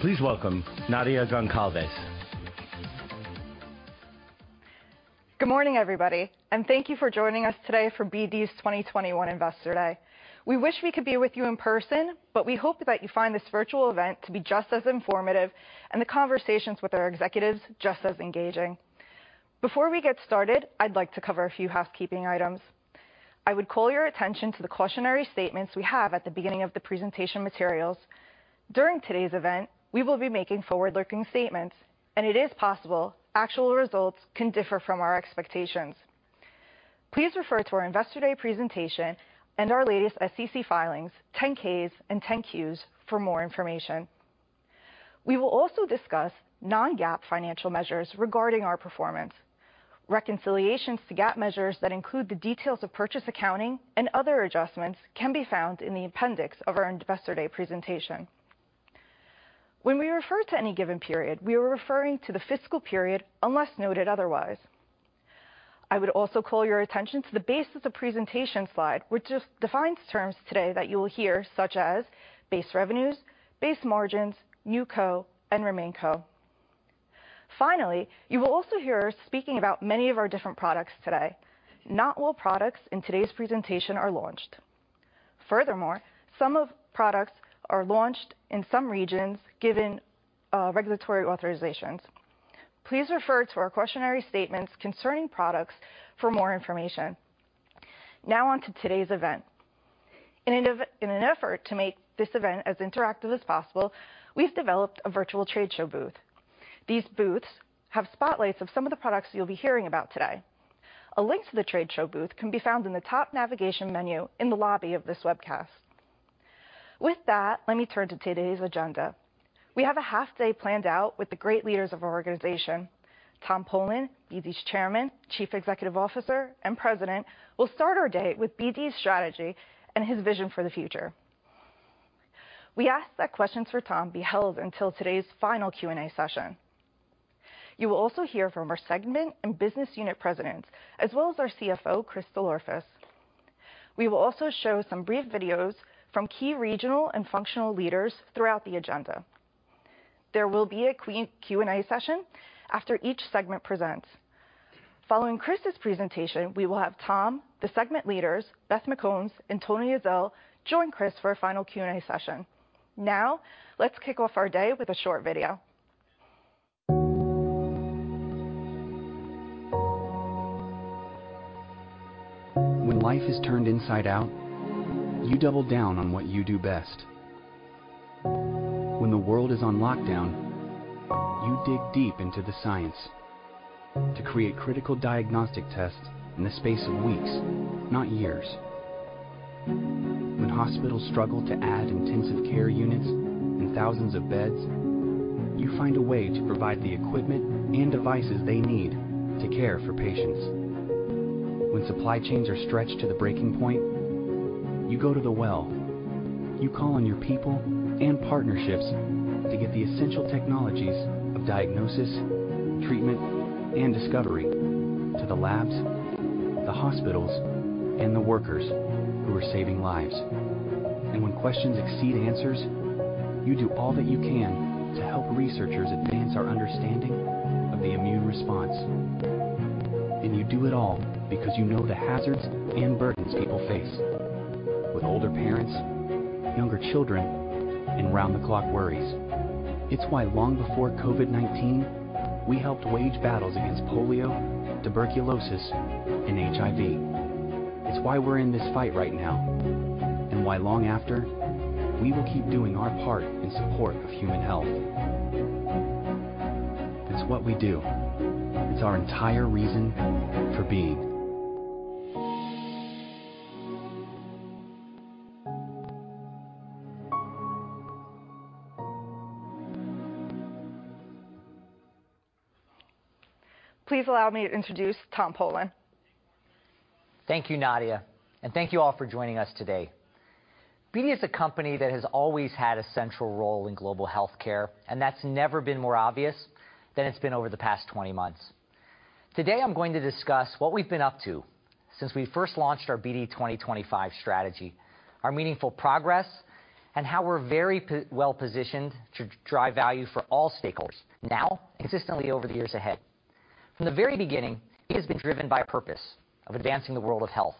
Please welcome Nadia Goncalves. Good morning, everybody, and thank you for joining us today for BD's 2021 Investor Day. We wish we could be with you in person, but we hope that you find this virtual event to be just as informative and the conversations with our executives just as engaging. Before we get started, I'd like to cover a few housekeeping items. I would call your attention to the cautionary statements we have at the beginning of the presentation materials. During today's event, we will be making forward-looking statements, and it is possible actual results can differ from our expectations. Please refer to our Investor Day presentation and our latest SEC filings, 10-Ks and 10-Qs, for more information. We will also discuss non-GAAP financial measures regarding our performance. Reconciliations to GAAP measures that include the details of purchase accounting and other adjustments can be found in the appendix of our Investor Day presentation. When we refer to any given period, we are referring to the fiscal period, unless noted otherwise. I would also call your attention to the basis of presentation slide, which just defines terms today that you will hear, such as base revenues, base margins, NewCo, and RemainCo. Finally, you will also hear us speaking about many of our different products today. Not all products in today's presentation are launched. Furthermore, some of products are launched in some regions given regulatory authorizations. Please refer to our cautionary statements concerning products for more information. Now on to today's event. In an effort to make this event as interactive as possible, we've developed a virtual trade show booth. These booths have spotlights of some of the products you'll be hearing about today. A link to the trade show booth can be found in the top navigation menu in the lobby of this webcast. With that, let me turn to today's agenda. We have a half day planned out with the great leaders of our organization. Tom Polen, BD's Chairman, Chief Executive Officer, and President, will start our day with BD's strategy and his vision for the future. We ask that questions for Tom be held until today's final Q&A session. You will also hear from our segment and business unit presidents, as well as our CFO, Chris DelOrefice. We will also show some brief videos from key regional and functional leaders throughout the agenda. There will be a Q&A session after each segment presents. Following Chris's presentation, we will have Tom, the segment leaders, Beth McCombs, and Tony Ezell join Chris for a final Q&A session. Now, let's kick off our day with a short video. When life is turned inside out, you double down on what you do best. When the world is on lockdown, you dig deep into the science to create critical diagnostic tests in the space of weeks, not years. When hospitals struggle to add intensive care units and thousands of beds, you find a way to provide the equipment and devices they need to care for patients. When supply chains are stretched to the breaking point, you go to the well. You call on your people and partnerships to get the essential technologies of diagnosis, treatment, and discovery to the labs, the hospitals, and the workers who are saving lives. When questions exceed answers, you do all that you can to help researchers advance our understanding of the immune response. You do it all because you know the hazards and burdens people face with older parents, younger children, and round-the-clock worries. It's why, long before COVID-19, we helped wage battles against polio, tuberculosis, and HIV. It's why we're in this fight right now, and why long after, we will keep doing our part in support of human health. It's what we do. It's our entire reason for being. Please allow me to introduce Tom Polen. Thank you, Nadia, and thank you all for joining us today. BD is a company that has always had a central role in global healthcare, and that's never been more obvious than it's been over the past 20 months. Today, I'm going to discuss what we've been up to since we first launched our BD 2025 strategy, our meaningful progress, and how we're very well positioned to drive value for all stakeholders now, consistently over the years ahead. From the very beginning, BD has been driven by purpose of advancing the world of health.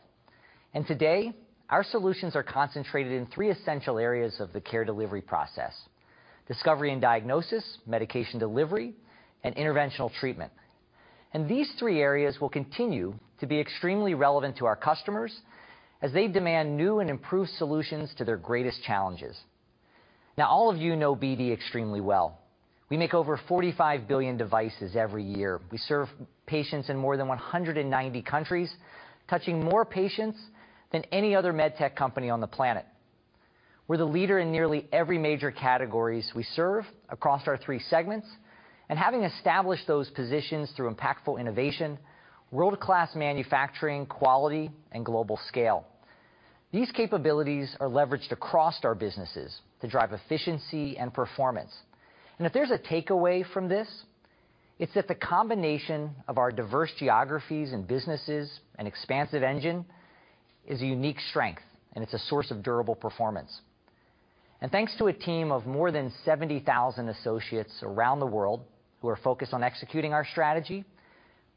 Today, our solutions are concentrated in three essential areas of the care delivery process, Discovery and Diagnosis, Medication Delivery, and Interventional Treatment. These three areas will continue to be extremely relevant to our customers as they demand new and improved solutions to their greatest challenges. Now, all of you know BD extremely well. We make over 45 billion devices every year. We serve patients in more than 190 countries, touching more patients than any other med tech company on the planet. We're the leader in nearly every major categories we serve across our three segments, and having established those positions through impactful innovation, world-class manufacturing quality, and global scale. These capabilities are leveraged across our businesses to drive efficiency and performance. If there's a takeaway from this, it's that the combination of our diverse geographies and businesses and expansive engine is a unique strength, and it's a source of durable performance. Thanks to a team of more than 70,000 associates around the world who are focused on executing our strategy,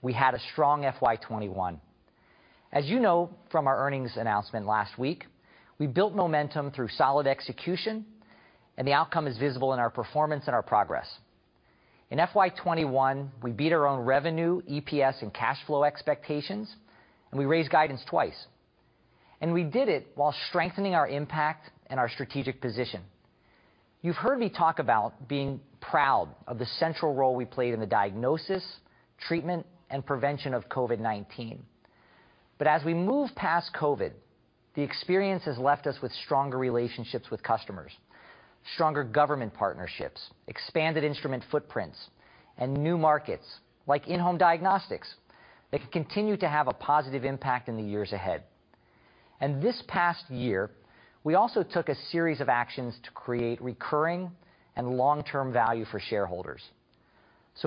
we had a strong FY 2021. As you know from our earnings announcement last week, we built momentum through solid execution, and the outcome is visible in our performance and our progress. In FY 2021, we beat our own revenue, EPS, and cash flow expectations, and we raised guidance twice. We did it while strengthening our impact and our strategic position. You've heard me talk about being proud of the central role we played in the diagnosis, treatment, and prevention of COVID-19. As we move past COVID, the experience has left us with stronger relationships with customers, stronger government partnerships, expanded instrument footprints, and new markets, like in-home diagnostics, that can continue to have a positive impact in the years ahead. This past year, we also took a series of actions to create recurring and long-term value for shareholders.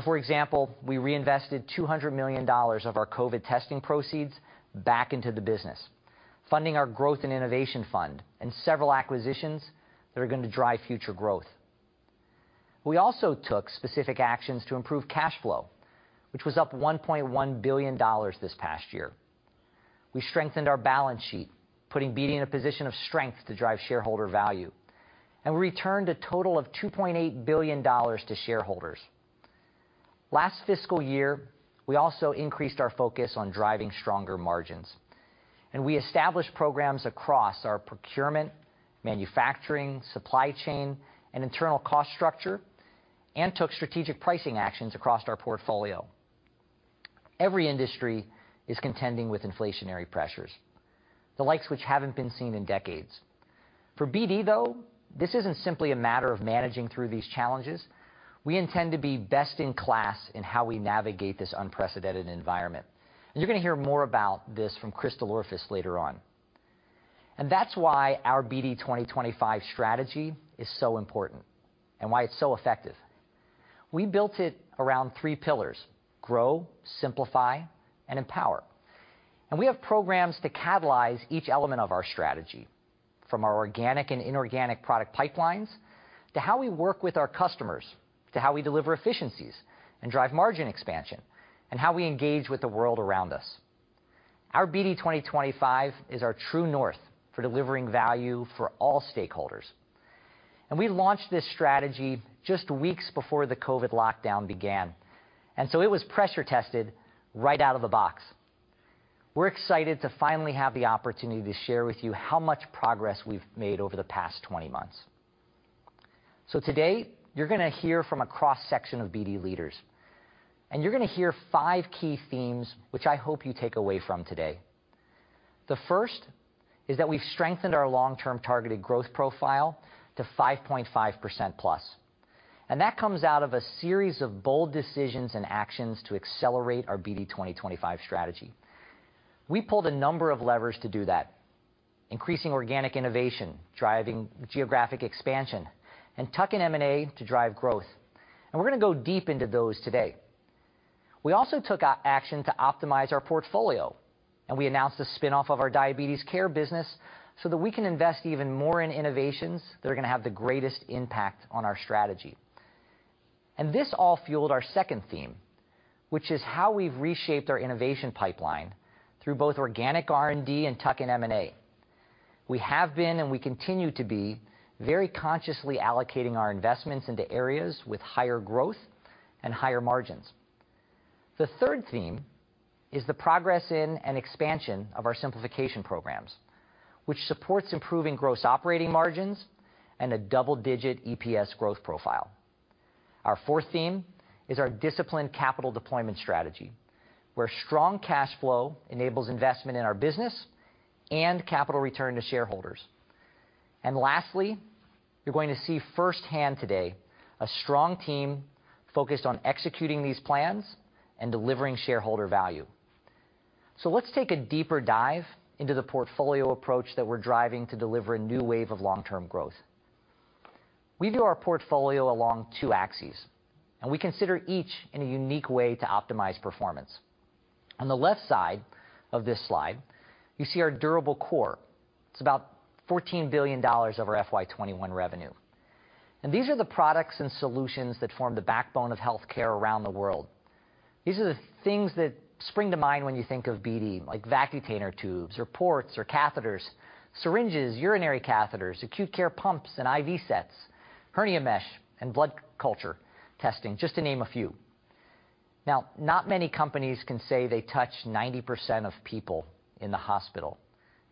For example, we reinvested $200 million of our COVID testing proceeds back into the business, funding our Innovation and Growth Fund and several acquisitions that are gonna drive future growth. We also took specific actions to improve cash flow, which was up $1.1 billion this past year. We strengthened our balance sheet, putting BD in a position of strength to drive shareholder value, and returned a total of $2.8 billion to shareholders. Last fiscal year, we also increased our focus on driving stronger margins, and we established programs across our procurement, manufacturing, supply chain, and internal cost structure, and took strategic pricing actions across our portfolio. Every industry is contending with inflationary pressures, the likes which haven't been seen in decades. For BD, though, this isn't simply a matter of managing through these challenges. We intend to be best in class in how we navigate this unprecedented environment. You're gonna hear more about this from Chris DelOrefice later on. That's why our BD 2025 strategy is so important and why it's so effective. We built it around three pillars, grow, simplify, and empower. We have programs to catalyze each element of our strategy, from our organic and inorganic product pipelines, to how we work with our customers, to how we deliver efficiencies and drive margin expansion, and how we engage with the world around us. Our BD 2025 is our true north for delivering value for all stakeholders. We launched this strategy just weeks before the COVID lockdown began, and so it was pressure tested right out of the box. We're excited to finally have the opportunity to share with you how much progress we've made over the past 20 months. Today, you're gonna hear from a cross-section of BD leaders, and you're gonna hear five key themes which I hope you take away from today. The first is that we've strengthened our long-term targeted growth profile to 5.5%+, and that comes out of a series of bold decisions and actions to accelerate our BD 2025 strategy. We pulled a number of levers to do that, increasing organic innovation, driving geographic expansion, and tuck-in M&A to drive growth. We're gonna go deep into those today. We also took action to optimize our portfolio, and we announced the spin-off of our Diabetes Care business so that we can invest even more in innovations that are gonna have the greatest impact on our strategy. This all fueled our second theme, which is how we've reshaped our innovation pipeline through both organic R&D and tuck-in M&A. We have been, and we continue to be, very consciously allocating our investments into areas with higher growth and higher margins. The third theme is the progress in and expansion of our simplification programs, which supports improving gross operating margins and a double-digit EPS growth profile. Our fourth theme is our disciplined capital deployment strategy, where strong cash flow enables investment in our business and capital return to shareholders. Lastly, you're going to see firsthand today a strong team focused on executing these plans and delivering shareholder value. Let's take a deeper dive into the portfolio approach that we're driving to deliver a new wave of long-term growth. We view our portfolio along two axes, and we consider each in a unique way to optimize performance. On the left side of this slide, you see our durable core. It's about $14 billion of our FY 2021 revenue. These are the products and solutions that form the backbone of healthcare around the world. These are the things that spring to mind when you think of BD, like Vacutainer tubes or ports or catheters, syringes, urinary catheters, acute care pumps, and IV sets, hernia mesh, and blood culture testing, just to name a few. Now, not many companies can say they touch 90% of people in the hospital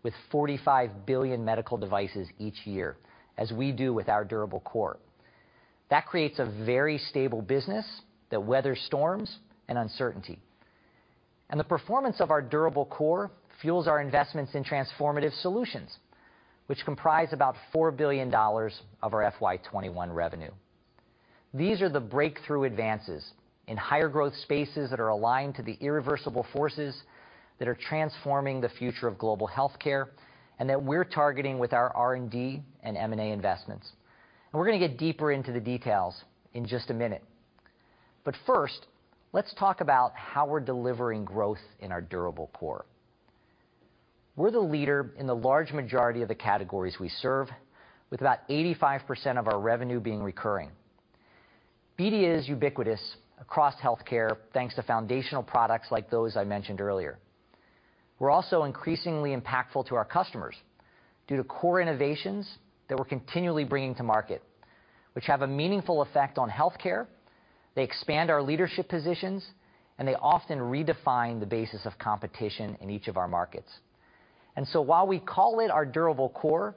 with 45 billion medical devices each year, as we do with our durable core. That creates a very stable business that weathers storms and uncertainty. The performance of our durable core fuels our investments in transformative solutions, which comprise about $4 billion of our FY 2021 revenue. These are the breakthrough advances in higher growth spaces that are aligned to the irreversible forces that are transforming the future of global healthcare and that we're targeting with our R&D and M&A investments. We're gonna get deeper into the details in just a minute. First, let's talk about how we're delivering growth in our durable core. We're the leader in the large majority of the categories we serve, with about 85% of our revenue being recurring. BD is ubiquitous across healthcare thanks to foundational products like those I mentioned earlier. We're also increasingly impactful to our customers due to core innovations that we're continually bringing to market, which have a meaningful effect on healthcare. They expand our leadership positions, and they often redefine the basis of competition in each of our markets. While we call it our durable core,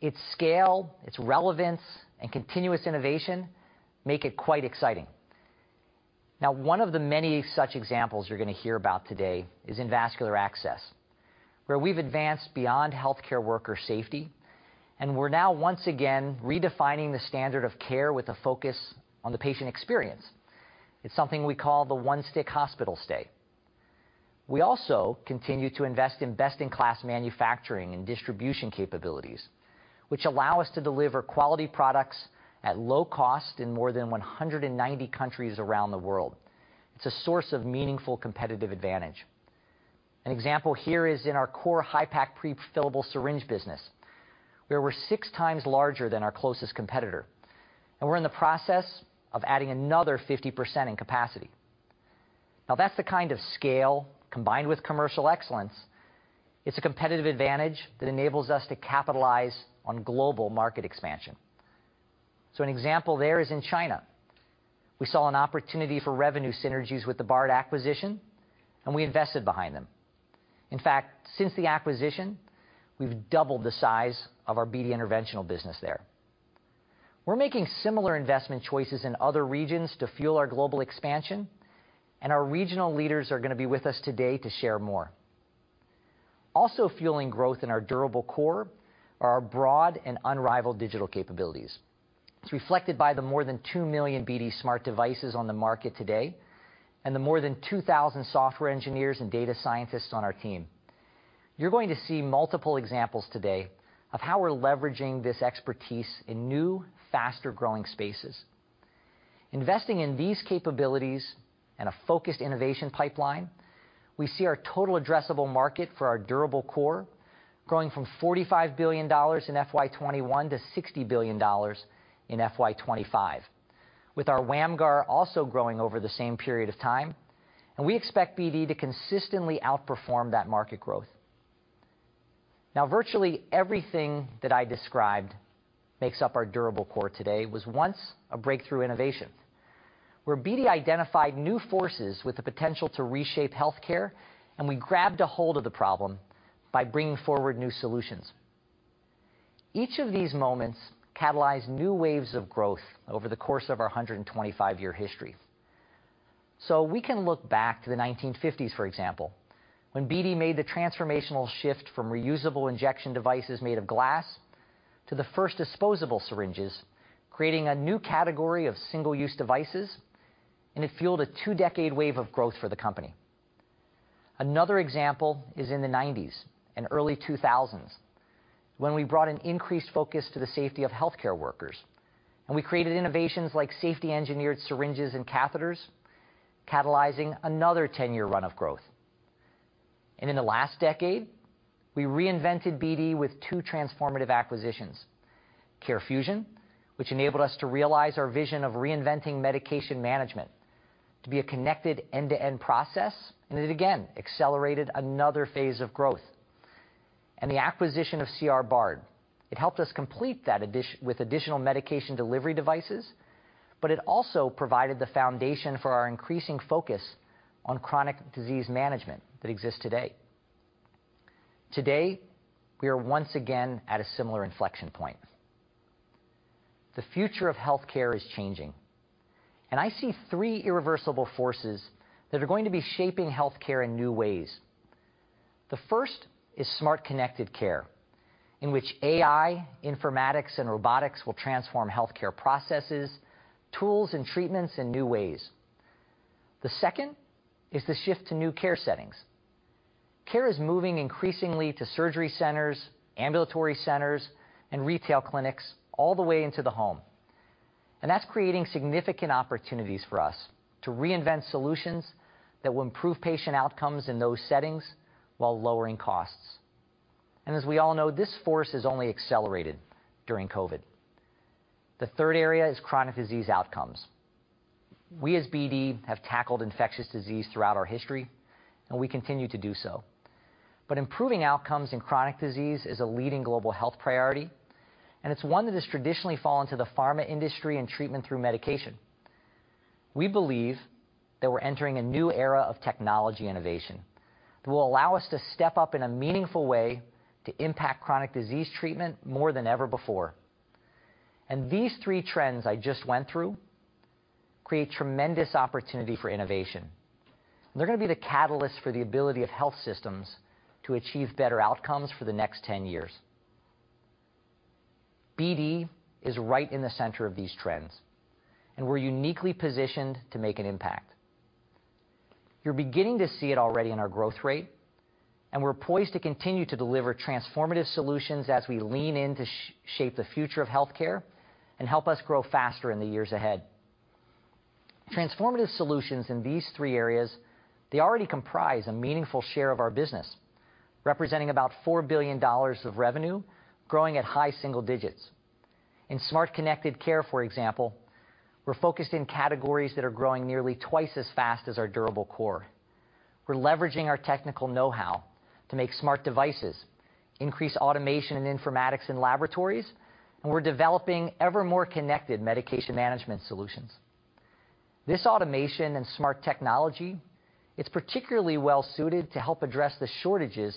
its scale, its relevance, and continuous innovation make it quite exciting. Now, one of the many such examples you're gonna hear about today is in vascular access, where we've advanced beyond healthcare worker safety, and we're now once again redefining the standard of care with a focus on the patient experience. It's something we call the One-Stick Hospital Stay. We also continue to invest in best-in-class manufacturing and distribution capabilities, which allow us to deliver quality products at low cost in more than 190 countries around the world. It's a source of meaningful competitive advantage. An example here is in our core Hypak prefillable syringe business, where we're 6x larger than our closest competitor, and we're in the process of adding another 50% in capacity. Now, that's the kind of scale combined with commercial excellence. It's a competitive advantage that enables us to capitalize on global market expansion. An example there is in China. We saw an opportunity for revenue synergies with the Bard acquisition, and we invested behind them. In fact, since the acquisition, we've doubled the size of our BD Interventional business there. We're making similar investment choices in other regions to fuel our global expansion, and our regional leaders are gonna be with us today to share more. Also fueling growth in our durable core are our broad and unrivaled digital capabilities. It's reflected by the more than 2 million BD smart devices on the market today and the more than 2,000 software engineers and data scientists on our team. You're going to see multiple examples today of how we're leveraging this expertise in new, faster-growing spaces. Investing in these capabilities and a focused innovation pipeline, we see our total addressable market for our durable core growing from $45 billion in FY 2021 to $60 billion in FY 2025, with our WAMGR also growing over the same period of time, and we expect BD to consistently outperform that market growth. Virtually everything that I described makes up our durable core today was once a breakthrough innovation, where BD identified new forces with the potential to reshape healthcare, and we grabbed a hold of the problem by bringing forward new solutions. Each of these moments catalyzed new waves of growth over the course of our 125-year history. We can look back to the 1950s, for example, when BD made the transformational shift from reusable injection devices made of glass to the first disposable syringes, creating a new category of single-use devices, and it fueled a two-decade wave of growth for the company. Another example is in the 1990s and early 2000s, when we brought an increased focus to the safety of healthcare workers, and we created innovations like safety-engineered syringes and catheters, catalyzing another ten-year run of growth. In the last decade, we reinvented BD with two transformative acquisitions, CareFusion, which enabled us to realize our vision of reinventing medication management to be a connected end-to-end process, and it again accelerated another phase of growth. The acquisition of C. R. Bard. Bard, it helped us complete that with additional medication delivery devices, but it also provided the foundation for our increasing focus on chronic disease management that exists today. Today, we are once again at a similar inflection point. The future of healthcare is changing, and I see three irreversible forces that are going to be shaping healthcare in new ways. The first is smart connected care, in which AI, informatics, and robotics will transform healthcare processes, tools, and treatments in new ways. The second is the shift to new care settings. Care is moving increasingly to surgery centers, ambulatory centers, and retail clinics all the way into the home. That's creating significant opportunities for us to reinvent solutions that will improve patient outcomes in those settings while lowering costs. As we all know, this force has only accelerated during COVID. The third area is chronic disease outcomes. We, as BD, have tackled infectious disease throughout our history, and we continue to do so. Improving outcomes in chronic disease is a leading global health priority, and it's one that has traditionally fallen to the pharma industry and treatment through medication. We believe that we're entering a new era of technology innovation that will allow us to step up in a meaningful way to impact chronic disease treatment more than ever before. These three trends I just went through create tremendous opportunity for innovation. They're gonna be the catalyst for the ability of health systems to achieve better outcomes for the next 10 years. BD is right in the center of these trends, and we're uniquely positioned to make an impact. You're beginning to see it already in our growth rate, and we're poised to continue to deliver transformative solutions as we lean in to shape the future of healthcare and help us grow faster in the years ahead. Transformative solutions in these three areas, they already comprise a meaningful share of our business, representing about $4 billion of revenue, growing at high single digits. In smart connected care, for example, we're focused in categories that are growing nearly twice as fast as our durable core. We're leveraging our technical know-how to make smart devices, increase automation and informatics in laboratories, and we're developing ever more connected medication management solutions. This automation and smart technology, it's particularly well-suited to help address the shortages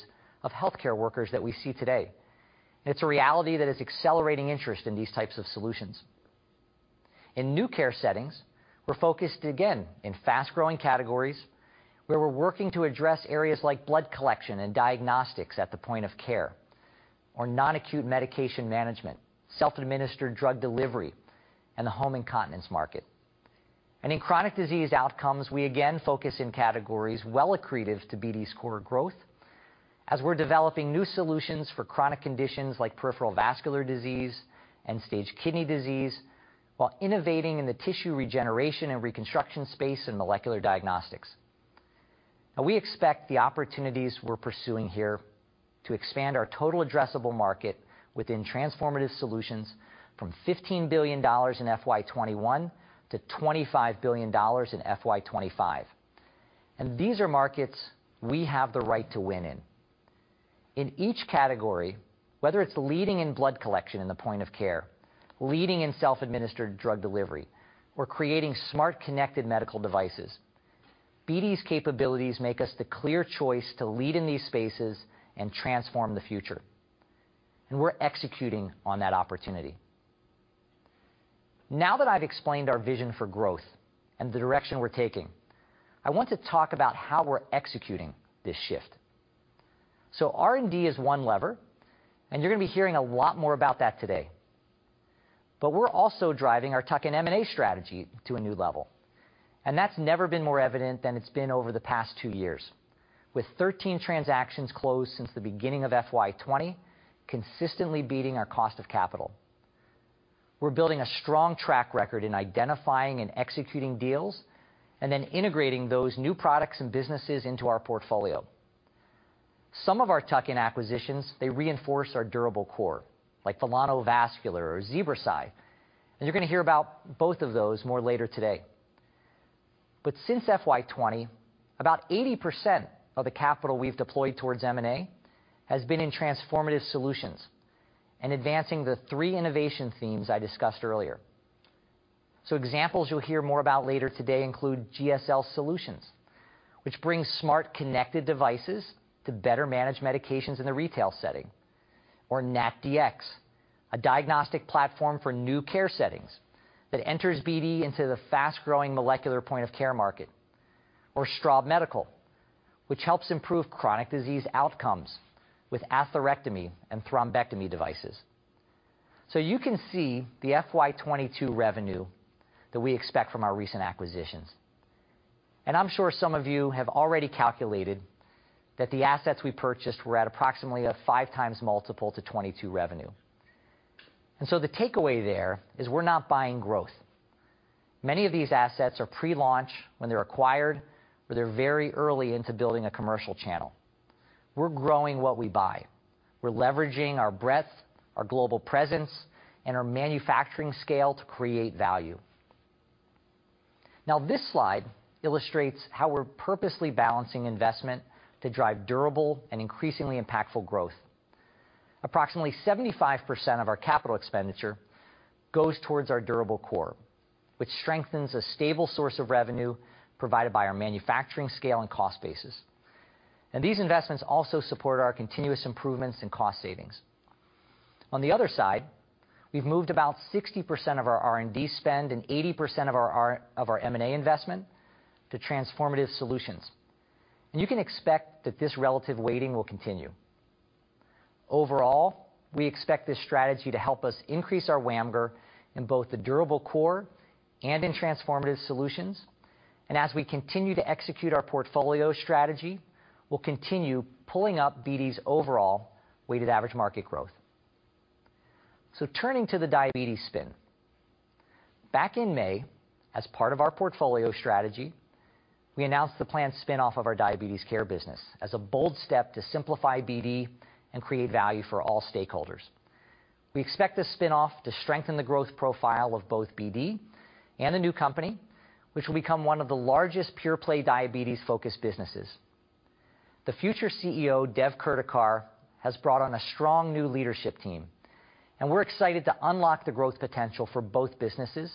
of healthcare workers that we see today, and it's a reality that is accelerating interest in these types of solutions. In new care settings, we're focused again in fast-growing categories, where we're working to address areas like blood collection and diagnostics at the Point of Care or non-acute medication management, self-administered drug delivery, and the home incontinence market. In chronic disease outcomes, we again focus in categories well accretive to BD's core growth as we're developing new solutions for chronic conditions like peripheral vascular disease, end-stage kidney disease, while innovating in the tissue regeneration and reconstruction space and molecular diagnostics. Now we expect the opportunities we're pursuing here to expand our total addressable market within transformative solutions from $15 billion in FY 2021 to $25 billion in FY 2025. These are markets we have the right to win in. In each category, whether it's leading in blood collection in the Point of Care, leading in self-administered drug delivery, or creating smart connected medical devices, BD's capabilities make us the clear choice to lead in these spaces and transform the future, and we're executing on that opportunity. Now that I've explained our vision for growth and the direction we're taking, I want to talk about how we're executing this shift. R&D is one lever, and you're gonna be hearing a lot more about that today. But we're also driving our tuck-in M&A strategy to a new level, and that's never been more evident than it's been over the past two years, with 13 transactions closed since the beginning of FY 2020, consistently beating our cost of capital. We're building a strong track record in identifying and executing deals and then integrating those new products and businesses into our portfolio. Some of our tuck-in acquisitions, they reinforce our durable core, like Velano Vascular or ZebraSci, and you're gonna hear about both of those more later today. Since FY 2020, about 80% of the capital we've deployed towards M&A has been in transformative solutions and advancing the three innovation themes I discussed earlier. Examples you'll hear more about later today include GSL Solutions, which brings smart connected devices to better manage medications in the retail setting, or NATDx, a diagnostic platform for new care settings that enters BD into the fast-growing molecular Point of Care market. Straub Medical, which helps improve chronic disease outcomes with atherectomy and thrombectomy devices. You can see the FY 2022 revenue that we expect from our recent acquisitions. I'm sure some of you have already calculated that the assets we purchased were at approximately a 5x multiple to 22 revenue. The takeaway there is we're not buying growth. Many of these assets are pre-launch when they're acquired, or they're very early into building a commercial channel. We're growing what we buy. We're leveraging our breadth, our global presence, and our manufacturing scale to create value. Now, this slide illustrates how we're purposely balancing investment to drive durable and increasingly impactful growth. Approximately 75% of our capital expenditure goes towards our durable core, which strengthens a stable source of revenue provided by our manufacturing scale and cost bases. These investments also support our continuous improvements and cost savings. On the other side, we've moved about 60% of our R&D spend and 80% of our M&A investment to transformative solutions. You can expect that this relative weighting will continue. Overall, we expect this strategy to help us increase our WAMGR in both the durable core and in transformative solutions. As we continue to execute our portfolio strategy, we'll continue pulling up BD's overall weighted average market growth. Turning to the diabetes spin. Back in May, as part of our portfolio strategy, we announced the planned spin-off of our Diabetes Care business as a bold step to simplify BD and create value for all stakeholders. We expect this spin-off to strengthen the growth profile of both BD and the new company, which will become one of the largest pure-play diabetes-focused businesses. The future CEO, Devdatt Kurdikar, has brought on a strong new leadership team, and we're excited to unlock the growth potential for both businesses,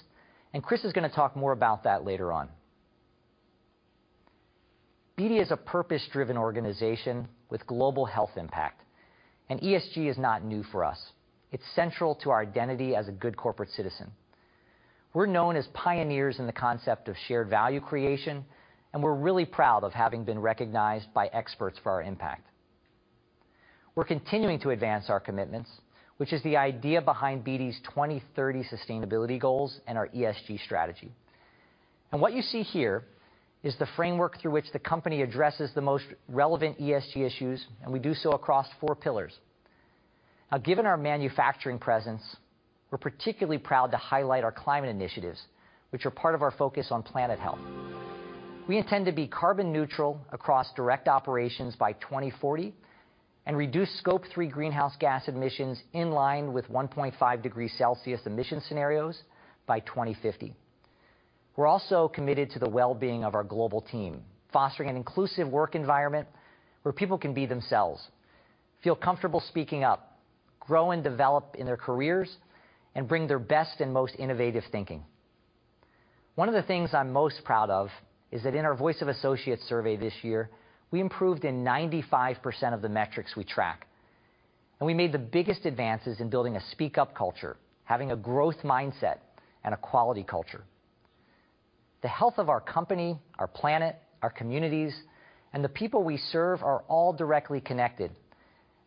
and Chris is gonna talk more about that later on. BD is a purpose-driven organization with global health impact, and ESG is not new for us. It's central to our identity as a good corporate citizen. We're known as pioneers in the concept of shared value creation, and we're really proud of having been recognized by experts for our impact. We're continuing to advance our commitments, which is the idea behind BD's 2030 sustainability goals and our ESG strategy. What you see here is the framework through which the company addresses the most relevant ESG issues, and we do so across four pillars. Now, given our manufacturing presence, we're particularly proud to highlight our climate initiatives, which are part of our focus on planet health. We intend to be carbon neutral across direct operations by 2040 and reduce Scope 3 greenhouse gas emissions in line with 1.5 degrees Celsius emission scenarios by 2050. We're also committed to the well-being of our global team, fostering an inclusive work environment where people can be themselves, feel comfortable speaking up, grow and develop in their careers, and bring their best and most innovative thinking. One of the things I'm most proud of is that in our Voice of Associates survey this year, we improved in 95% of the metrics we track, and we made the biggest advances in building a speak-up culture, having a growth mindset, and a quality culture. The health of our company, our planet, our communities, and the people we serve are all directly connected.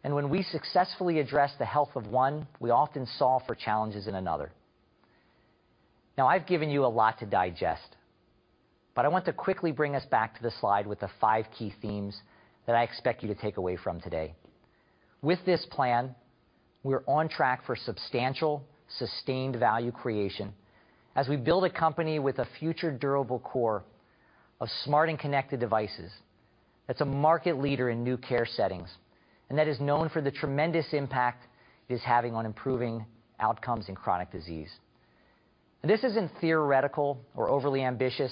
When we successfully address the health of one, we often solve for challenges in another. Now, I've given you a lot to digest, but I want to quickly bring us back to the slide with the five key themes that I expect you to take away from today. With this plan, we're on track for substantial, sustained value creation as we build a company with a future durable core of smart and connected devices, that's a market leader in new care settings, and that is known for the tremendous impact it is having on improving outcomes in chronic disease. This isn't theoretical or overly ambitious.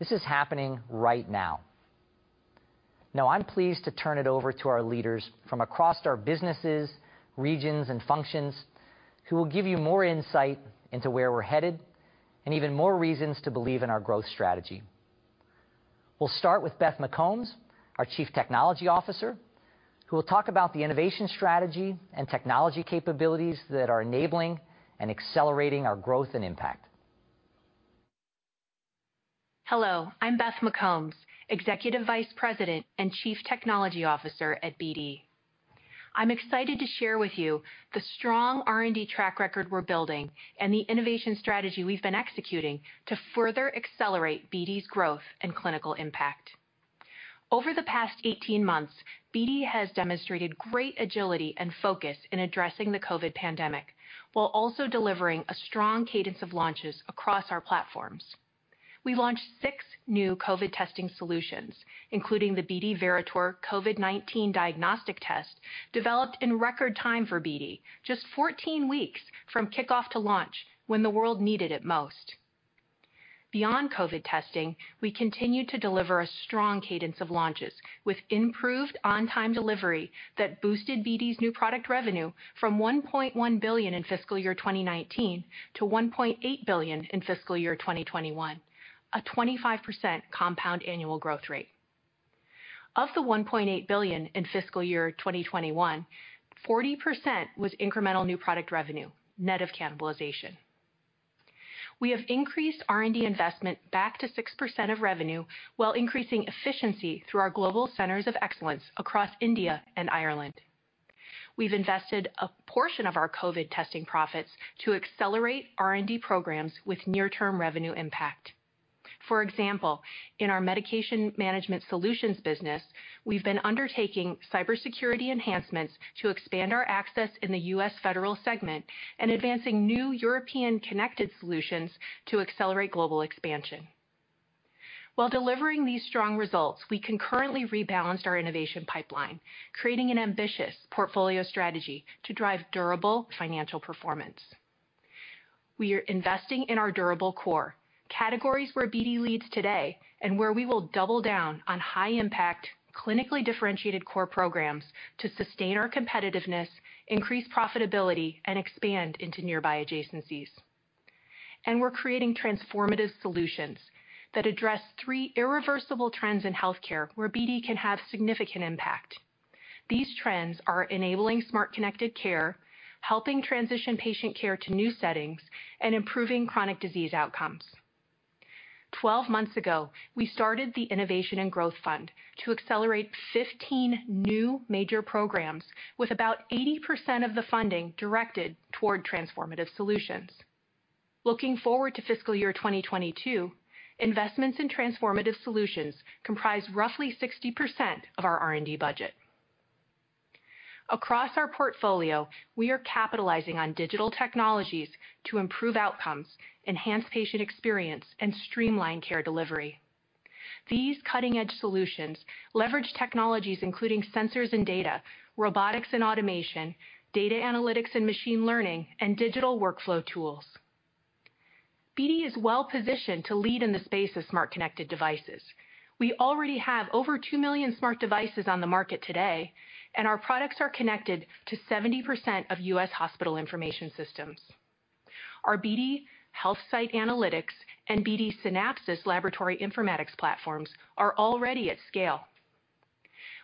This is happening right now. Now, I'm pleased to turn it over to our leaders from across our businesses, regions, and functions who will give you more insight into where we're headed and even more reasons to believe in our growth strategy. We'll start with Beth McCombs, our Chief Technology Officer, who will talk about the innovation strategy and technology capabilities that are enabling and accelerating our growth and impact. Hello, I'm Beth McCombs, Executive Vice President and Chief Technology Officer at BD. I'm excited to share with you the strong R&D track record we're building and the innovation strategy we've been executing to further accelerate BD's growth and clinical impact. Over the past 18 months, BD has demonstrated great agility and focus in addressing the COVID pandemic, while also delivering a strong cadence of launches across our platforms. We launched six new COVID testing solutions, including the BD Veritor COVID-19 diagnostic test, developed in record time for BD, just 14 weeks from kickoff to launch when the world needed it most. Beyond COVID testing, we continued to deliver a strong cadence of launches with improved on-time delivery that boosted BD's new product revenue from $1.1 billion in fiscal year 2019 to $1.8 billion in fiscal year 2021, a 25% compound annual growth rate. Of the $1.8 billion in fiscal year 2021, 40% was incremental new product revenue, net of cannibalization. We have increased R&D investment back to 6% of revenue while increasing efficiency through our global centers of excellence across India and Ireland. We've invested a portion of our COVID testing profits to accelerate R&D programs with near-term revenue impact. For example, in our Medication Management Solutions business, we've been undertaking cybersecurity enhancements to expand our access in the U.S. federal segment and advancing new European connected solutions to accelerate global expansion. While delivering these strong results, we concurrently rebalanced our innovation pipeline, creating an ambitious portfolio strategy to drive durable financial performance. We are investing in our durable core, categories where BD leads today and where we will double down on high-impact, clinically differentiated core programs to sustain our competitiveness, increase profitability, and expand into nearby adjacencies. We're creating transformative solutions that address three irreversible trends in healthcare where BD can have significant impact. These trends are enabling smart connected care, helping transition patient care to new settings, and improving chronic disease outcomes. 12 months ago, we started the Innovation and Growth Fund to accelerate 15 new major programs with about 80% of the funding directed toward transformative solutions. Looking forward to fiscal year 2022, investments in transformative solutions comprise roughly 60% of our R&D budget. Across our portfolio, we are capitalizing on digital technologies to improve outcomes, enhance patient experience, and streamline care delivery. These cutting-edge solutions leverage technologies including sensors and data, robotics and automation, data analytics and machine learning, and digital workflow tools. BD is well-positioned to lead in the space of smart, connected devices. We already have over 2 million smart devices on the market today, and our products are connected to 70% of U.S. hospital information systems. Our BD HealthSight Analytics and BD Synapsys laboratory informatics platforms are already at scale.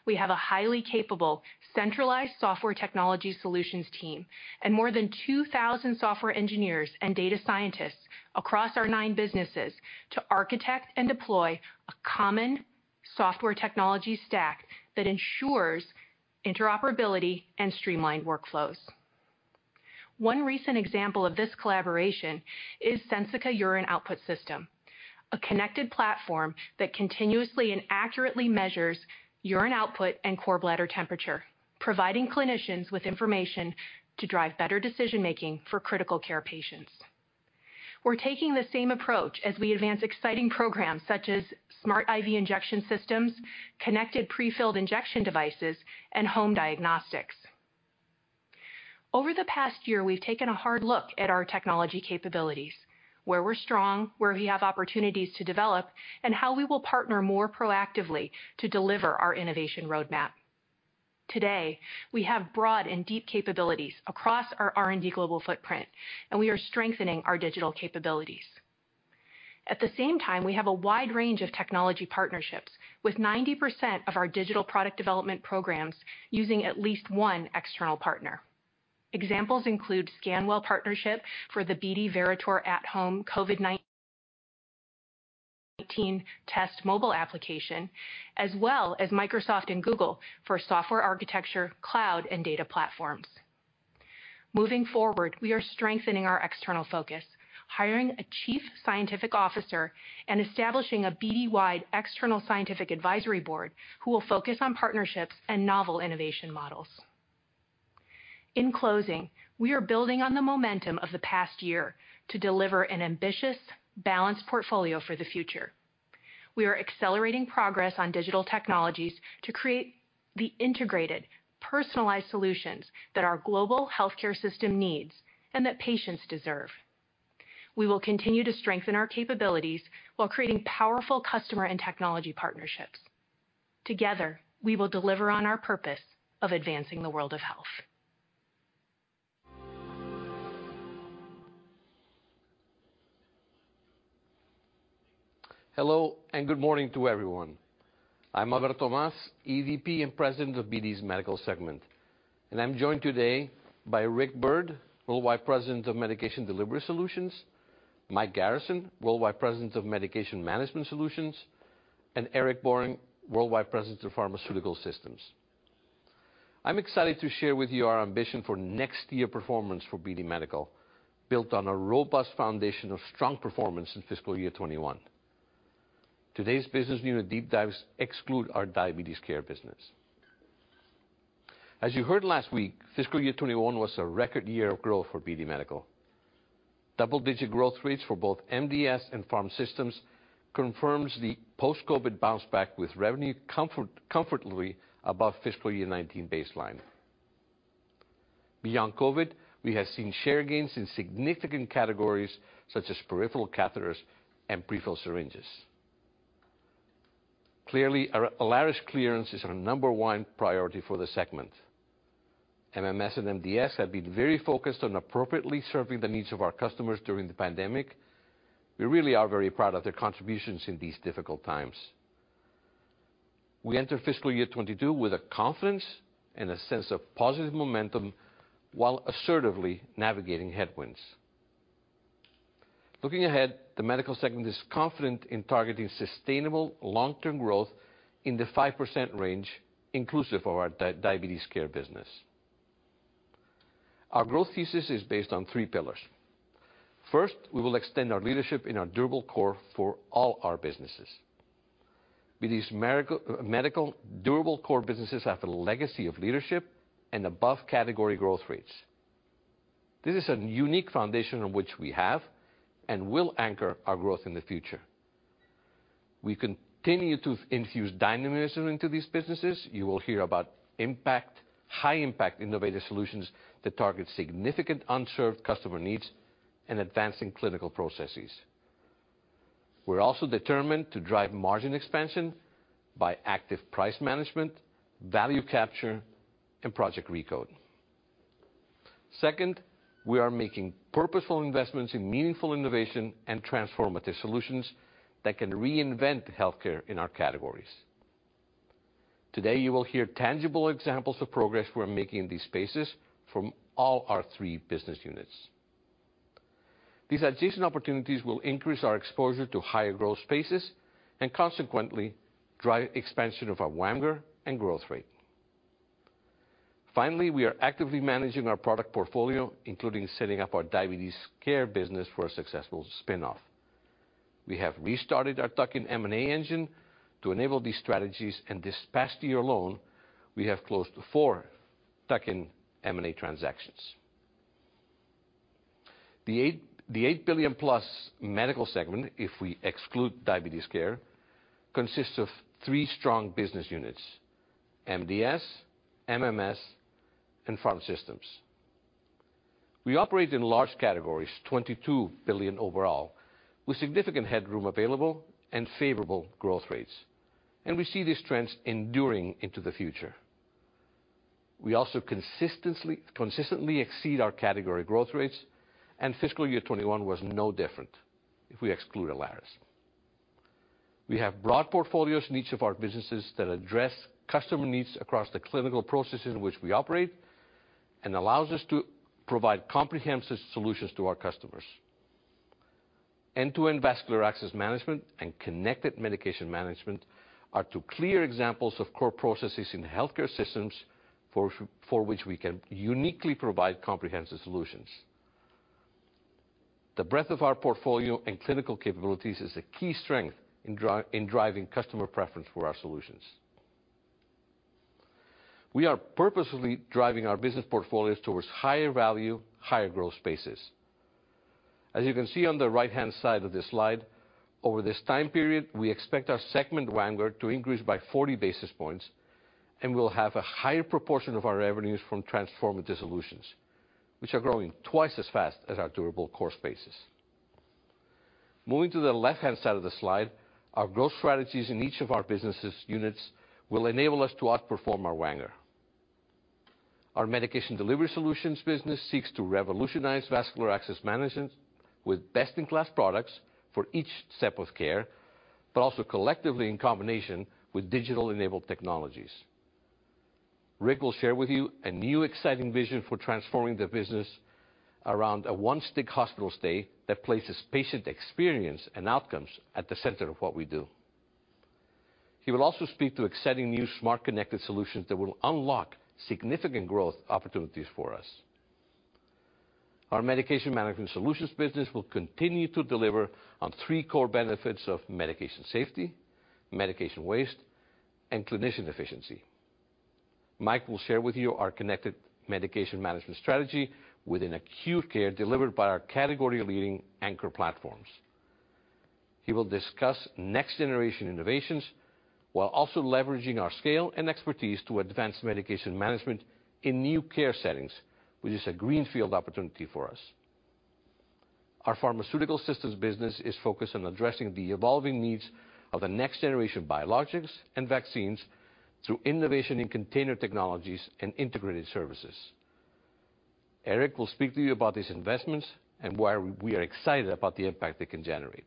We have a highly capable centralized software technology solutions team and more than 2,000 software engineers and data scientists across our nine businesses to architect and deploy a common software technology stack that ensures interoperability and streamlined workflows. One recent example of this collaboration is Sensica Urine Output System, a connected platform that continuously and accurately measures urine output and core bladder temperature, providing clinicians with information to drive better decision-making for critical care patients. We're taking the same approach as we advance exciting programs such as smart IV injection systems, connected prefilled injection devices, and home diagnostics. Over the past year, we've taken a hard look at our technology capabilities, where we're strong, where we have opportunities to develop, and how we will partner more proactively to deliver our innovation roadmap. Today, we have broad and deep capabilities across our R&D global footprint, and we are strengthening our digital capabilities. At the same time, we have a wide range of technology partnerships, with 90% of our digital product development programs using at least one external partner. Examples include Scanwell partnership for the BD Veritor At-Home COVID-19 Test mobile application, as well as Microsoft and Google for software architecture, cloud, and data platforms. Moving forward, we are strengthening our external focus, hiring a chief scientific officer and establishing a BD-wide external scientific advisory board who will focus on partnerships and novel innovation models. In closing, we are building on the momentum of the past year to deliver an ambitious, balanced portfolio for the future. We are accelerating progress on digital technologies to create the integrated, personalized solutions that our global healthcare system needs and that patients deserve. We will continue to strengthen our capabilities while creating powerful customer and technology partnerships. Together, we will deliver on our purpose of advancing the world of health. Hello, and good morning to everyone. I'm Alberto Mas, EVP and President of BD's Medical Segment. I'm joined today by Rick Byrd, Worldwide President of Medication Delivery Solutions, Michael Garrison, Worldwide President of Medication Management Solutions, and Eric Borin, Worldwide President of Pharmaceutical Systems. I'm excited to share with you our ambition for next year performance for BD Medical, built on a robust foundation of strong performance in fiscal year 2021. Today's business unit deep dives exclude our Diabetes Care business. As you heard last week, fiscal year 2021 was a record year of growth for BD Medical. Double-digit growth rates for both MDS and Pharmaceutical Systems confirms the post-COVID bounce back with revenue comfortably above fiscal year 2019 baseline. Beyond COVID, we have seen share gains in significant categories, such as peripheral catheters and prefilled syringes. Clearly, our Alaris clearance is our number one priority for the segment. MMS and MDS have been very focused on appropriately serving the needs of our customers during the pandemic. We really are very proud of their contributions in these difficult times. We enter fiscal year 2022 with a confidence and a sense of positive momentum while assertively navigating headwinds. Looking ahead, the Medical Segment is confident in targeting sustainable long-term growth in the 5% range, inclusive of our Diabetes Care business. Our growth thesis is based on three pillars. First, we will extend our leadership in our durable core for all our businesses. With these medical durable core businesses have a legacy of leadership and above category growth rates. This is a unique foundation on which we have and will anchor our growth in the future. We continue to infuse dynamism into these businesses. You will hear about high-impact innovative solutions that target significant unserved customer needs and advancing clinical processes. We're also determined to drive margin expansion by active price management, value capture, and Project RECODE. Second, we are making purposeful investments in meaningful innovation and transformative solutions that can reinvent healthcare in our categories. Today, you will hear tangible examples of progress we're making in these spaces from all our three business units. These adjacent opportunities will increase our exposure to higher growth spaces and consequently drive expansion of our WAMGR and growth rate. Finally, we are actively managing our product portfolio, including setting up our Diabetes Care business for a successful spin-off. We have restarted our tuck-in M&A engine to enable these strategies, and this past year alone, we have closed four tuck-in M&A transactions. The $8 billion-plus medical segment, if we exclude diabetes care, consists of three strong business units, MDS, MMS, and Pharmaceutical Systems. We operate in large categories, $22 billion overall, with significant headroom available and favorable growth rates. We see these trends enduring into the future. We also consistently exceed our category growth rates, and fiscal year 2021 was no different if we exclude Alaris. We have broad portfolios in each of our businesses that address customer needs across the clinical processes in which we operate and allows us to provide comprehensive solutions to our customers. End-to-end vascular access management and connected medication management are two clear examples of core processes in healthcare systems for which we can uniquely provide comprehensive solutions. The breadth of our portfolio and clinical capabilities is a key strength in driving customer preference for our solutions. We are purposefully driving our business portfolios towards higher value, higher growth spaces. As you can see on the right-hand side of this slide, over this time period, we expect our segment WAMGR to increase by 40 basis points, and we'll have a higher proportion of our revenues from transformative solutions, which are growing twice as fast as our durable core spaces. Moving to the left-hand side of the slide, our growth strategies in each of our business units will enable us to outperform our WAMGR. Our Medication Delivery Solutions business seeks to revolutionize vascular access management with best-in-class products for each step of care, but also collectively in combination with digital-enabled technologies. Rick will share with you a new exciting vision for transforming the business around a one-stick hospital stay that places patient experience and outcomes at the center of what we do. He will also speak to exciting new smart connected solutions that will unlock significant growth opportunities for us. Our Medication Management Solutions business will continue to deliver on three core benefits of medication safety, medication waste, and clinician efficiency. Mike will share with you our connected medication management strategy within acute care delivered by our category leading anchor platforms. He will discuss next generation innovations while also leveraging our scale and expertise to advance medication management in new care settings, which is a greenfield opportunity for us. Our Pharmaceutical Systems business is focused on addressing the evolving needs of the next generation of biologics and vaccines through innovation in container technologies and integrated services. Eric will speak to you about these investments and why we are excited about the impact they can generate.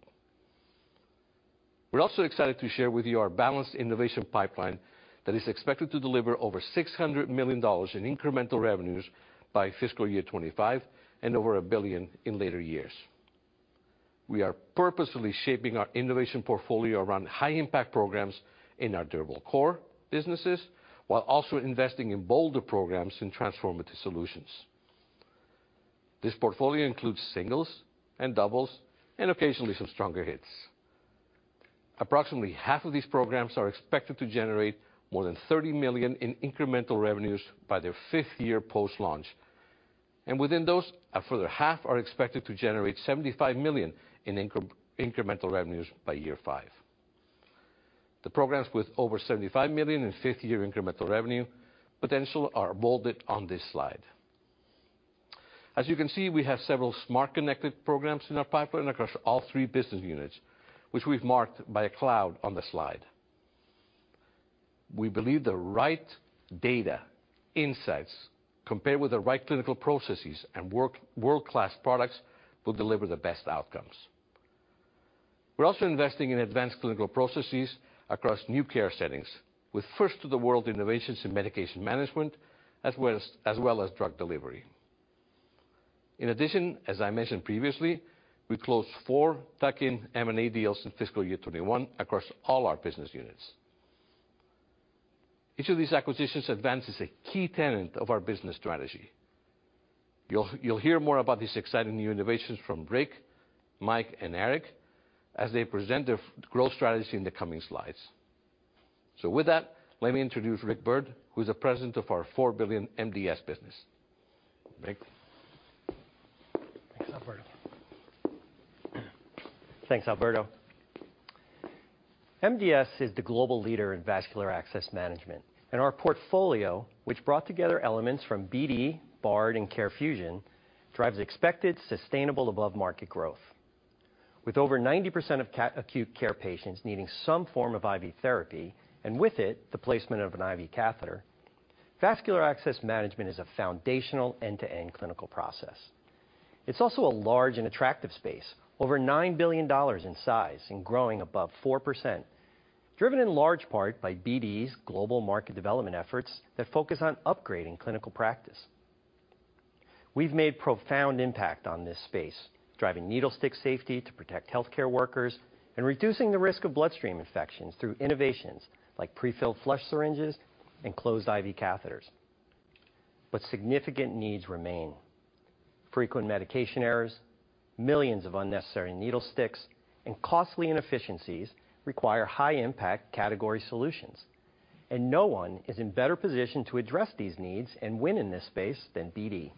We're also excited to share with you our balanced innovation pipeline that is expected to deliver over $600 million in incremental revenues by FY 2025 and over $1 billion in later years. We are purposefully shaping our innovation portfolio around high impact programs in our durable core businesses, while also investing in bolder programs in transformative solutions. This portfolio includes singles and doubles and occasionally some stronger hits. Approximately half of these programs are expected to generate more than $30 million in incremental revenues by their 5th year post-launch. Within those, a further half are expected to generate $75 million in incremental revenues by year five. The programs with over $75 million in 5th-year incremental revenue potential are bolded on this slide. As you can see, we have several smart connected programs in our pipeline across all three business units, which we've marked by a cloud on the slide. We believe the right data insights, compared with the right clinical processes and world-class products, will deliver the best outcomes. We're also investing in advanced clinical processes across new care settings with first-to-the-world innovations in medication management, as well as drug delivery. In addition, as I mentioned previously, we closed four tuck-in M&A deals in fiscal year 2021 across all our business units. Each of these acquisitions advances a key tenet of our business strategy. You'll hear more about these exciting new innovations from Rick, Mike, and Eric as they present their growth strategy in the coming slides. With that, let me introduce Rick Byrd, who's the president of our four billion MDS business. Rick. Thanks, Alberto. MDS is the global leader in vascular access management. Our portfolio, which brought together elements from BD, Bard, and CareFusion, drives expected sustainable above-market growth. With over 90% of acute care patients needing some form of IV therapy, and with it, the placement of an IV catheter, vascular access management is a foundational end-to-end clinical process. It's also a large and attractive space, over $9 billion in size and growing above 4%, driven in large part by BD's global market development efforts that focus on upgrading clinical practice. We've made profound impact on this space, driving needle stick safety to protect healthcare workers and reducing the risk of bloodstream infections through innovations like prefilled flush syringes and closed IV catheters. Significant needs remain. Frequent medication errors, millions of unnecessary needle sticks, and costly inefficiencies require high-impact category solutions, and no one is in better position to address these needs and win in this space than BD.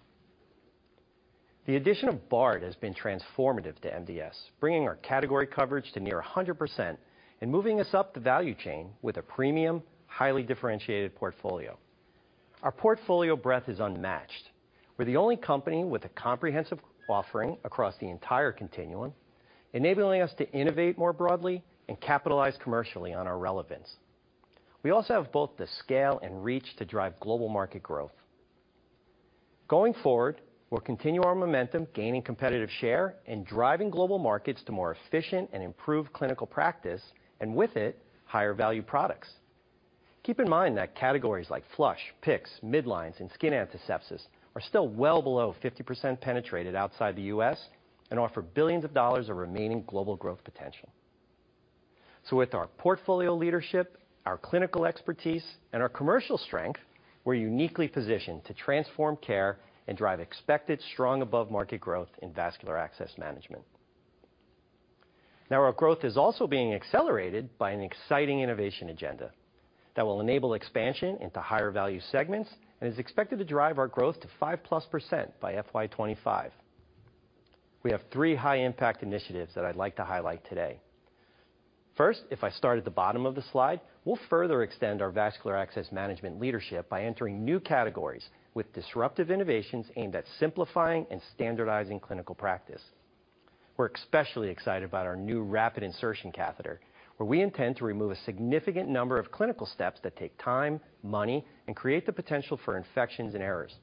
The addition of Bard has been transformative to MDS, bringing our category coverage to near 100% and moving us up the value chain with a premium, highly differentiated portfolio. Our portfolio breadth is unmatched. We're the only company with a comprehensive offering across the entire continuum, enabling us to innovate more broadly and capitalize commercially on our relevance. We also have both the scale and reach to drive global market growth. Going forward, we'll continue our momentum gaining competitive share and driving global markets to more efficient and improved clinical practice, and with it, higher value products. Keep in mind that categories like flush, PICCs, midlines, and skin antisepsis are still well below 50% penetrated outside the U.S. and offer $ billions of remaining global growth potential. With our portfolio leadership, our clinical expertise, and our commercial strength, we're uniquely positioned to transform care and drive expected strong above-market growth in vascular access management. Now our growth is also being accelerated by an exciting innovation agenda that will enable expansion into higher value segments and is expected to drive our growth to 5%+ by FY 2025. We have three high-impact initiatives that I'd like to highlight today. First, if I start at the bottom of the slide, we'll further extend our vascular access management leadership by entering new categories with disruptive innovations aimed at simplifying and standardizing clinical practice. We're especially excited about our new rapid insertion catheter, where we intend to remove a significant number of clinical steps that take time, money, and create the potential for infections and errors.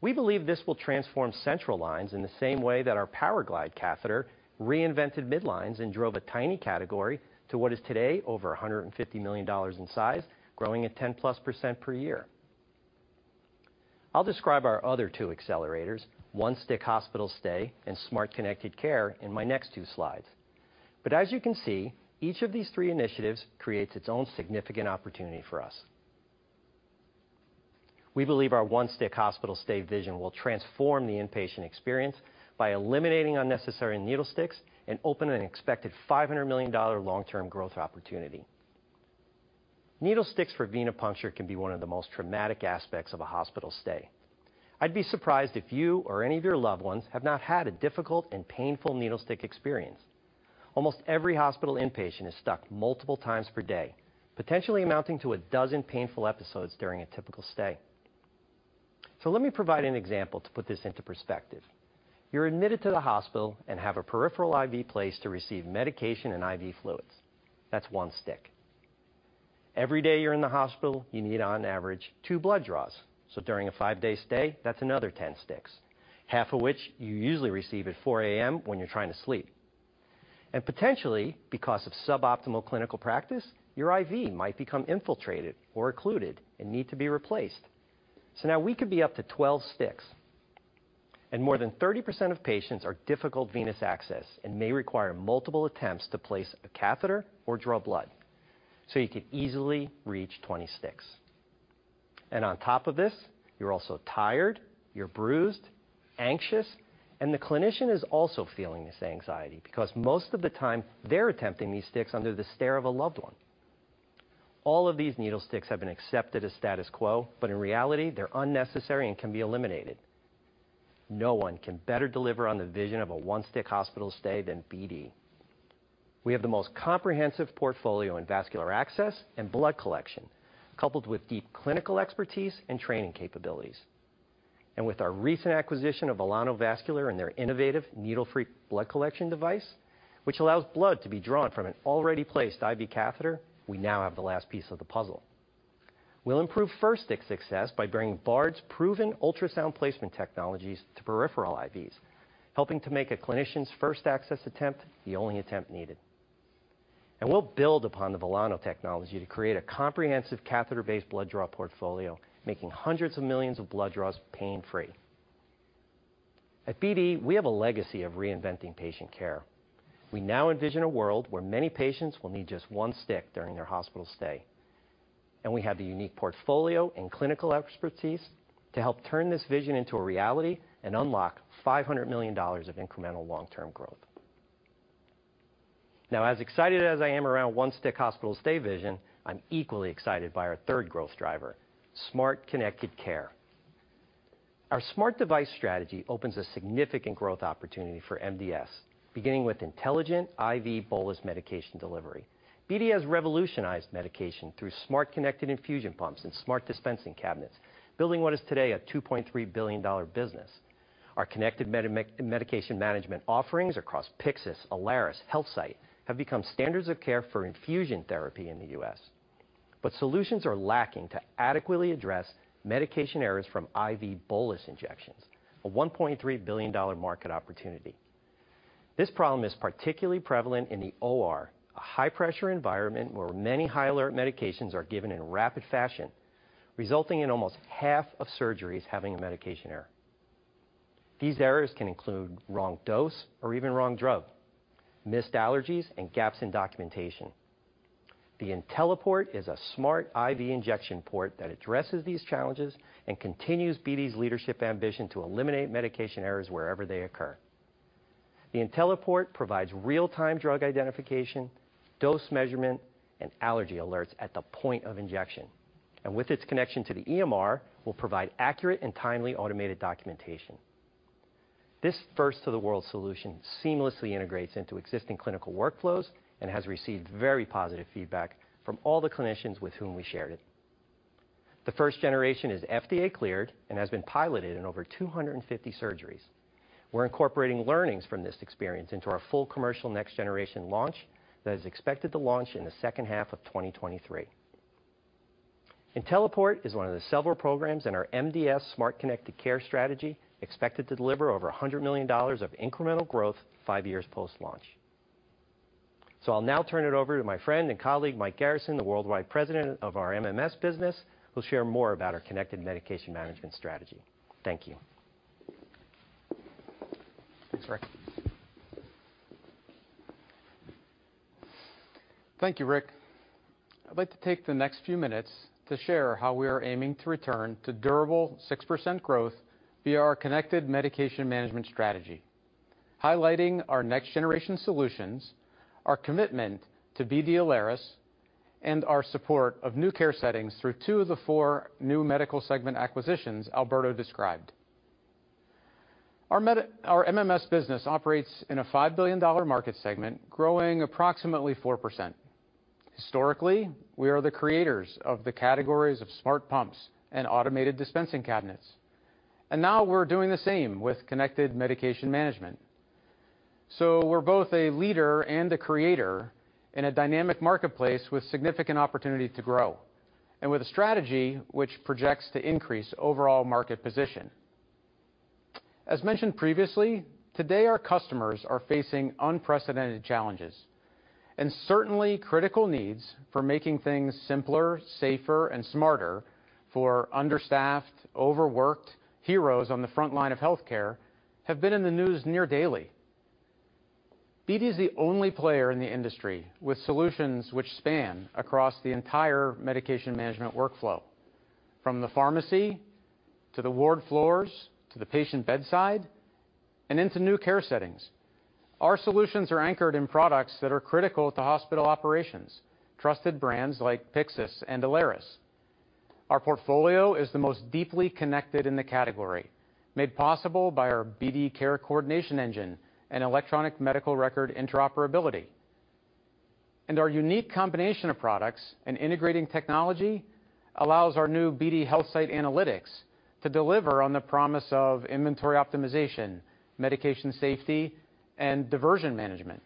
We believe this will transform central lines in the same way that our PowerGlide catheter reinvented midlines and drove a tiny category to what is today over $150 million in size, growing at 10%+ per year. I'll describe our other two accelerators, one-stick hospital stay and smart connected care, in my next two slides. As you can see, each of these three initiatives creates its own significant opportunity for us. We believe our one-stick hospital stay vision will transform the inpatient experience by eliminating unnecessary needle sticks and opens an expected $500 million long-term growth opportunity. Needle sticks for venipuncture can be one of the most traumatic aspects of a hospital stay. I'd be surprised if you or any of your loved ones have not had a difficult and painful needle stick experience. Almost every hospital inpatient is stuck multiple times per day, potentially amounting to a dozen painful episodes during a typical stay. Let me provide an example to put this into perspective. You're admitted to the hospital and have a peripheral IV placed to receive medication and IV fluids. That's one stick. Every day you're in the hospital, you need on average two blood draws. During a five-day stay, that's another 10 sticks, half of which you usually receive at 4 A.M. when you're trying to sleep. Potentially, because of suboptimal clinical practice, your IV might become infiltrated or occluded and need to be replaced. Now we could be up to 12 sticks. More than 30% of patients have difficult venous access and may require multiple attempts to place a catheter or draw blood, so you could easily reach 20 sticks. On top of this, you're also tired, you're bruised, anxious, and the clinician is also feeling this anxiety because most of the time they're attempting these sticks under the stare of a loved one. All of these needle sticks have been accepted as status quo, but in reality, they're unnecessary and can be eliminated. No one can better deliver on the vision of a one-stick hospital stay than BD. We have the most comprehensive portfolio in vascular access and blood collection, coupled with deep clinical expertise and training capabilities. With our recent acquisition of Velano Vascular and their innovative needle-free blood collection device, which allows blood to be drawn from an already placed IV catheter, we now have the last piece of the puzzle. We'll improve first stick success by bringing Bard's proven ultrasound placement technologies to peripheral IVs, helping to make a clinician's first access attempt the only attempt needed. We'll build upon the Velano technology to create a comprehensive catheter-based blood draw portfolio, making hundreds of millions of blood draws pain-free. At BD, we have a legacy of reinventing patient care. We now envision a world where many patients will need just one stick during their hospital stay. We have the unique portfolio and clinical expertise to help turn this vision into a reality and unlock $500 million of incremental long-term growth. Now as excited as I am around one-stick hospital stay vision, I'm equally excited by our third growth driver, smart connected care. Our smart device strategy opens a significant growth opportunity for MDS, beginning with intelligent IV bolus medication delivery. BD has revolutionized medication through smart connected infusion pumps and smart dispensing cabinets, building what is today a $2.3 billion business. Our connected medication management offerings across Pyxis, Alaris, HealthSight have become standards of care for infusion therapy in the U.S. Solutions are lacking to adequately address medication errors from IV bolus injections, a $1.3 billion market opportunity. This problem is particularly prevalent in the OR, a high-pressure environment where many high-alert medications are given in rapid fashion, resulting in almost half of surgeries having a medication error. These errors can include wrong dose or even wrong drug, missed allergies, and gaps in documentation. The IntelliPort is a smart IV injection port that addresses these challenges and continues BD's leadership ambition to eliminate medication errors wherever they occur. The IntelliPort provides real-time drug identification, dose measurement, and allergy alerts at the point of injection. With its connection to the EMR, will provide accurate and timely automated documentation. This first-in-the-world solution seamlessly integrates into existing clinical workflows and has received very positive feedback from all the clinicians with whom we shared it. The first generation is FDA cleared and has been piloted in over 250 surgeries. We're incorporating learnings from this experience into our full commercial next generation launch that is expected to launch in the second half of 2023. Intelliport is one of the several programs in our MDS smart connected care strategy expected to deliver over $100 million of incremental growth five years post-launch. I'll now turn it over to my friend and colleague, Mike Garrison, the Worldwide President of our MMS business, who'll share more about our connected medication management strategy. Thank you. Thank you, Rick. I'd like to take the next few minutes to share how we are aiming to return to durable 6% growth via our connected medication management strategy, highlighting our next-generation solutions, our commitment to BD Alaris, and our support of new care settings through two of the four new medical segment acquisitions Alberto described. Our MMS business operates in a $5 billion market segment, growing approximately 4%. Historically, we are the creators of the categories of smart pumps and automated dispensing cabinets, and now we're doing the same with connected medication management. We're both a leader and a creator in a dynamic marketplace with significant opportunity to grow and with a strategy which projects to increase overall market position. As mentioned previously, today our customers are facing unprecedented challenges and certainly critical needs for making things simpler, safer, and smarter for understaffed, overworked heroes on the front line of healthcare have been in the news near-daily. BD is the only player in the industry with solutions which span across the entire medication management workflow, from the pharmacy to the ward floors to the patient bedside and into new care settings. Our solutions are anchored in products that are critical to hospital operations, trusted brands like Pyxis and Alaris. Our portfolio is the most deeply connected in the category, made possible by our BD Care Coordination Engine and electronic medical record interoperability. Our unique combination of products and integrating technology allows our new BD HealthSight Analytics to deliver on the promise of inventory optimization, medication safety, and diversion management.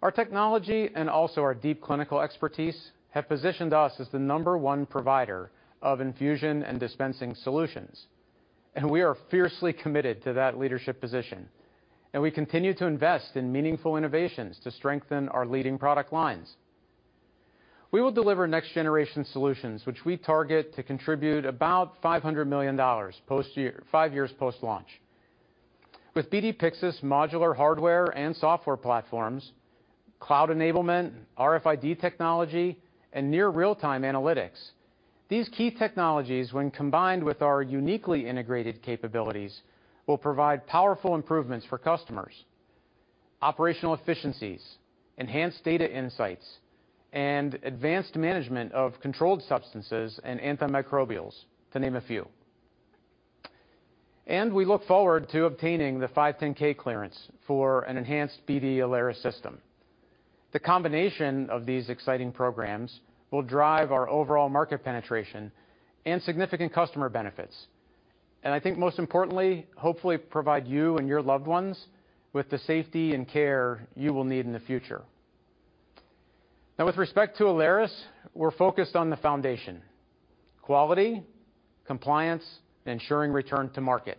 Our technology and also our deep clinical expertise have positioned us as the number one provider of infusion and dispensing solutions, and we are fiercely committed to that leadership position, and we continue to invest in meaningful innovations to strengthen our leading product lines. We will deliver next-generation solutions which we target to contribute about $500 million five years post-launch. With BD Pyxis modular hardware and software platforms, cloud enablement, RFID technology, and near real-time analytics, these key technologies, when combined with our uniquely integrated capabilities, will provide powerful improvements for customers, operational efficiencies, enhanced data insights, and advanced management of controlled substances and antimicrobials, to name a few. We look forward to obtaining the 510(k) clearance for an enhanced BD Alaris system. The combination of these exciting programs will drive our overall market penetration and significant customer benefits, and I think most importantly, hopefully provide you and your loved ones with the safety and care you will need in the future. Now, with respect to Alaris, we're focused on the foundation, quality, compliance, ensuring return to market.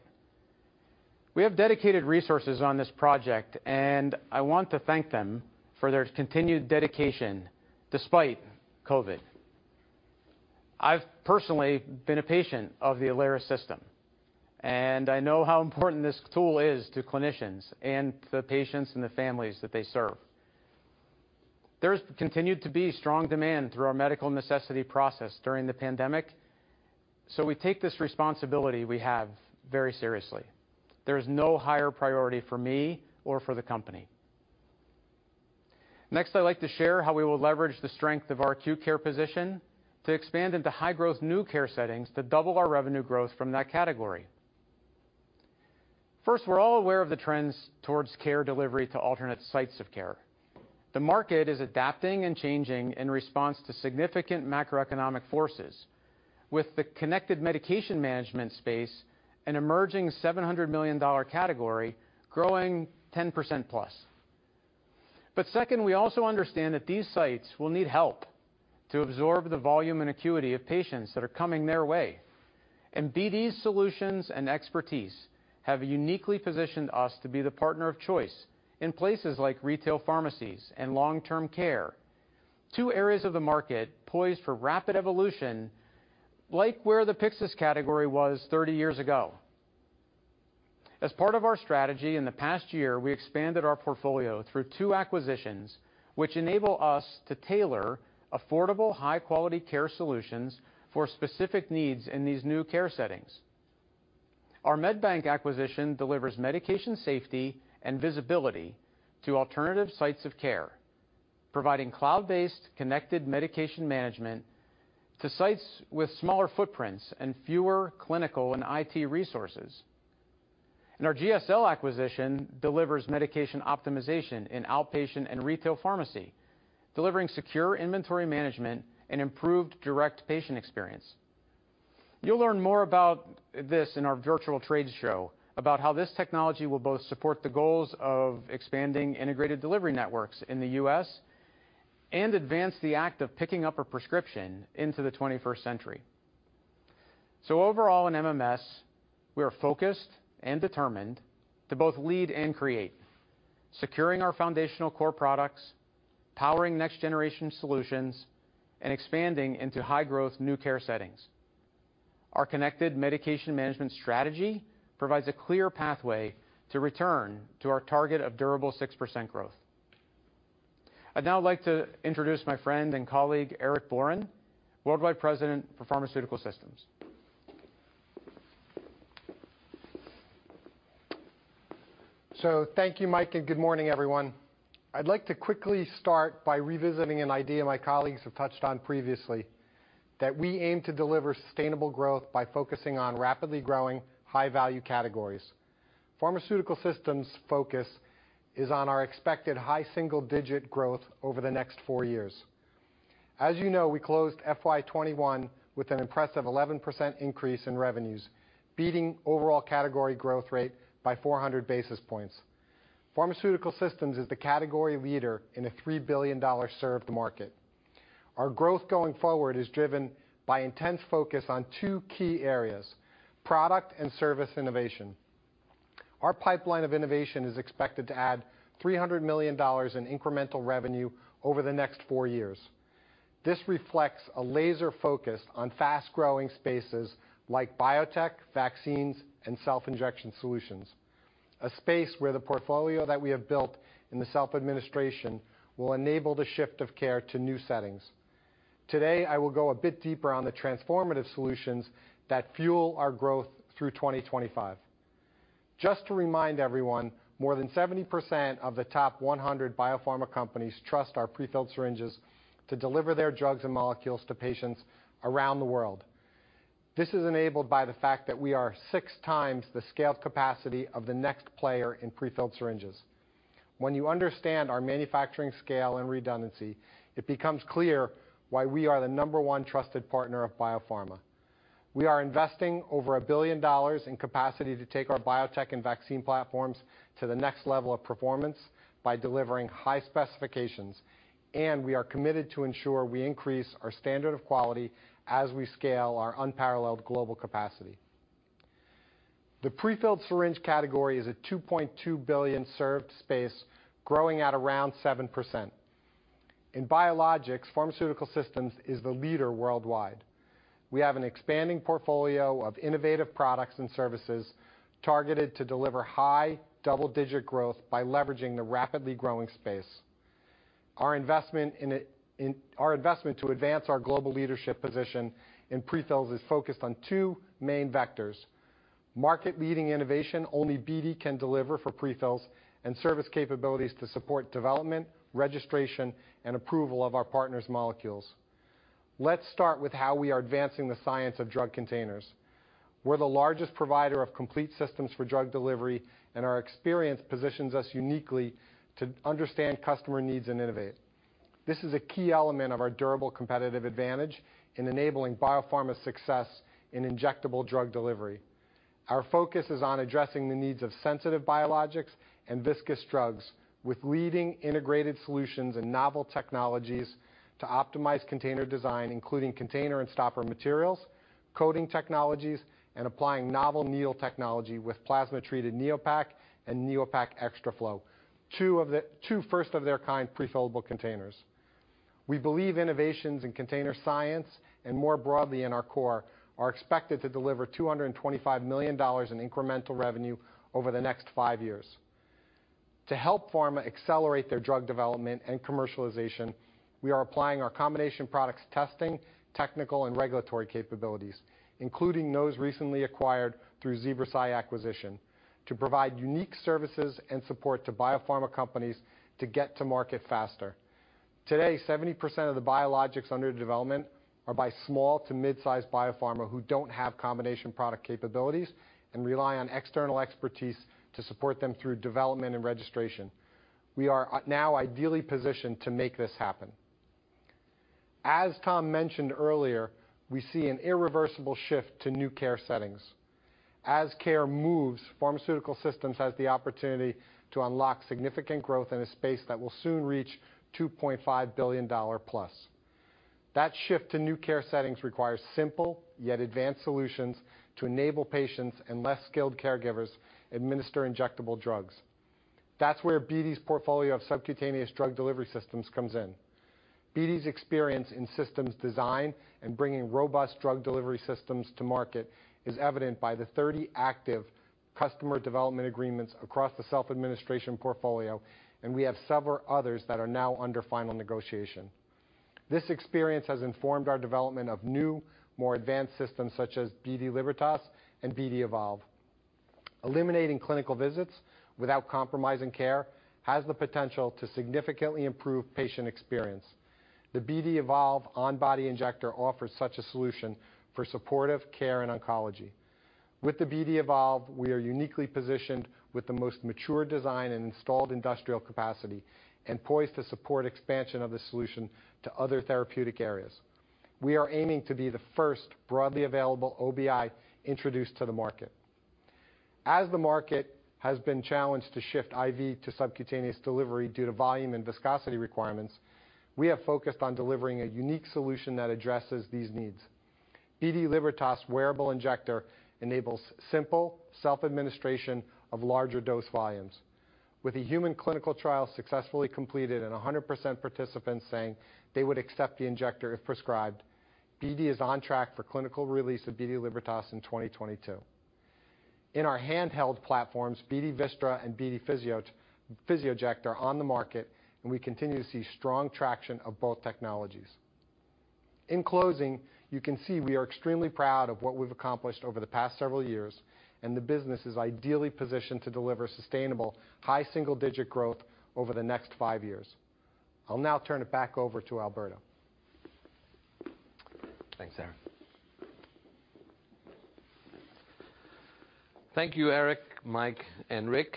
We have dedicated resources on this project, and I want to thank them for their continued dedication despite COVID. I've personally been a patient of the Alaris system, and I know how important this tool is to clinicians and the patients and the families that they serve. There's continued to be strong demand through our medical necessity process during the pandemic, so we take this responsibility we have very seriously. There is no higher priority for me or for the company. Next, I'd like to share how we will leverage the strength of our acute care position to expand into high-growth new care settings to double our revenue growth from that category. First, we're all aware of the trends towards care delivery to alternate sites of care. The market is adapting and changing in response to significant macroeconomic forces with the connected medication management space, an emerging $700 million category growing 10%+. Second, we also understand that these sites will need help to absorb the volume and acuity of patients that are coming their way, and BD's solutions and expertise have uniquely positioned us to be the partner of choice in places like retail pharmacies and long-term care, two areas of the market poised for rapid evolution, like where the Pyxis category was 30 years ago. As part of our strategy in the past year, we expanded our portfolio through two acquisitions, which enable us to tailor affordable, high-quality care solutions for specific needs in these new care settings. Our MedBank acquisition delivers medication safety and visibility to alternative sites of care, providing cloud-based connected medication management to sites with smaller footprints and fewer clinical and IT resources. Our GSL acquisition delivers medication optimization in outpatient and retail pharmacy, delivering secure inventory management and improved direct patient experience. You'll learn more about this in our virtual trade show about how this technology will both support the goals of expanding integrated delivery networks in the U.S. and advance the act of picking up a prescription into the twenty-first century. Overall in MMS, we are focused and determined to both lead and create, securing our foundational core products, powering next-generation solutions, and expanding into high-growth new care settings. Our connected medication management strategy provides a clear pathway to return to our target of durable 6% growth. I'd now like to introduce my friend and colleague, Eric Borin, Worldwide President for Pharmaceutical Systems. Thank you, Mike, and good morning, everyone. I'd like to quickly start by revisiting an idea my colleagues have touched on previously, that we aim to deliver sustainable growth by focusing on rapidly growing high-value categories. Pharmaceutical Systems' focus is on our expected high single-digit growth over the next four years. As you know, we closed FY 2021 with an impressive 11% increase in revenues, beating overall category growth rate by 400 basis points. Pharmaceutical Systems is the category leader in a $3 billion served market. Our growth going forward is driven by intense focus on two key areas, product and service innovation. Our pipeline of innovation is expected to add $300 million in incremental revenue over the next four years. This reflects a laser focus on fast-growing spaces like biotech, vaccines, and self-injection solutions. A space where the portfolio that we have built in the self-administration will enable the shift of care to new settings. Today, I will go a bit deeper on the transformative solutions that fuel our growth through 2025. Just to remind everyone, more than 70% of the top 100 biopharma companies trust our prefilled syringes to deliver their drugs and molecules to patients around the world. This is enabled by the fact that we are 6x the scaled capacity of the next player in prefilled syringes. When you understand our manufacturing scale and redundancy, it becomes clear why we are the number one trusted partner of biopharma. We are investing over $1 billion in capacity to take our biotech and vaccine platforms to the next level of performance by delivering high specifications, and we are committed to ensure we increase our standard of quality as we scale our unparalleled global capacity. The prefilled syringe category is a $2.2 billion served space growing at around 7%. In biologics, Pharmaceutical Systems is the leader worldwide. We have an expanding portfolio of innovative products and services targeted to deliver high double-digit growth by leveraging the rapidly growing space. Our investment to advance our global leadership position in prefills is focused on two main vectors, market-leading innovation only BD can deliver for prefills and service capabilities to support development, registration, and approval of our partners' molecules. Let's start with how we are advancing the science of drug containers. We're the largest provider of complete systems for drug delivery, and our experience positions us uniquely to understand customer needs and innovate. This is a key element of our durable competitive advantage in enabling biopharma success in injectable drug delivery. Our focus is on addressing the needs of sensitive biologics and viscous drugs with leading integrated solutions and novel technologies to optimize container design, including container and stopper materials, coating technologies, and applying novel needle technology with plasma-treated Neopak and Neopak XtraFlow, two first of their kind prefillable containers. We believe innovations in container science and more broadly in our core are expected to deliver $225 million in incremental revenue over the next five years. To help pharma accelerate their drug development and commercialization, we are applying our combination products testing, technical, and regulatory capabilities, including those recently acquired through ZebraSci acquisition, to provide unique services and support to biopharma companies to get to market faster. Today, 70% of the biologics under development are by small to mid-size biopharma who don't have combination product capabilities and rely on external expertise to support them through development and registration. We are now ideally positioned to make this happen. As Tom mentioned earlier, we see an irreversible shift to new care settings. As care moves, Pharmaceutical Systems has the opportunity to unlock significant growth in a space that will soon reach $2.5 billion+. That shift to new care settings requires simple yet advanced solutions to enable patients and less skilled caregivers administer injectable drugs. That's where BD's portfolio of subcutaneous drug delivery systems comes in. BD's experience in systems design and bringing robust drug delivery systems to market is evident by the 30 active customer development agreements across the self-administration portfolio, and we have several others that are now under final negotiation. This experience has informed our development of new, more advanced systems such as BD Libertas and BD Evolve. Eliminating clinical visits without compromising care has the potential to significantly improve patient experience. The BD Evolve on-body injector offers such a solution for supportive care and oncology. With the BD Evolve, we are uniquely positioned with the most mature design and installed industrial capacity and poised to support expansion of the solution to other therapeutic areas. We are aiming to be the first broadly available OBI introduced to the market. As the market has been challenged to shift IV to subcutaneous delivery due to volume and viscosity requirements, we have focused on delivering a unique solution that addresses these needs. BD Libertas wearable injector enables simple self-administration of larger dose volumes. With the human clinical trial successfully completed and 100% participants saying they would accept the injector if prescribed, BD is on track for clinical release of BD Libertas in 2022. In our handheld platforms, BD Vystra and BD Physioject are on the market, and we continue to see strong traction of both technologies. In closing, you can see we are extremely proud of what we've accomplished over the past several years, and the business is ideally positioned to deliver sustainable high single-digit growth over the next five years. I'll now turn it back over to Alberto. Thanks, Eric. Thank you, Eric, Mike, and Rick.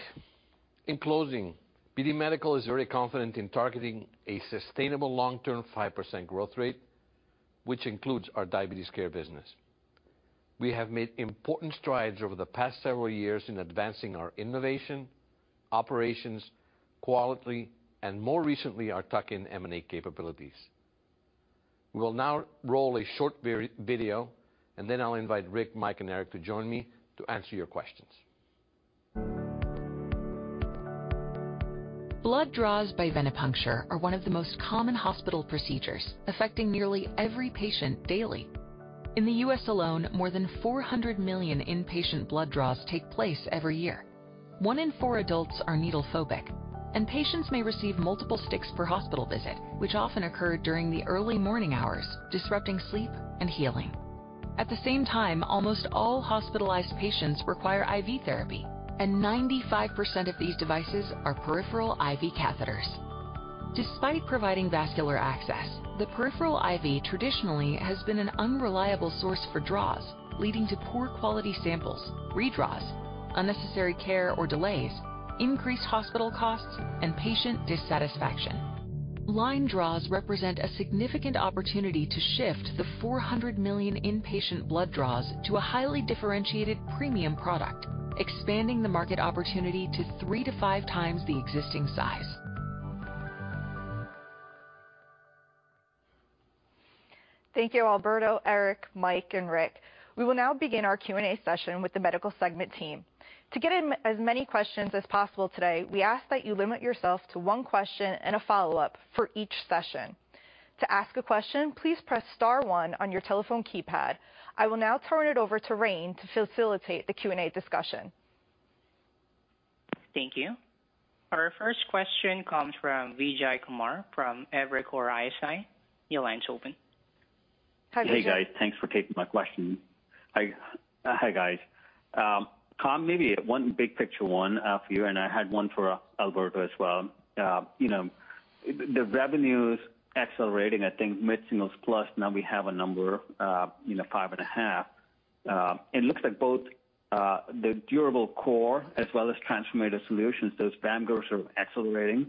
In closing, BD Medical is very confident in targeting a sustainable long-term 5% growth rate, which includes our Diabetes Care business. We have made important strides over the past several years in advancing our innovation, operations, quality, and more recently, our tuck-in M&A capabilities. We will now roll a short video, and then I'll invite Rick, Mike, and Eric to join me to answer your questions. Blood draws by venipuncture are one of the most common hospital procedures, affecting nearly every patient daily. In the U.S. alone, more than 400 million inpatient blood draws take place every year. One in four adults are needle phobic, and patients may receive multiple sticks per hospital visit, which often occur during the early morning hours, disrupting sleep and healing. At the same time, almost all hospitalized patients require IV therapy, and 95% of these devices are peripheral IV catheters. Despite providing vascular access, the peripheral IV traditionally has been an unreliable source for draws, leading to poor quality samples, redraws, unnecessary care or delays, increased hospital costs, and patient dissatisfaction. Line draws represent a significant opportunity to shift the 400 million inpatient blood draws to a highly differentiated premium product, expanding the market opportunity to 3x-5x the existing size. Thank you, Alberto, Eric, Mike and Rick. We will now begin our Q&A session with the medical segment team. To get in as many questions as possible today, we ask that you limit yourself to one question and a follow-up for each session. To ask a question, please press star one on your telephone keypad. I will now turn it over to Rayne to facilitate the Q&A discussion. Thank you. Our first question comes from Vijay Kumar from Evercore ISI. Your line's open. Hi, Vijay. Hey, guys. Thanks for taking my question. Hi, guys. Tom, maybe one big picture one for you, and I had one for Alberto as well. You know, the revenue's accelerating. I think mid-singles% plus, now we have a number, you know, 5.5%. It looks like both the durable core as well as transformative solutions, those WAMGRs are accelerating.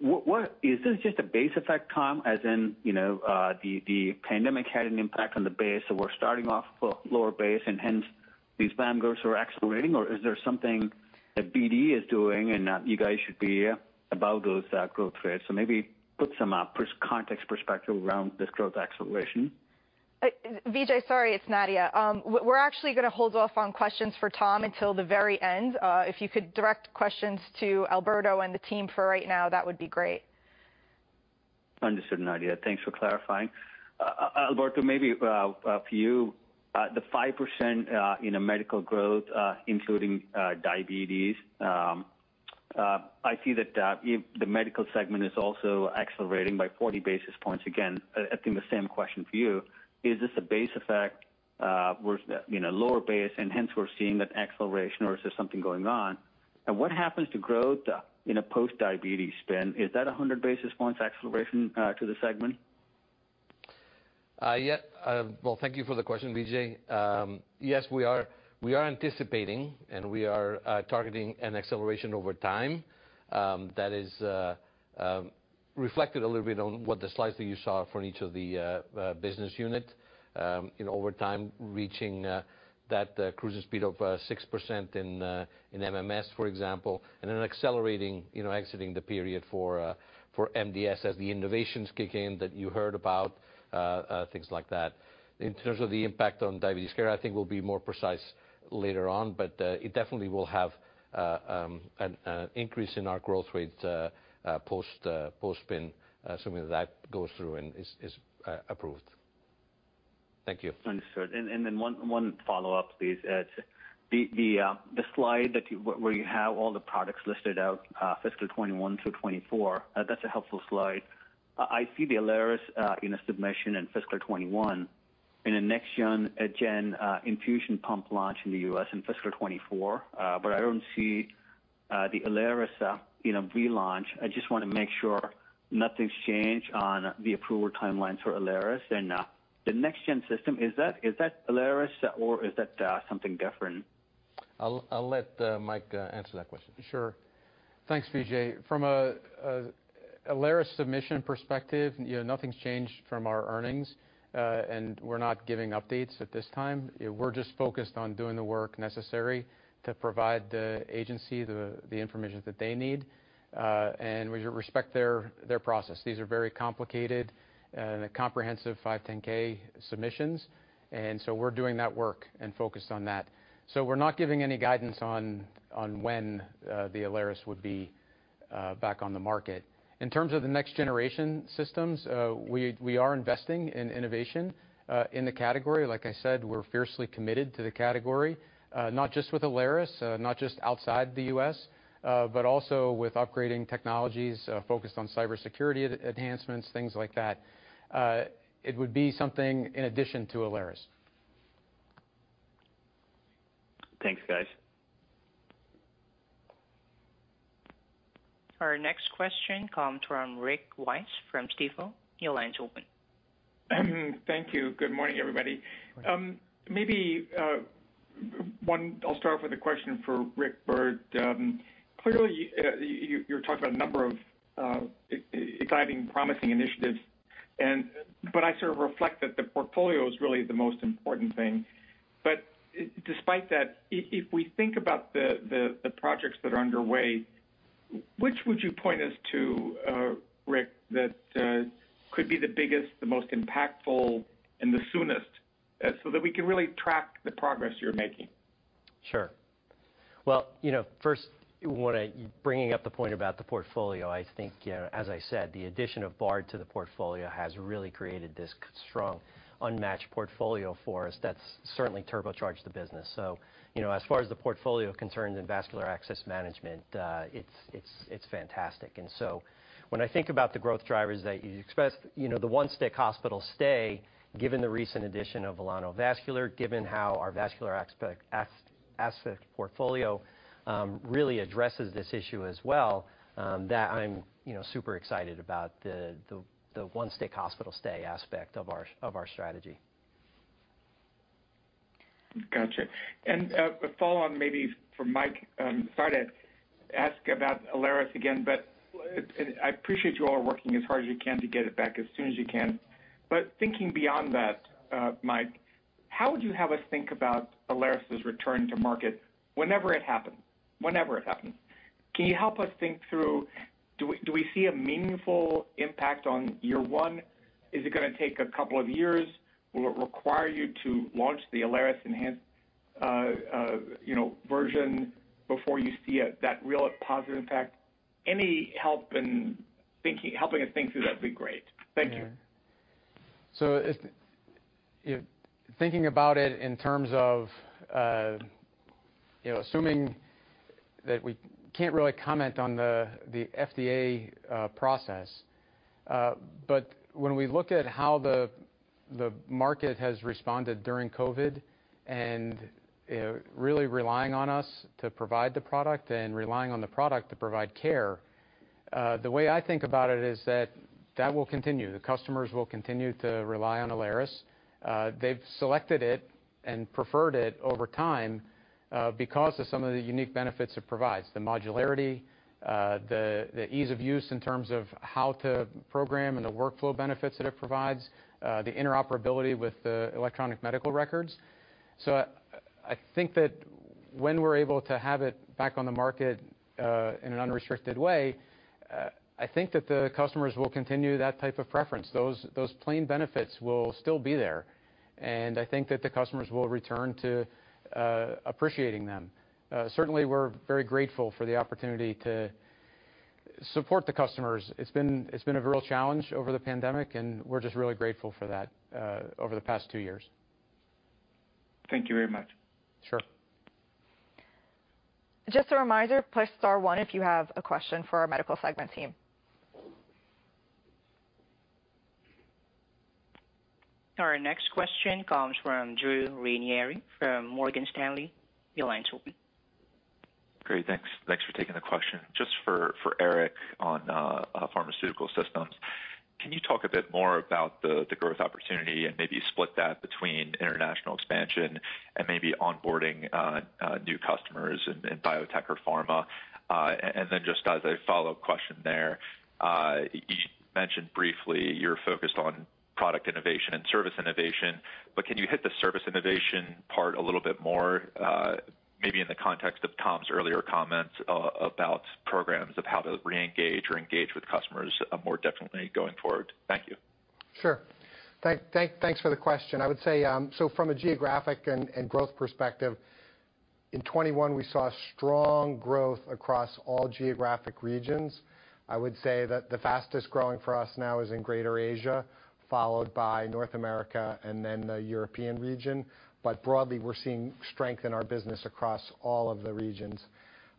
What is this just a base effect, Tom, as in, you know, the pandemic had an impact on the base, so we're starting off lower base and hence these WAMGR are accelerating? Or is there something that BD is doing and that you guys should be proud of those growth rates? Maybe put some perspective around this growth acceleration. Vijay, sorry, it's Nadia. We're actually gonna hold off on questions for Tom until the very end. If you could direct questions to Alberto and the team for right now, that would be great. Understood, Nadia. Thanks for clarifying. Alberto, maybe for you the 5% you know medical growth including diabetes. I see that the Medical segment is also accelerating by 40 basis points. Again, I think the same question for you, is this a base effect, where's the you know lower base and hence we're seeing that acceleration or is there something going on? What happens to growth in a post-diabetes spin? Is that a 100 basis points acceleration to the segment? Thank you for the question, Vijay. Yes, we are anticipating and we are targeting an acceleration over time that is reflected a little bit on what the slides that you saw for each of the business unit, you know, over time, reaching that cruising speed of 6% in MMS, for example, and then accelerating, you know, exiting the period for MDS as the innovations kick in that you heard about, things like that. In terms of the impact on diabetes care, I think we'll be more precise later on, but it definitely will have an increase in our growth rates post-spin, assuming that goes through and is approved. Thank you. Understood. Then one follow-up, please. The slide where you have all the products listed out, fiscal 2021 through 2024, that's a helpful slide. I see the Alaris in a submission in fiscal 2021 and a next gen infusion pump launch in the U.S. in fiscal 2024, but I don't see the Alaris, you know, relaunch, I just wanna make sure nothing's changed on the approval timelines for Alaris. The next gen system, is that Alaris or is that something different? I'll let Mike answer that question. Sure. Thanks, Vijay. From a Alaris submission perspective, you know, nothing's changed from our earnings, and we're not giving updates at this time. We're just focused on doing the work necessary to provide the agency the information that they need, and we respect their process. These are very complicated and comprehensive 510(k) submissions, and so we're doing that work and focused on that. We're not giving any guidance on when the Alaris would be back on the market. In terms of the next generation systems, we are investing in innovation in the category. Like I said, we're fiercely committed to the category, not just with Alaris, not just outside the U.S., but also with upgrading technologies focused on cybersecurity enhancements, things like that. It would be something in addition to Alaris. Thanks, guys. Our next question comes from Rick Wise from Stifel. Your line's open. Thank you. Good morning, everybody. Maybe I'll start off with a question for Rick Byrd. Clearly, you're talking about a number of exciting, promising initiatives, but I sort of reflect that the portfolio is really the most important thing. Despite that, if we think about the projects that are underway, which would you point us to, Rick, that could be the biggest, the most impactful and the soonest, so that we can really track the progress you're making? Sure. Well, you know, first bringing up the point about the portfolio, I think, you know, as I said, the addition of Bard to the portfolio has really created this strong, unmatched portfolio for us that's certainly turbocharged the business. You know, as far as the portfolio is concerned and vascular access management, it's fantastic. When I think about the growth drivers that you expressed, you know, the One-Stick Hospital Stay, given the recent addition of Velano Vascular, given how our vascular asset portfolio really addresses this issue as well, that I'm, you know, super excited about the One-Stick Hospital Stay aspect of our strategy. Gotcha. A follow-on maybe for Mike. Sorry to ask about Alaris again, but I appreciate you all are working as hard as you can to get it back as soon as you can. Thinking beyond that, Mike, how would you have us think about Alaris' return to market whenever it happens? Can you help us think through do we see a meaningful impact on year one? Is it gonna take a couple of years? Will it require you to launch the Alaris enhanced, you know, version before you see it, that real positive impact? Any help in thinking, helping us think through that'd be great. Thank you. Thinking about it in terms of assuming that we can't really comment on the FDA process. When we look at how the market has responded during COVID and really relying on us to provide the product and relying on the product to provide care, the way I think about it is that that will continue. The customers will continue to rely on Alaris. They've selected it and preferred it over time because of some of the unique benefits it provides, the modularity, the ease of use in terms of how to program and the workflow benefits that it provides, the interoperability with the electronic medical records. I think that when we're able to have it back on the market in an unrestricted way, I think that the customers will continue that type of preference. Those plain benefits will still be there, and I think that the customers will return to appreciating them. Certainly we're very grateful for the opportunity to support the customers. It's been a real challenge over the pandemic, and we're just really grateful for that over the past two years. Thank you very much. Sure. Just a reminder, press star one if you have a question for our medical segment team. Our next question comes from Drew Ranieri from Morgan Stanley. Your line's open. Great. Thanks. Thanks for taking the question. Just for Eric on pharmaceutical systems. Can you talk a bit more about the growth opportunity and maybe split that between international expansion and maybe onboarding new customers in biotech or pharma? And then just as a follow-up question there, you mentioned briefly you're focused on product innovation and service innovation, but can you hit the service innovation part a little bit more, maybe in the context of Tom's earlier comments about programs of how to reengage or engage with customers more definitely going forward? Thank you. Sure. Thanks for the question. I would say, so from a geographic and growth perspective. In 2021, we saw strong growth across all geographic regions. I would say that the fastest-growing for us now is in Greater Asia, followed by North America and then the European region. Broadly, we're seeing strength in our business across all of the regions.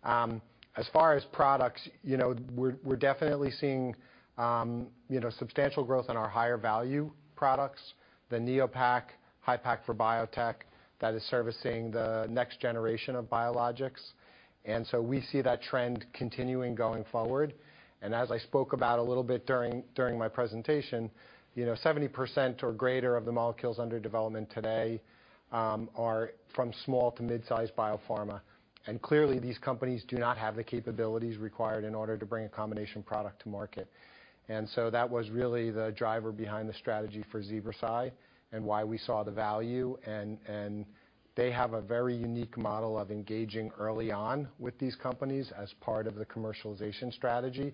As far as products, you know, we're definitely seeing, you know, substantial growth in our higher value products. The BD Neopak, BD Hypak for biotech, that is servicing the next generation of biologics. As I spoke about a little bit during my presentation, you know, 70% or greater of the molecules under development today are from small to mid-sized biopharma. Clearly, these companies do not have the capabilities required in order to bring a combination product to market. That was really the driver behind the strategy for ZebraSci and why we saw the value and they have a very unique model of engaging early on with these companies as part of the commercialization strategy.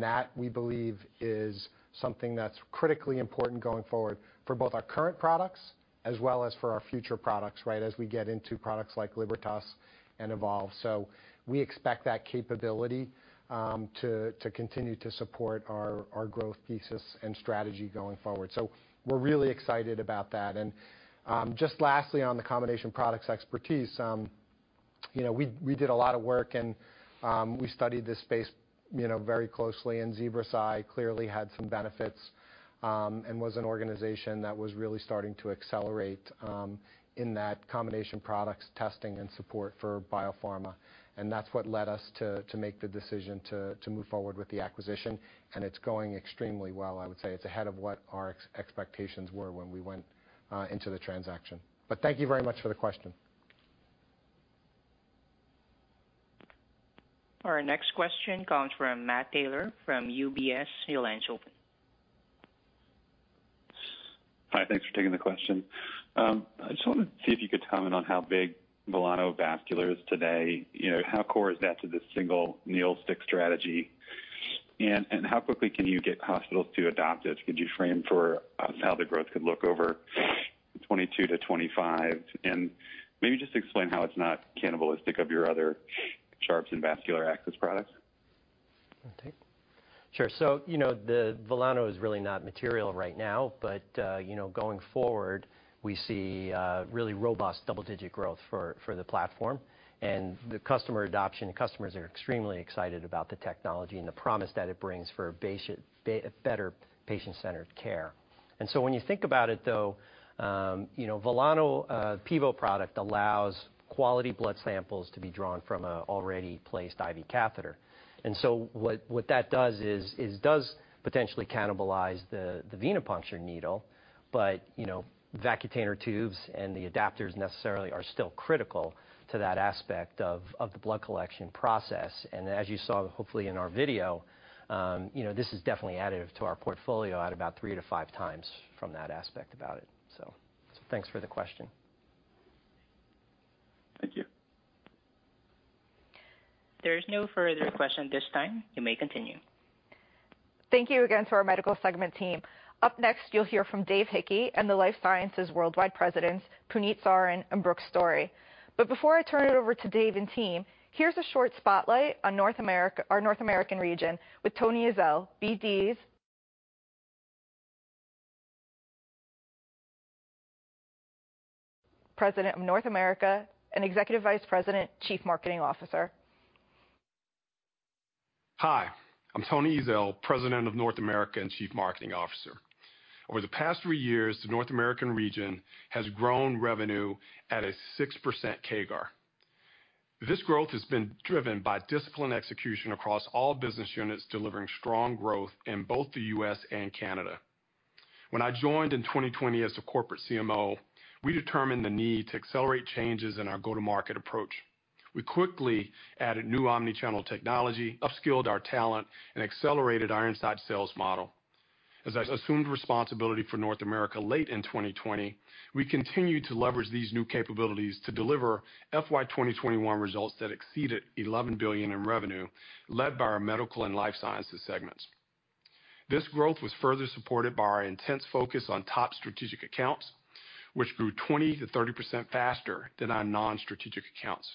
That, we believe, is something that's critically important going forward for both our current products as well as for our future products, right? As we get into products like Libertas and Evolve. We expect that capability to continue to support our growth thesis and strategy going forward. We're really excited about that. Just lastly, on the combination products expertise, you know, we did a lot of work and we studied this space, you know, very closely, and ZebraSci clearly had some benefits, and was an organization that was really starting to accelerate, in that combination products testing and support for biopharma. That's what led us to make the decision to move forward with the acquisition. It's going extremely well, I would say. It's ahead of what our expectations were when we went into the transaction. Thank you very much for the question. Our next question comes from Matt Taylor, from UBS. Your line's open. Hi, thanks for taking the question. I just wanted to see if you could comment on how big Velano Vascular is today. You know, how core is that to the single needle stick strategy? And how quickly can you get hospitals to adopt it? Could you frame for us how the growth could look over 2022-2025? Maybe just explain how it's not cannibalistic of your other sharps and vascular access products. Okay. Sure. You know, the Velano is really not material right now, but you know, going forward, we see really robust double-digit growth for the platform. The customer adoption, the customers are extremely excited about the technology and the promise that it brings for better patient-centered care. When you think about it, though, you know, Velano PIVO product allows quality blood samples to be drawn from a already placed IV catheter. What that does is does potentially cannibalize the venipuncture needle, but you know, Vacutainer tubes and the adapters necessarily are still critical to that aspect of the blood collection process. As you saw, hopefully in our video, you know, this is definitely additive to our portfolio at about 3x-5x from that aspect about it. Thanks for the question. Thank you. There's no further questions at this time. You may continue. Thank you again to our medical segment team. Up next, you'll hear from Dave Hickey and the Life Sciences worldwide presidents, Puneet Sarin and Brooke Story. Before I turn it over to Dave and team, here's a short spotlight on North America, our North American region with Tony Ezell, BD's President of North America and Executive Vice President, Chief Marketing Officer. Hi, I'm Tony Ezell, President of North America and Chief Marketing Officer. Over the past three years, the North American region has grown revenue at a 6% CAGR. This growth has been driven by disciplined execution across all business units, delivering strong growth in both the U.S. and Canada. When I joined in 2020 as a corporate CMO, we determined the need to accelerate changes in our go-to-market approach. We quickly added new omni-channel technology, upskilled our talent, and accelerated our inside sales model. As I assumed responsibility for North America late in 2020, we continued to leverage these new capabilities to deliver FY 2021 results that exceeded $11 billion in revenue, led by our Medical and Life Sciences segments. This growth was further supported by our intense focus on top strategic accounts, which grew 20%-30% faster than our non-strategic accounts.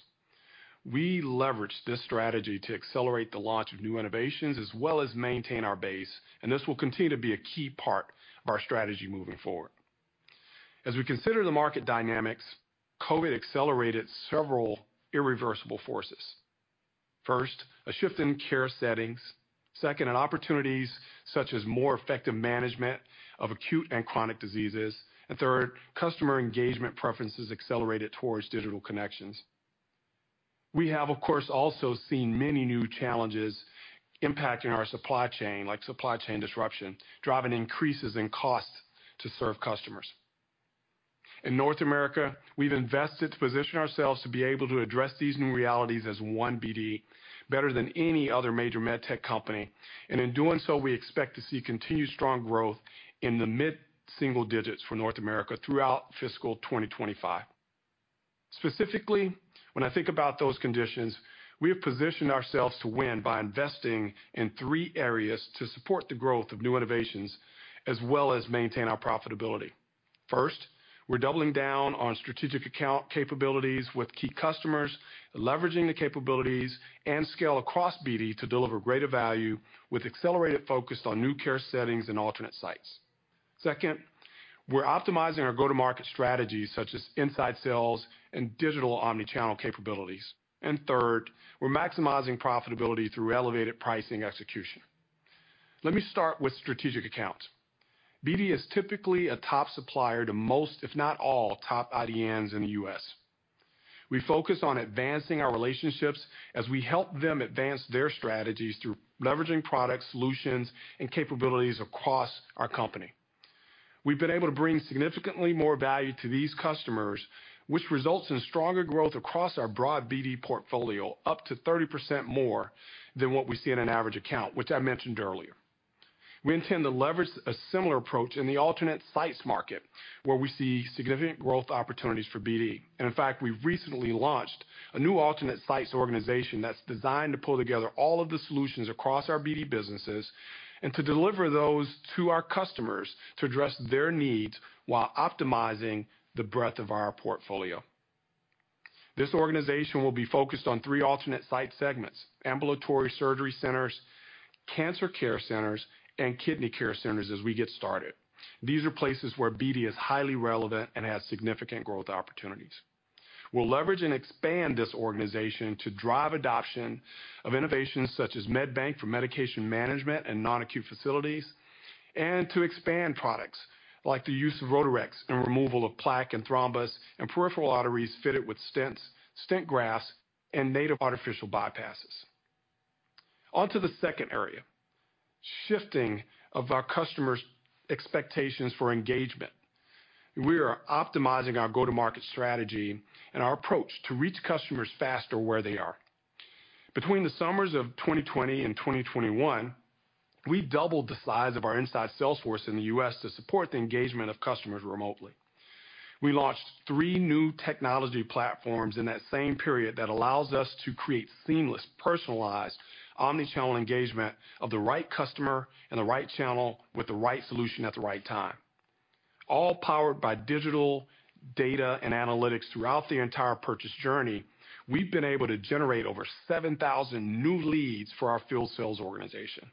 We leveraged this strategy to accelerate the launch of new innovations as well as maintain our base, and this will continue to be a key part of our strategy moving forward. As we consider the market dynamics, COVID accelerated several irreversible forces. First, a shift in care settings. Second, in opportunities such as more effective management of acute and chronic diseases. Third, customer engagement preferences accelerated towards digital connections. We have, of course, also seen many new challenges impacting our supply chain, like supply chain disruption, driving increases in costs to serve customers. In North America, we've invested to position ourselves to be able to address these new realities as one BD better than any other major med tech company. In doing so, we expect to see continued strong growth in the mid-single digits for North America throughout fiscal 2025. Specifically, when I think about those conditions, we have positioned ourselves to win by investing in three areas to support the growth of new innovations as well as maintain our profitability. First. We're doubling down on strategic account capabilities with key customers, leveraging the capabilities, and scale across BD to deliver greater value with accelerated focus on new care settings and alternate sites. Second, we're optimizing our go-to-market strategies, such as inside sales and digital omni-channel capabilities. Third, we're maximizing profitability through elevated pricing execution. Let me start with strategic accounts. BD is typically a top supplier to most, if not all, top IDNs in the U.S. We focus on advancing our relationships as we help them advance their strategies through leveraging products, solutions, and capabilities across our company. We've been able to bring significantly more value to these customers, which results in stronger growth across our broad BD portfolio, up to 30% more than what we see in an average account, which I mentioned earlier. We intend to leverage a similar approach in the alternate sites market, where we see significant growth opportunities for BD. In fact, we recently launched a new Alternate Sites organization that's designed to pull together all of the solutions across our BD businesses and to deliver those to our customers to address their needs while optimizing the breadth of our portfolio. This organization will be focused on three alternate site segments: ambulatory surgery centers, cancer care centers, and kidney care centers as we get started. These are places where BD is highly relevant and has significant growth opportunities. We'll leverage and expand this organization to drive adoption of innovations such as MedBank for medication management in non-acute facilities, and to expand products like the use of Rotarex in removal of plaque and thrombus in peripheral arteries fitted with stents, stent grafts, and native or artificial bypasses. On to the second area, shifting of our customers' expectations for engagement. We are optimizing our go-to-market strategy and our approach to reach customers faster where they are. Between the summers of 2020 and 2021, we doubled the size of our inside sales force in the U.S. to support the engagement of customers remotely. We launched three new technology platforms in that same period that allows us to create seamless, personalized, omni-channel engagement of the right customer in the right channel with the right solution at the right time. All powered by digital data and analytics throughout the entire purchase journey, we've been able to generate over 7,000 new leads for our field sales organization.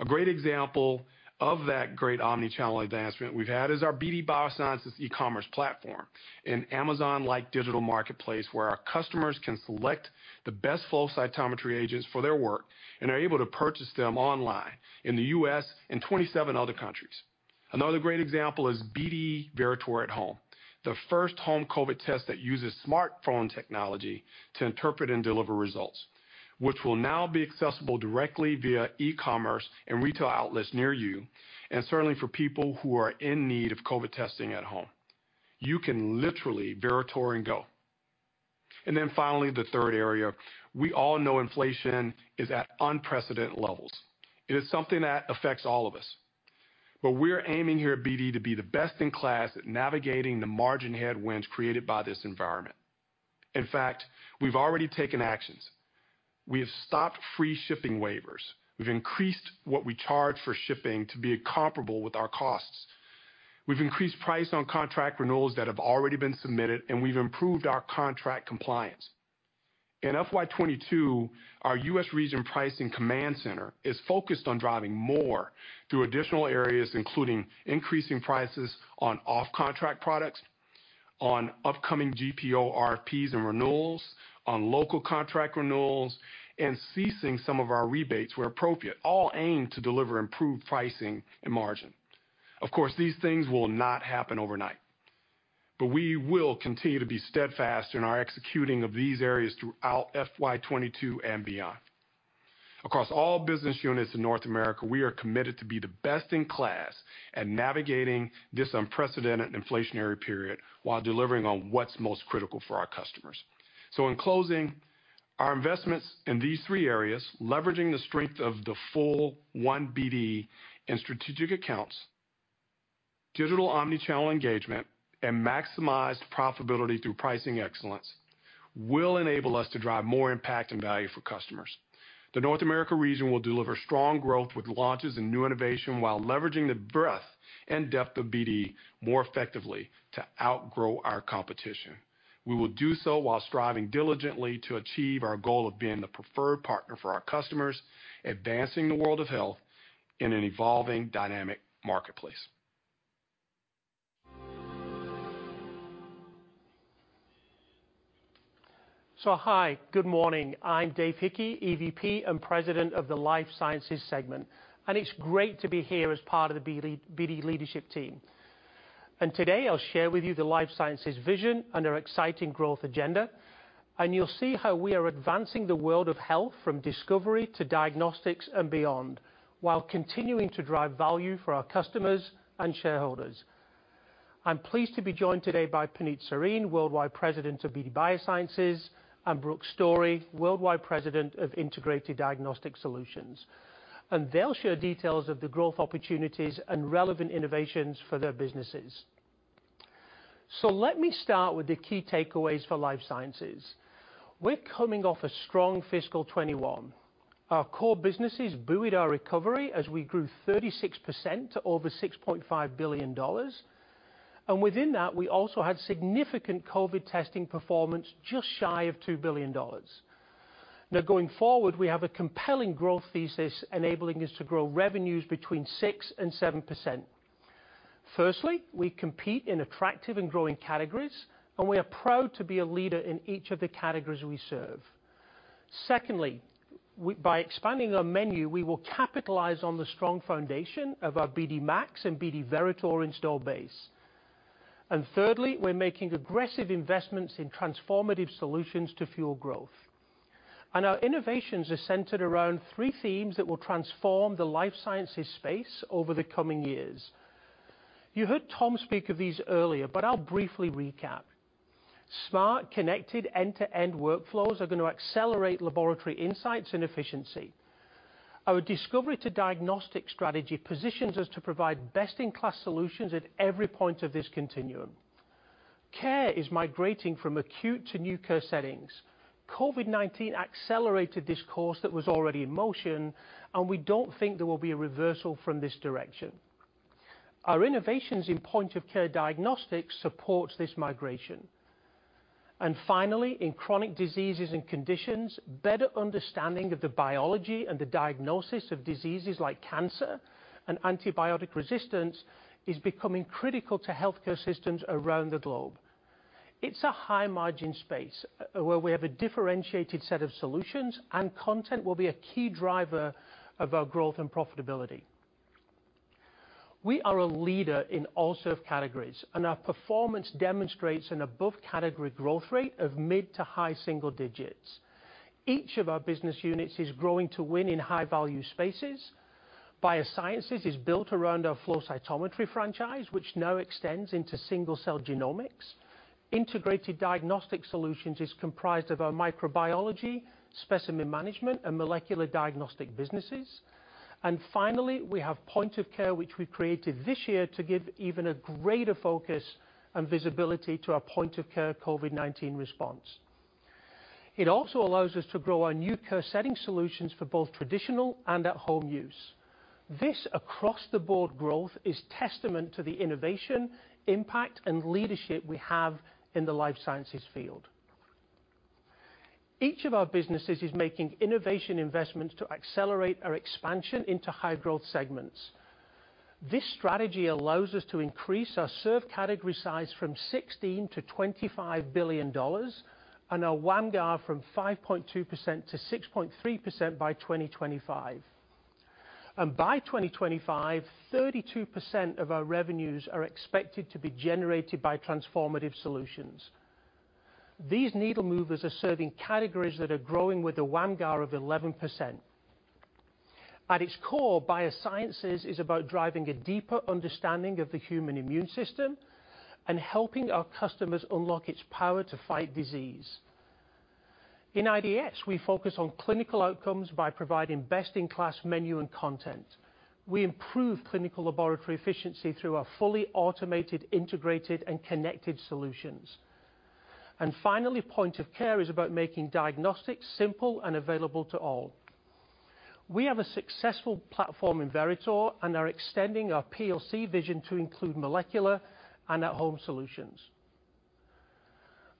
A great example of that great omni-channel advancement we've had is our BD Biosciences e-commerce platform, an Amazon-like digital marketplace where our customers can select the best flow cytometry agents for their work and are able to purchase them online in the U.S. and 27 other countries. Another great example is BD Veritor At-Home, the first home COVID test that uses smartphone technology to interpret and deliver results, which will now be accessible directly via e-commerce and retail outlets near you, and certainly for people who are in need of COVID testing at home. You can literally Veritor and go. Finally, the third area. We all know inflation is at unprecedented levels. It is something that affects all of us. We're aiming here at BD to be the best in class at navigating the margin headwinds created by this environment. In fact, we've already taken actions. We have stopped free shipping waivers. We've increased what we charge for shipping to be comparable with our costs. We've increased price on contract renewals that have already been submitted, and we've improved our contract compliance. In FY 2022, our U.S. region pricing command center is focused on driving more through additional areas, including increasing prices on off-contract products, on upcoming GPO RFPs and renewals, on local contract renewals, and ceasing some of our rebates where appropriate, all aimed to deliver improved pricing and margin. Of course, these things will not happen overnight. We will continue to be steadfast in our executing of these areas throughout FY 2022 and beyond. Across all business units in North America, we are committed to be the best in class at navigating this unprecedented inflationary period while delivering on what's most critical for our customers. In closing, our investments in these three areas, leveraging the strength of the full BD in strategic accounts, digital omni-channel engagement, and maximized profitability through pricing excellence, will enable us to drive more impact and value for customers. The North America region will deliver strong growth with launches and new innovation while leveraging the breadth and depth of BD more effectively to outgrow our competition. We will do so while striving diligently to achieve our goal of being the preferred partner for our customers, advancing the world of health in an evolving dynamic marketplace. Hi, good morning. I'm Dave Hickey, EVP and President of the Life Sciences segment. It's great to be here as part of the BD leadership team. Today, I'll share with you the Life Sciences vision and our exciting growth agenda. You'll see how we are advancing the world of health from discovery to diagnostics and beyond while continuing to drive value for our customers and shareholders. I'm pleased to be joined today by Puneet Sarin, Worldwide President of BD Biosciences, and Brooke Story, Worldwide President of Integrated Diagnostic Solutions. They'll share details of the growth opportunities and relevant innovations for their businesses. Let me start with the key takeaways for Life Sciences. We're coming off a strong fiscal 2021. Our core businesses buoyed our recovery as we grew 36% to over $6.5 billion. Within that, we also had significant COVID testing performance just shy of $2 billion. Now going forward, we have a compelling growth thesis enabling us to grow revenues between 6% and 7%. Firstly, we compete in attractive and growing categories, and we are proud to be a leader in each of the categories we serve. Secondly, by expanding our menu, we will capitalize on the strong foundation of our BD MAX and BD Veritor install base. Thirdly, we're making aggressive investments in transformative solutions to fuel growth. Our innovations are centered around three themes that will transform the life sciences space over the coming years. You heard Tom speak of these earlier, but I'll briefly recap. Smart, connected end-to-end workflows are going to accelerate laboratory insights and efficiency. Our Discovery-to-Diagnostic strategy positions us to provide best-in-class solutions at every point of this continuum. Care is migrating from acute to new care settings. COVID-19 accelerated this course that was already in motion, and we don't think there will be a reversal from this direction. Our innovations in Point of Care diagnostics supports this migration. Finally, in chronic diseases and conditions, better understanding of the biology and the diagnosis of diseases like cancer and antibiotic resistance is becoming critical to healthcare systems around the globe. It's a high-margin space, where we have a differentiated set of solutions, and content will be a key driver of our growth and profitability. We are a leader in all served categories, and our performance demonstrates an above-category growth rate of mid- to high-single-digits. Each of our business units is growing to win in high-value spaces. Biosciences is built around our flow cytometry franchise, which now extends into single-cell genomics. Integrated Diagnostic Solutions is comprised of our Microbiology, Specimen Management, and Molecular Diagnostic businesses. Finally, we have Point of Care, which we created this year to give even a greater focus and visibility to our point-of-care COVID-19 response. It also allows us to grow our new care setting solutions for both traditional and at-home use. This across-the-board growth is testament to the innovation, impact, and leadership we have in the life sciences field. Each of our businesses is making innovation investments to accelerate our expansion into high-growth segments. This strategy allows us to increase our served category size from $16 billion to $25 billion and our WAMGR from 5.2% to 6.3% by 2025. By 2025, 32% of our revenues are expected to be generated by transformative solutions. These needle movers are serving categories that are growing with a WAMGR of 11%. At its core, biosciences is about driving a deeper understanding of the human immune system and helping our customers unlock its power to fight disease. In IDS, we focus on clinical outcomes by providing best-in-class menu and content. We improve clinical laboratory efficiency through our fully automated, integrated, and connected solutions. Point of Care is about making diagnostics simple and available to all. We have a successful platform in Veritor and are extending our POC vision to include molecular and at-home solutions.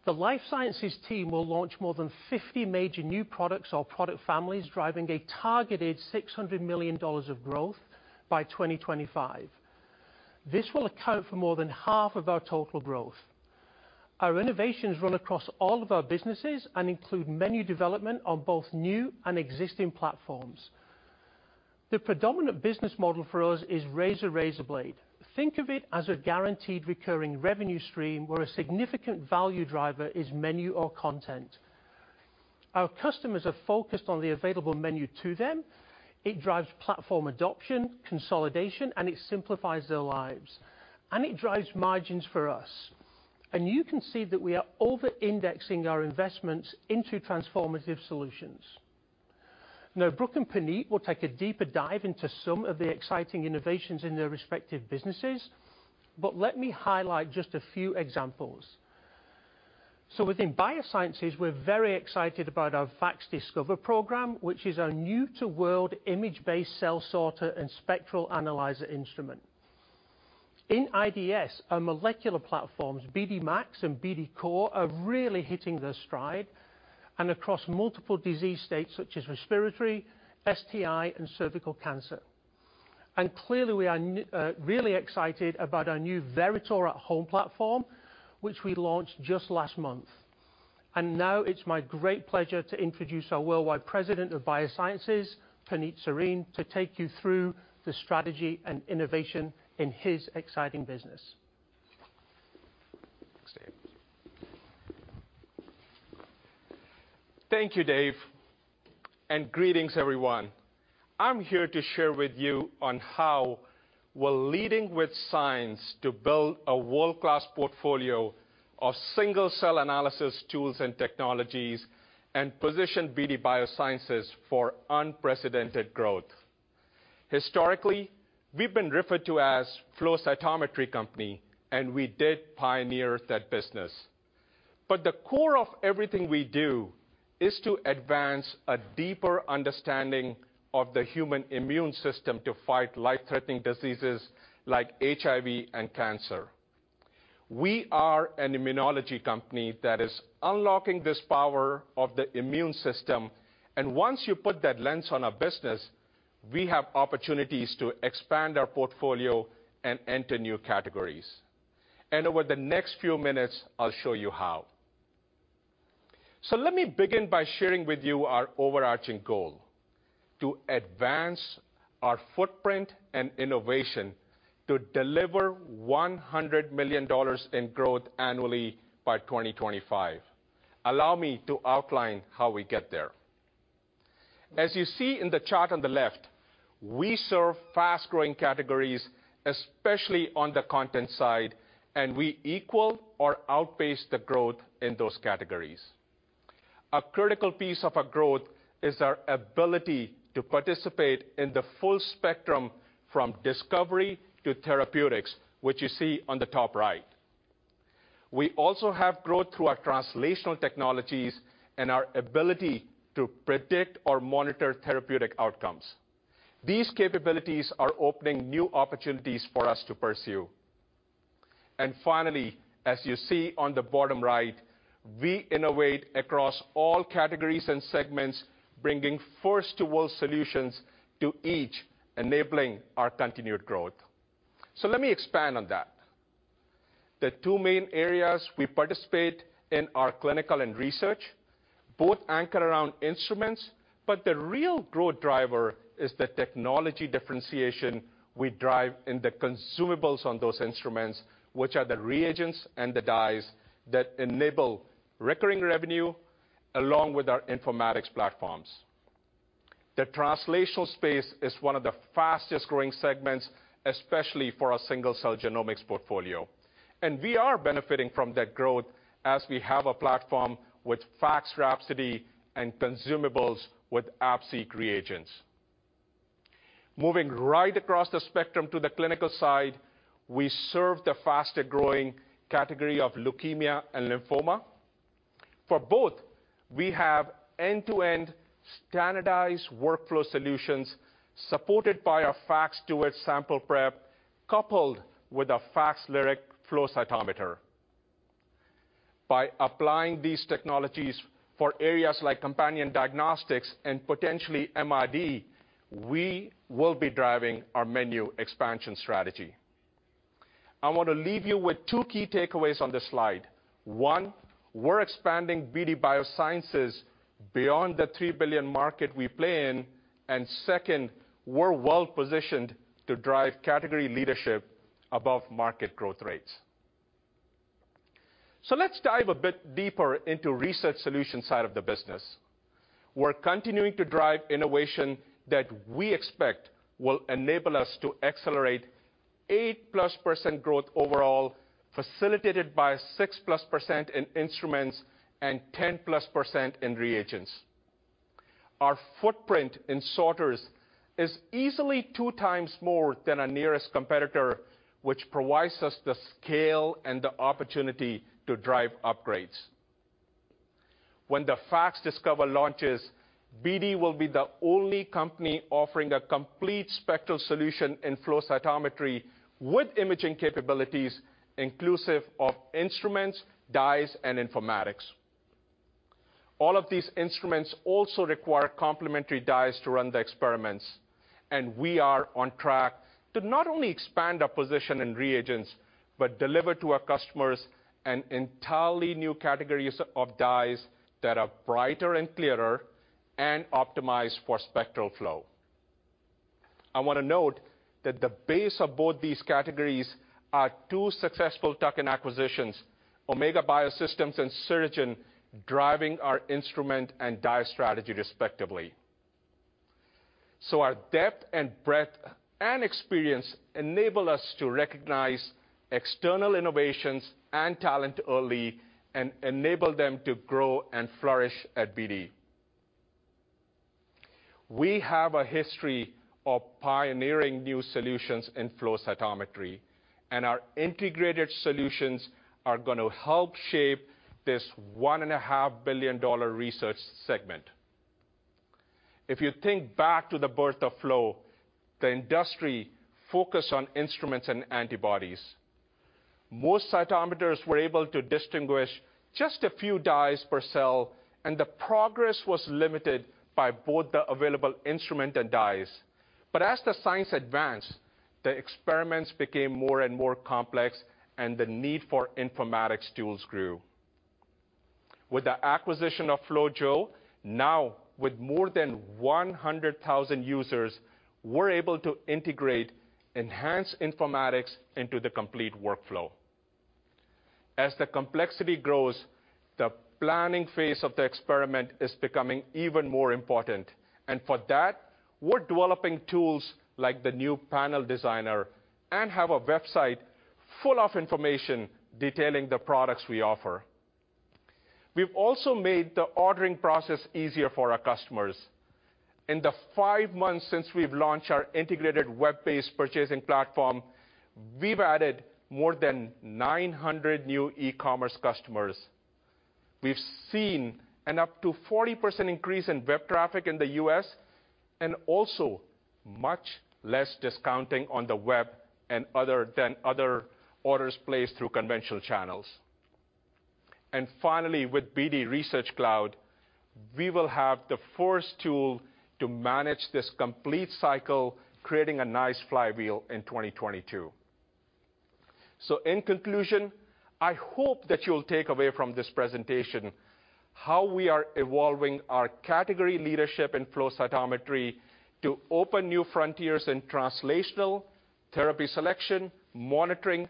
The life sciences team will launch more than 50 major new products or product families, driving a targeted $600 million of growth by 2025. This will account for more than half of our total growth. Our innovations run across all of our businesses and include menu development on both new and existing platforms. The predominant business model for us is razor, razorblade. Think of it as a guaranteed recurring revenue stream where a significant value driver is menu or content. Our customers are focused on the available menu to them. It drives platform adoption, consolidation, and it simplifies their lives. It drives margins for us. You can see that we are overindexing our investments into transformative solutions. Now, Brooke and Puneet will take a deeper dive into some of the exciting innovations in their respective businesses, but let me highlight just a few examples. Within Biosciences, we're very excited about our FACSDiscover program, which is our new-to-world image-based cell sorter and spectral analyzer instrument. In IDS, our molecular platforms, BD MAX and BD COR, are really hitting their stride across multiple disease states such as respiratory, STI, and cervical cancer. Clearly, we are really excited about our new BD Veritor at-home platform, which we launched just last month. Now it's my great pleasure to introduce our Worldwide President of Biosciences, Puneet Sarin, to take you through the strategy and innovation in his exciting business. Thanks, Dave. Thank you, Dave, and greetings, everyone. I'm here to share with you on how we're leading with science to build a world-class portfolio of single-cell analysis tools and technologies and position BD Biosciences for unprecedented growth. Historically, we've been referred to as flow cytometry company, and we did pioneer that business. But the core of everything we do is to advance a deeper understanding of the human immune system to fight life-threatening diseases like HIV and cancer. We are an immunology company that is unlocking this power of the immune system, and once you put that lens on our business, we have opportunities to expand our portfolio and enter new categories. Over the next few minutes, I'll show you how. Let me begin by sharing with you our overarching goal, to advance our footprint and innovation to deliver $100 million in growth annually by 2025. Allow me to outline how we get there. As you see in the chart on the left, we serve fast-growing categories, especially on the content side, and we equal or outpace the growth in those categories. A critical piece of our growth is our ability to participate in the full spectrum from discovery to therapeutics, which you see on the top right. We also have growth through our translational technologies and our ability to predict or monitor therapeutic outcomes. These capabilities are opening new opportunities for us to pursue. Finally, as you see on the bottom right, we innovate across all categories and segments, bringing first to world solutions to each enabling our continued growth. Let me expand on that. The two main areas we participate in are clinical and research, both anchor around instruments, but the real growth driver is the technology differentiation we drive in the consumables on those instruments, which are the reagents and the dyes that enable recurring revenue along with our informatics platforms. The translational space is one of the fastest-growing segments, especially for our single-cell genomics portfolio. We are benefiting from that growth as we have a platform with FACS Rhapsody and consumables with AbSeq reagents. Moving right across the spectrum to the clinical side, we serve the faster-growing category of leukemia and lymphoma. For both, we have end-to-end standardized workflow solutions supported by our FACSDuet sample prep coupled with a FACSLyric flow cytometer. By applying these technologies for areas like companion diagnostics and potentially MRD, we will be driving our menu expansion strategy. I wanna leave you with two key takeaways on this slide. One, we're expanding BD Biosciences beyond the $3 billion market we play in. Second, we're well-positioned to drive category leadership above market growth rates. Let's dive a bit deeper into research solution side of the business. We're continuing to drive innovation that we expect will enable us to accelerate 8%+ growth overall, facilitated by 6%+ in instruments and 10%+ in reagents. Our footprint in sorters is easily 2x more than our nearest competitor, which provides us the scale and the opportunity to drive upgrades. When the FACSDiscover launches, BD will be the only company offering a complete spectral solution in flow cytometry with imaging capabilities inclusive of instruments, dyes, and informatics. All of these instruments also require complementary dyes to run the experiments, and we are on track to not only expand our position in reagents, but deliver to our customers an entirely new categories of dyes that are brighter and clearer and optimized for spectral flow. I wanna note that the base of both these categories are two successful tuck-in acquisitions, Omega Biosystems and Sirigen, driving our instrument and dye strategy respectively. Our depth and breadth and experience enable us to recognize external innovations and talent early and enable them to grow and flourish at BD. We have a history of pioneering new solutions in flow cytometry, and our integrated solutions are gonna help shape this $1.5 billion research segment. If you think back to the birth of flow, the industry focused on instruments and antibodies. Most cytometers were able to distinguish just a few dyes per cell, and the progress was limited by both the available instrument and dyes. As the science advanced, the experiments became more and more complex and the need for informatics tools grew. With the acquisition of FlowJo, now with more than 100,000 users, we're able to integrate enhanced informatics into the complete workflow. As the complexity grows, the planning phase of the experiment is becoming even more important. For that, we're developing tools like the new panel designer and have a website full of information detailing the products we offer. We've also made the ordering process easier for our customers. In the five months since we've launched our integrated web-based purchasing platform, we've added more than 900 new e-commerce customers. We've seen up to 40% increase in web traffic in the U.S. and also much less discounting on the web and other orders placed through conventional channels. Finally, with BD Research Cloud, we will have the first tool to manage this complete cycle, creating a nice flywheel in 2022. In conclusion, I hope that you'll take away from this presentation how we are evolving our category leadership in flow cytometry to open new frontiers in translational therapy selection, monitoring,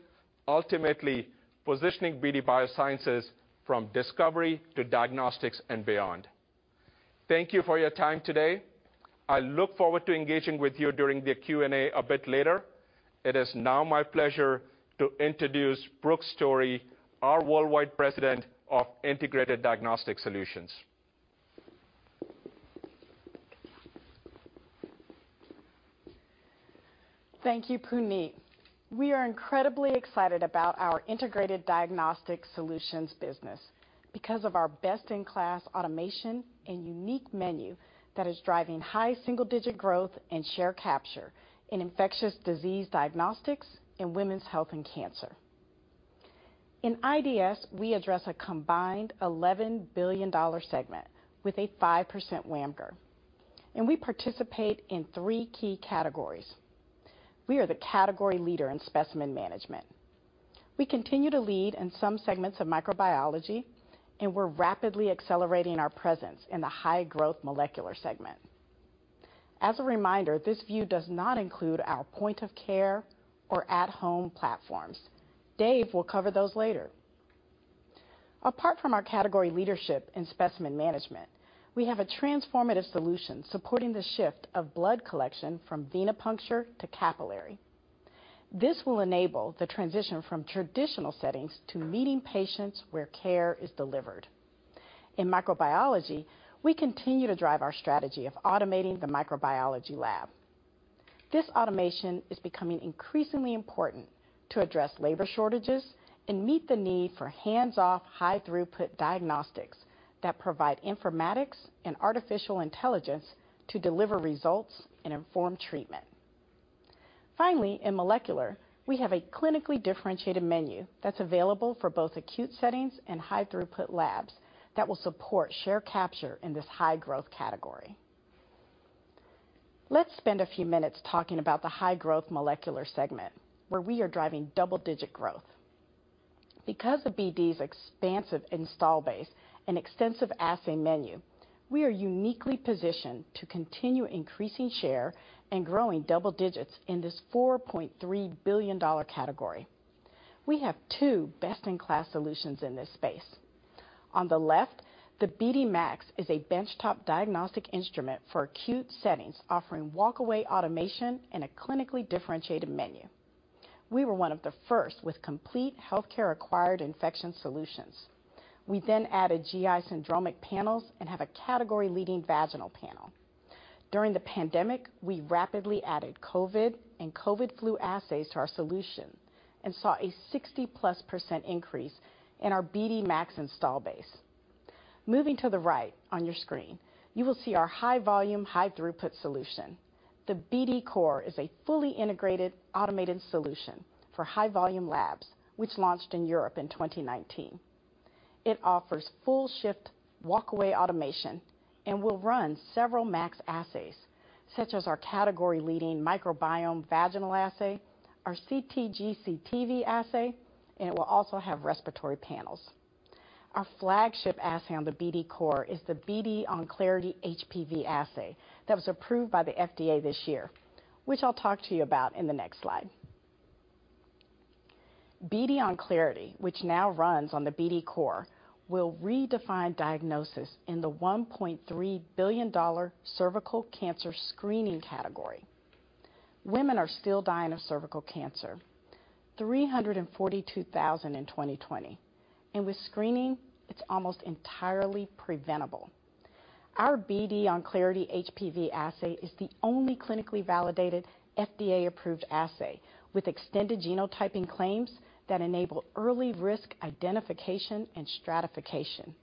ultimately positioning BD Biosciences from discovery to diagnostics and beyond. Thank you for your time today. I look forward to engaging with you during the Q&A a bit later. It is now my pleasure to introduce Brooke Story, our Worldwide President of Integrated Diagnostic Solutions. Thank you, Puneet. We are incredibly excited about our Integrated Diagnostic Solutions business because of our best-in-class automation and unique menu that is driving high single-digit growth and share capture in infectious disease diagnostics and women's health and cancer. In IDS, we address a combined $11 billion segment with a 5% WAMGR, and we participate in three key categories. We are the category leader in specimen management. We continue to lead in some segments of microbiology, and we're rapidly accelerating our presence in the high-growth molecular segment. As a reminder, this view does not include our Point of Care or at-home platforms. Dave will cover those later. Apart from our category leadership in specimen management, we have a transformative solution supporting the shift of blood collection from venipuncture to capillary. This will enable the transition from traditional settings to meeting patients where care is delivered. In microbiology, we continue to drive our strategy of automating the microbiology lab. This automation is becoming increasingly important to address labor shortages and meet the need for hands-off high throughput diagnostics that provide informatics and artificial intelligence to deliver results and inform treatment. Finally, in molecular, we have a clinically differentiated menu that's available for both acute settings and high throughput labs that will support share capture in this high-growth category. Let's spend a few minutes talking about the high-growth molecular segment where we are driving double-digit growth. Because of BD's expansive installed base and extensive assay menu, we are uniquely positioned to continue increasing share and growing double digits in this $4.3 billion category. We have two best-in-class solutions in this space. On the left, the BD MAX is a benchtop diagnostic instrument for acute settings, offering walkaway automation and a clinically differentiated menu. We were one of the first with complete healthcare acquired infection solutions. We then added GI syndromic panels and have a category-leading vaginal panel. During the pandemic, we rapidly added COVID and COVID flu assays to our solution and saw a 60%+ increase in our BD MAX install base. Moving to the right on your screen, you will see our high volume, high throughput solution. The BD COR is a fully integrated automated solution for high volume labs which launched in Europe in 2019. It offers full shift walkaway automation and will run several MAX assays such as our category-leading microbiome vaginal assay, our CT/GC/TV assay, and it will also have respiratory panels. Our flagship assay on the BD COR is the BD Onclarity HPV assay that was approved by the FDA this year, which I'll talk to you about in the next slide. BD Onclarity, which now runs on the BD COR, will redefine diagnosis in the $1.3 billion cervical cancer screening category. Women are still dying of cervical cancer, 342,000 in 2020, and with screening, it's almost entirely preventable. Our BD Onclarity HPV assay is the only clinically validated FDA-approved assay with extended genotyping claims that enable early risk identification and stratification.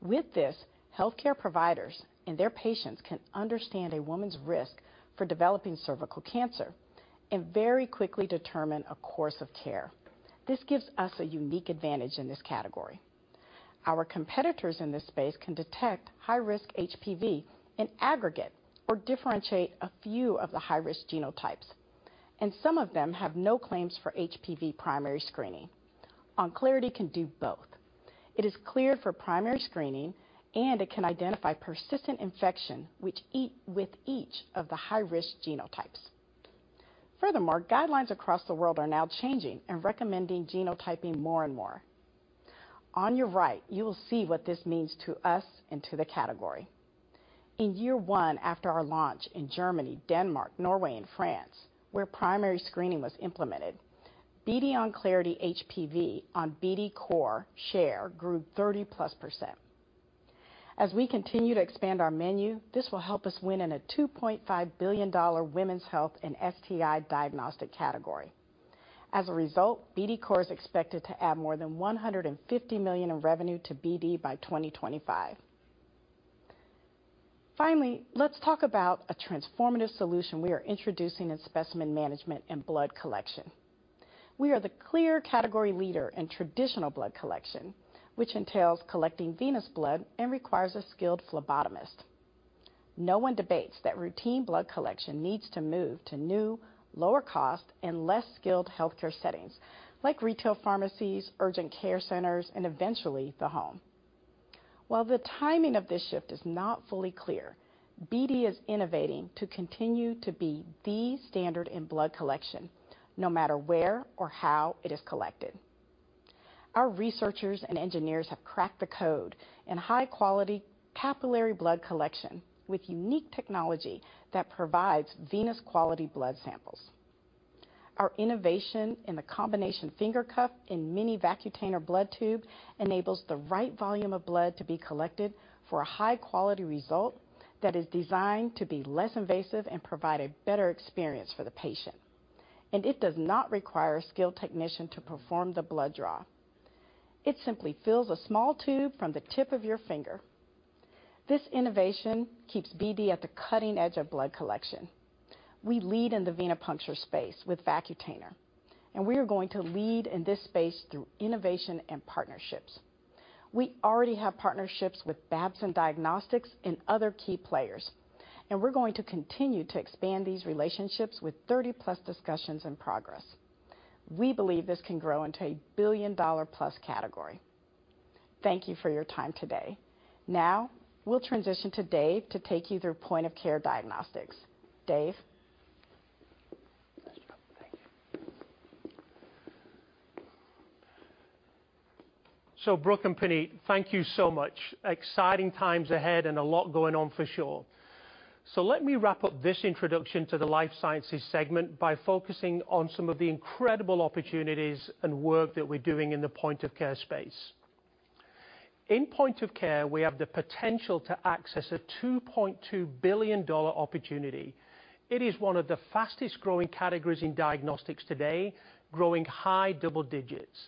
With this, healthcare providers and their patients can understand a woman's risk for developing cervical cancer and very quickly determine a course of care. This gives us a unique advantage in this category. Our competitors in this space can detect high-risk HPV in aggregate or differentiate a few of the high-risk genotypes, and some of them have no claims for HPV primary screening. Onclarity can do both. It is cleared for primary screening, and it can identify persistent infection with each of the high-risk genotypes. Furthermore, guidelines across the world are now changing and recommending genotyping more and more. On your right, you will see what this means to us and to the category. In year one after our launch in Germany, Denmark, Norway, and France, where primary screening was implemented, BD Onclarity HPV on BD COR share grew 30%+. As we continue to expand our menu, this will help us win in a $2.5 billion women's health and STI diagnostic category. As a result, BD COR is expected to add more than $150 million in revenue to BD by 2025. Finally, let's talk about a transformative solution we are introducing in specimen management and blood collection. We are the clear category leader in traditional blood collection, which entails collecting venous blood and requires a skilled phlebotomist. No one debates that routine blood collection needs to move to new, lower-cost, and less-skilled healthcare settings like retail pharmacies, urgent care centers, and eventually, the home. While the timing of this shift is not fully clear, BD is innovating to continue to be the standard in blood collection, no matter where or how it is collected. Our researchers and engineers have cracked the code in high-quality capillary blood collection with unique technology that provides venous quality blood samples. Our innovation in the combination finger cuff and mini Vacutainer blood tube enables the right volume of blood to be collected for a high-quality result that is designed to be less invasive and provide a better experience for the patient, and it does not require a skilled technician to perform the blood draw. It simply fills a small tube from the tip of your finger. This innovation keeps BD at the cutting edge of blood collection. We lead in the venipuncture space with Vacutainer, and we are going to lead in this space through innovation and partnerships. We already have partnerships with Babson Diagnostics and other key players, and we're going to continue to expand these relationships with 30+ discussions in progress. We believe this can grow into a billion-dollar-plus category. Thank you for your time today. Now, we'll transition to Dave to take you through point-of-care diagnostics. Dave? Thank you. Brooke and Puneet, thank you so much. Exciting times ahead and a lot going on for sure. Let me wrap up this introduction to the life sciences segment by focusing on some of the incredible opportunities and work that we're doing in the Point of Care space. In Point of Care, we have the potential to access a $2.2 billion opportunity. It is one of the fastest-growing categories in diagnostics today, growing high double digits.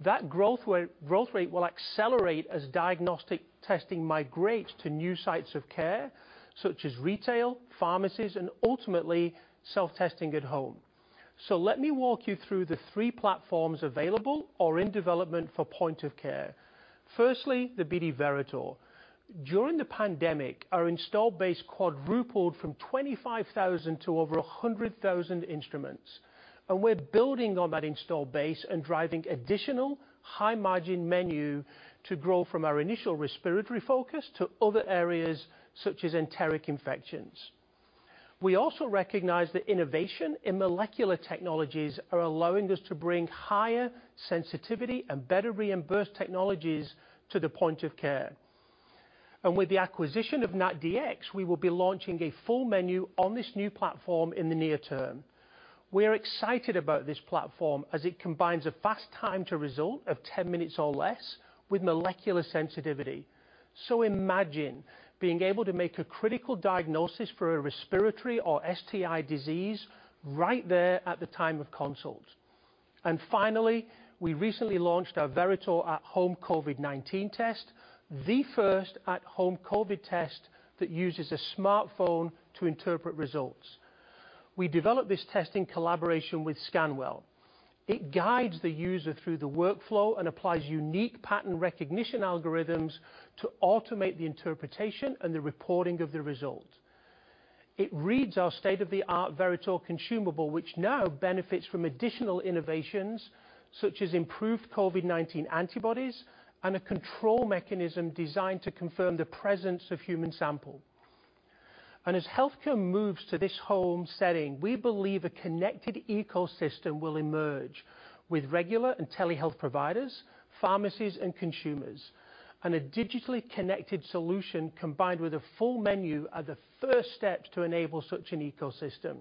That growth rate will accelerate as diagnostic testing migrates to new sites of care, such as retail, pharmacies, and ultimately, self-testing at home. Let me walk you through the three platforms available or in development for Point of Care. Firstly, the BD Veritor. During the pandemic, our install base quadrupled from 25,000 to over 100,000 instruments, and we're building on that install base and driving additional high-margin menu to grow from our initial respiratory focus to other areas such as enteric infections. We also recognize that innovation in molecular technologies are allowing us to bring higher sensitivity and better reimbursed technologies to the Point of Care. With the acquisition of NATDx, we will be launching a full menu on this new platform in the near term. We're excited about this platform, as it combines a fast time to result of 10 minutes or less with molecular sensitivity. Imagine being able to make a critical diagnosis for a respiratory or STI disease right there at the time of consult. Finally, we recently launched our Veritor At-Home COVID-19 Test, the first at-home COVID test that uses a smartphone to interpret results. We developed this test in collaboration with Scanwell. It guides the user through the workflow and applies unique pattern recognition algorithms to automate the interpretation and the reporting of the result. It reads our state-of-the-art Veritor consumable, which now benefits from additional innovations such as improved COVID-19 antibodies and a control mechanism designed to confirm the presence of human sample. As healthcare moves to this home setting, we believe a connected ecosystem will emerge with regular and telehealth providers, pharmacies, and consumers. A digitally connected solution combined with a full menu are the first steps to enable such an ecosystem.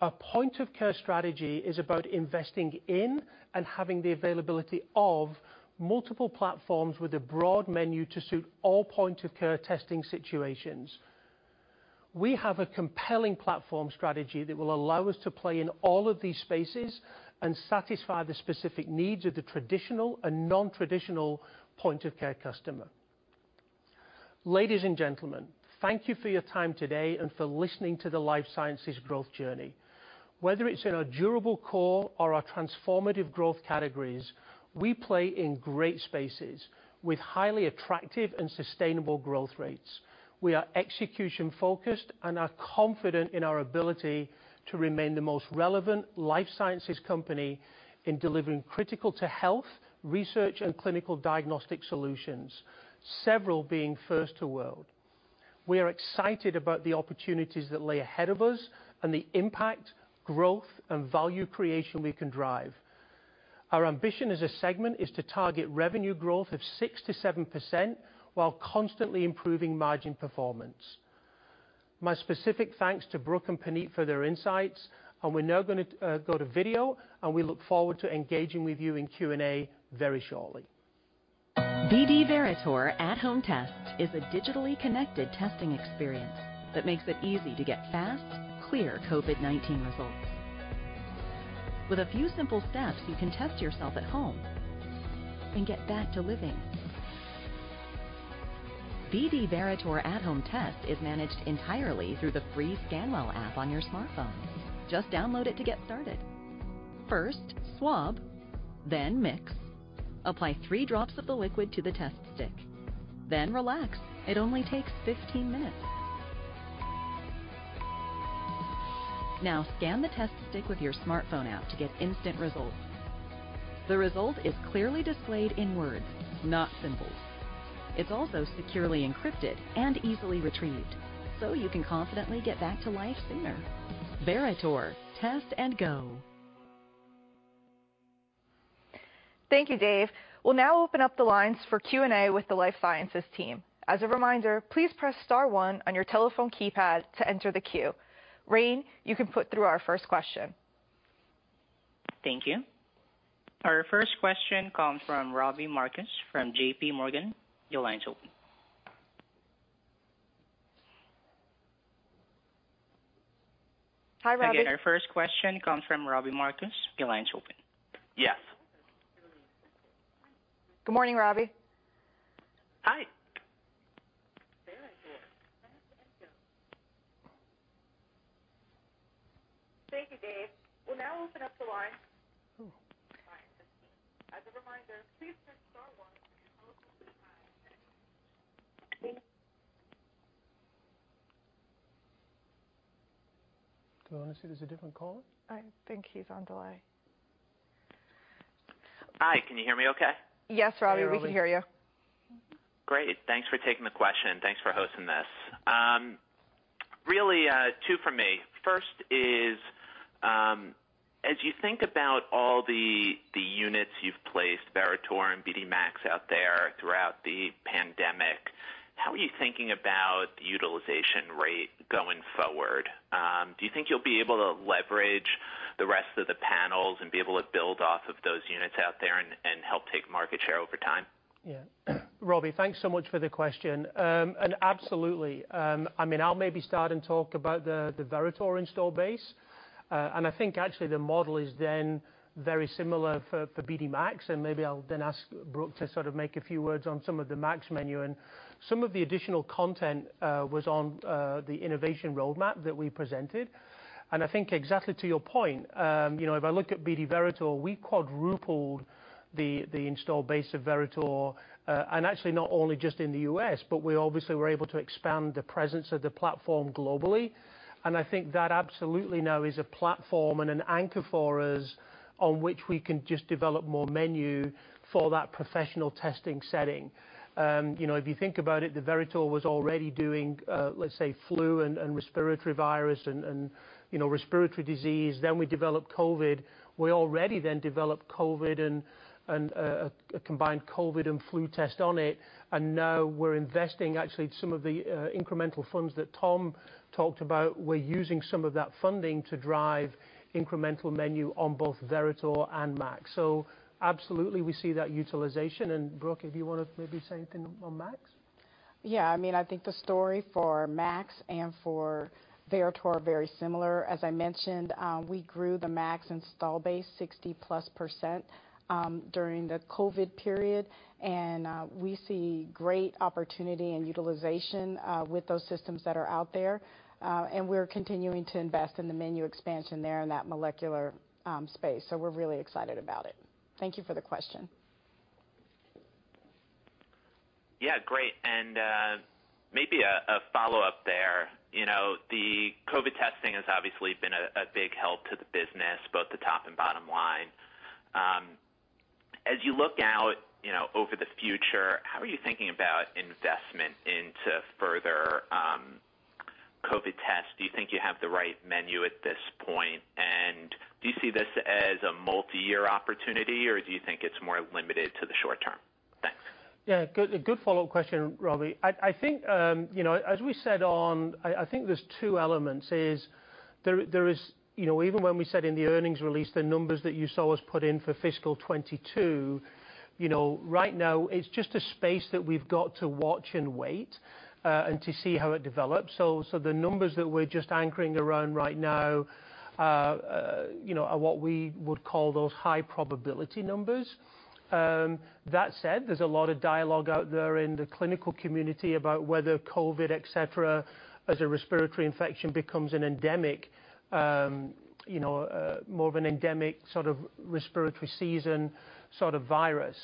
Our Point of Care strategy is about investing in and having the availability of multiple platforms with a broad menu to suit all Point of Care testing situations. We have a compelling platform strategy that will allow us to play in all of these spaces and satisfy the specific needs of the traditional and non-traditional Point of Care customer. Ladies and gentlemen, thank you for your time today and for listening to the life sciences growth journey. Whether it's in our durable core or our transformative growth categories, we play in great spaces with highly attractive and sustainable growth rates. We are execution-focused and are confident in our ability to remain the most relevant life sciences company in delivering critical to health, research, and clinical diagnostic solutions, several being first to world. We are excited about the opportunities that lay ahead of us and the impact, growth, and value creation we can drive. Our ambition as a segment is to target revenue growth of 6%-7% while constantly improving margin performance. My specific thanks to Brooke and Puneet for their insights, and we're now gonna go to video, and we look forward to engaging with you in Q&A very shortly. BD Veritor At-Home Test is a digitally connected testing experience that makes it easy to get fast, clear COVID-19 results. With a few simple steps, you can test yourself at home and get back to living. BD Veritor At-Home Test is managed entirely through the free Scanwell app on your smartphone. Just download it to get started. First, swab, then mix. Apply three drops of the liquid to the test stick. Then relax. It only takes 15 minutes. Now scan the test stick with your smartphone app to get instant results. The result is clearly displayed in words, not symbols. It's also securely encrypted and easily retrieved, so you can confidently get back to life sooner. Veritor, test and go. Thank you, Dave. We'll now open up the lines for Q&A with the Life Sciences team. As a reminder, please press star one on your telephone keypad to enter the queue. Rayne, you can put through our first question. Thank you. Our first question comes from Robbie Marcus from JPMorgan. Your line's open. Hi, Robbie. To get our first question comes from Robbie Marcus. Your line's open. Yes. Good morning, Robbie. Hi. Do you wanna see there's a different caller? I think he's on delay. Hi, can you hear me okay? Yes, Robbie, we can hear you. Great. Thanks for taking the question. Thanks for hosting this. Really, two for me. First is, as you think about all the units you've placed, Veritor and BD MAX out there throughout the pandemic, how are you thinking about the utilization rate going forward? Do you think you'll be able to leverage the rest of the panels and be able to build off of those units out there and help take market share over time? Yeah. Robbie, thanks so much for the question. Absolutely. I mean, I'll maybe start and talk about the Veritor install base. I think actually the model is then very similar for BD MAX, and maybe I'll then ask Brooke to sort of make a few words on some of the MAX menu. Some of the additional content was on the innovation roadmap that we presented. I think exactly to your point, you know, if I look at BD Veritor, we quadrupled the install base of Veritor, and actually not only just in the U.S., but we obviously were able to expand the presence of the platform globally. I think that absolutely now is a platform and an anchor for us on which we can just develop more menu for that professional testing setting. You know, if you think about it, the Veritor was already doing, let's say, flu and respiratory virus and you know, respiratory disease. Then we developed COVID. We already developed COVID and a combined COVID and flu test on it, and now we're investing actually some of the incremental funds that Tom talked about. We're using some of that funding to drive incremental menu on both Veritor and MAX. Absolutely, we see that utilization. Brooke, if you wanna maybe say anything on MAX. Yeah. I mean, I think the story for MAX and for Veritor are very similar. As I mentioned, we grew the MAX install base 60+% during the COVID period, and we see great opportunity and utilization with those systems that are out there. We're continuing to invest in the menu expansion there in that molecular space. We're really excited about it. Thank you for the question. Yeah, great. Maybe a follow-up there. You know, the COVID testing has obviously been a big help to the business, both the top and bottom line. As you look out, you know, over the future, how are you thinking about investment into further COVID tests? Do you think you have the right menu at this point? And do you see this as a multi-year opportunity, or do you think it's more limited to the short term? Thanks. Yeah. Good follow-up question, Robbie. I think, you know, as we said on... I think there's two elements, there is... You know, even when we said in the earnings release, the numbers that you saw us put in for fiscal 2022, you know, right now it's just a space that we've got to watch and wait, and to see how it develops. The numbers that we're just anchoring around right now are what we would call those high-probability numbers. That said, there's a lot of dialogue out there in the clinical community about whether COVID-19, et cetera, as a respiratory infection, becomes an endemic, more of an endemic sort of respiratory seasonal sort of virus.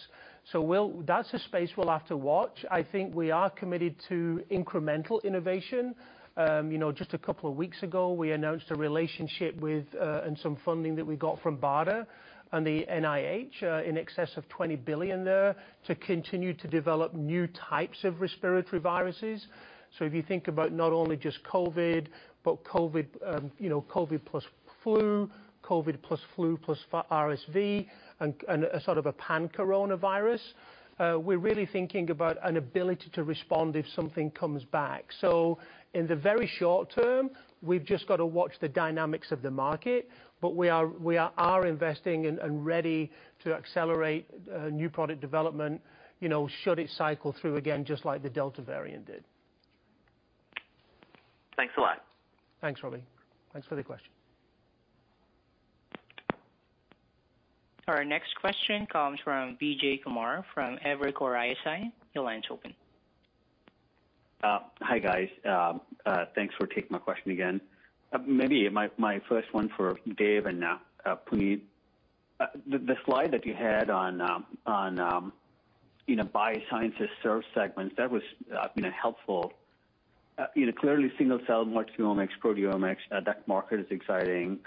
That's a space we'll have to watch. I think we are committed to incremental innovation. You know, just a couple of weeks ago, we announced a relationship with and some funding that we got from BARDA and the NIH in excess of $20 million there, to continue to develop new types of respiratory viruses. If you think about not only just COVID, but COVID, you know, COVID plus flu, COVID plus flu plus RSV and a sort of a pan-coronavirus, we're really thinking about an ability to respond if something comes back. In the very short term, we've just got to watch the dynamics of the market. We are investing and ready to accelerate new product development, you know, should it cycle through again, just like the Delta variant did. Thanks a lot. Thanks, Robbie. Thanks for the question. Our next question comes from Vijay Kumar from Evercore ISI. Your line's open. Hi, guys. Thanks for taking my question again. Maybe my first one for Dave and Puneet. The slide that you had on, you know, BD Biosciences segment, that's been helpful. You know, clearly single cell multiomics, proteomics, that market is exciting.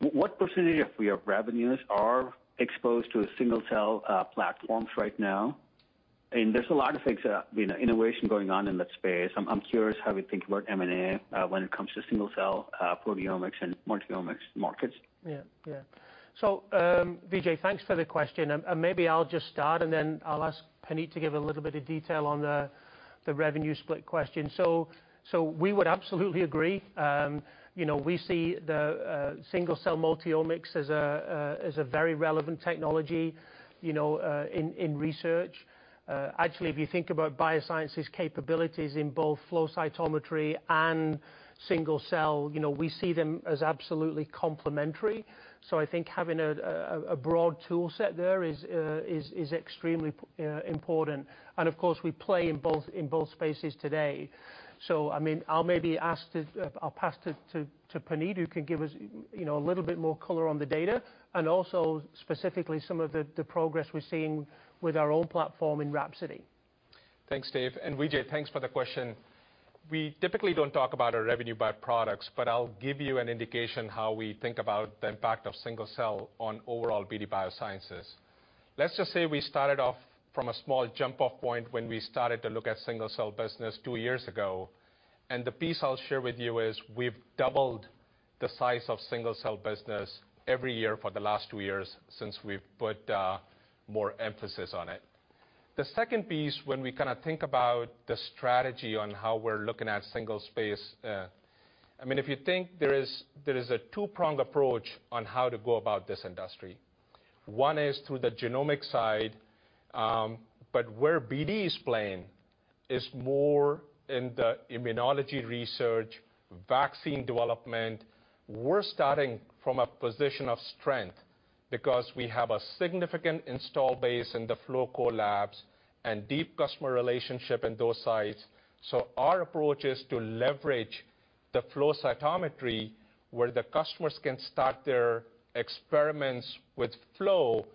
What percentage of your revenues are exposed to a single cell platforms right now? I mean, there's a lot of things, you know, innovation going on in that space. I'm curious how we think about M&A when it comes to single cell proteomics and multiomics markets. Vijay, thanks for the question. Maybe I'll just start, and then I'll ask Puneet to give a little bit of detail on the revenue split question. We would absolutely agree. You know, we see the single cell multiomics as a very relevant technology, you know, in research. Actually, if you think about biosciences capabilities in both flow cytometry and single cell, you know, we see them as absolutely complementary. I think having a broad toolset there is extremely important. Of course, we play in both spaces today. I mean, I'll pass to Puneet, who can give us, you know, a little bit more color on the data, and also specifically some of the progress we're seeing with our own platform in Rhapsody. Thanks, Dave, and Vijay, thanks for the question. We typically don't talk about our revenue by products, but I'll give you an indication how we think about the impact of single cell on overall BD Biosciences. Let's just say we started off from a small jump-off point when we started to look at single cell business two years ago. The piece I'll share with you is we've doubled the size of single cell business every year for the last two years since we've put more emphasis on it. The second piece, when we kinda think about the strategy on how we're looking at single space, I mean, if you think there is a two-pronged approach on how to go about this industry. One is through the genomic side, but where BD is playing is more in the immunology research, vaccine development. We're starting from a position of strength because we have a significant install base in the flow core labs and deep customer relationship in those sites. Our approach is to leverage the flow cytometry where the customers can start their experiments with flow,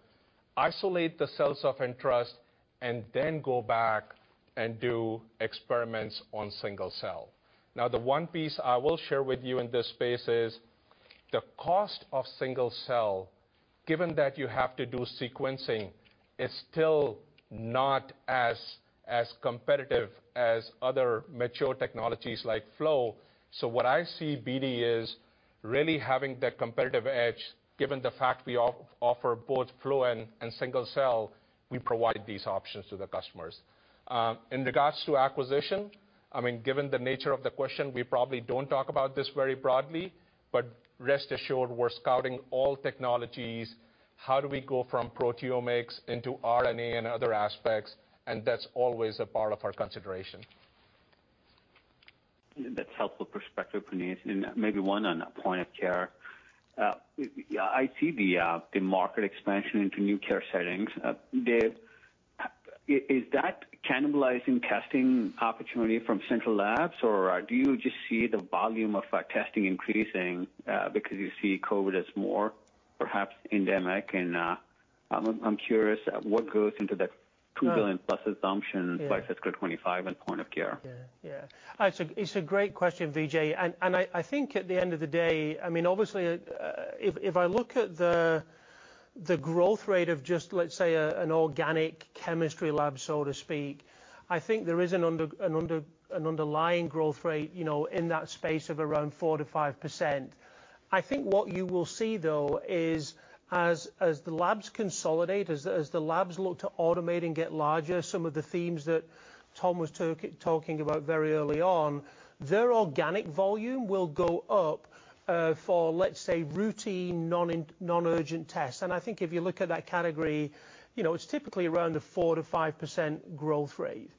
isolate the cells of interest, and then go back and do experiments on single cell. Now, the one piece I will share with you in this space is the cost of single cell, given that you have to do sequencing, is still not as competitive as other mature technologies like flow. What I see BD as really having the competitive edge, given the fact we offer both flow and single cell, we provide these options to the customers. In regards to acquisition, I mean, given the nature of the question, we probably don't talk about this very broadly, but rest assured, we're scouting all technologies. How do we go from proteomics into RNA and other aspects, and that's always a part of our consideration. That's helpful perspective, Puneet. Maybe one on Point of Care. I see the market expansion into new care settings. Dave, is that cannibalizing testing opportunity from central labs, or do you just see the volume of testing increasing, because you see COVID as more perhaps endemic? I'm curious what goes into that $2 billion-plus assumption by 2025 in Point of Care? It's a great question, Vijay. I think at the end of the day, I mean, obviously, if I look at the growth rate of just, let's say, an organic chemistry lab, so to speak, I think there is an underlying growth rate, you know, in that space of around 4%-5%. I think what you will see, though, is as the labs consolidate, as the labs look to automate and get larger, some of the themes that Tom was talking about very early on, their organic volume will go up for, let's say, routine, non-urgent tests. I think if you look at that category, you know, it's typically around a 4%-5% growth rate.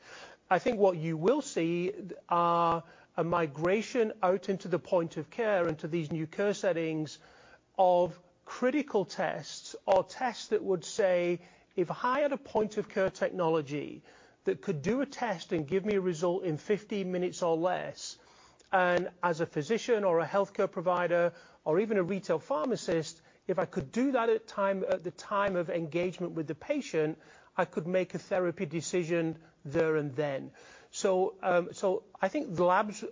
I think what you will see are a migration out into the Point of Care and to these new care settings of critical tests. Critical tests are tests that, say, if I had a Point of Care technology that could do a test and give me a result in 15 minutes or less, and as a physician or a healthcare provider or even a retail pharmacist, if I could do that at the time of engagement with the patient, I could make a therapy decision there and then. I think the labs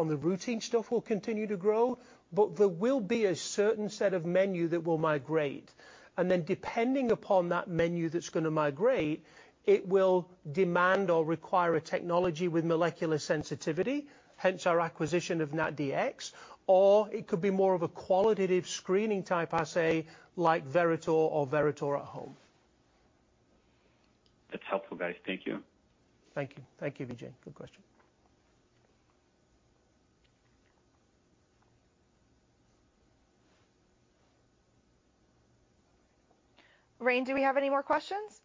on the routine stuff will continue to grow, but there will be a certain set of menu that will migrate. Depending upon that menu that's gonna migrate, it will demand or require a technology with molecular sensitivity, hence our acquisition of NATDx, or it could be more of a qualitative screening type assay like Veritor or Veritor at Home. That's helpful, guys. Thank you. Thank you. Thank you, Vijay. Good question. Rayne, do we have any more questions?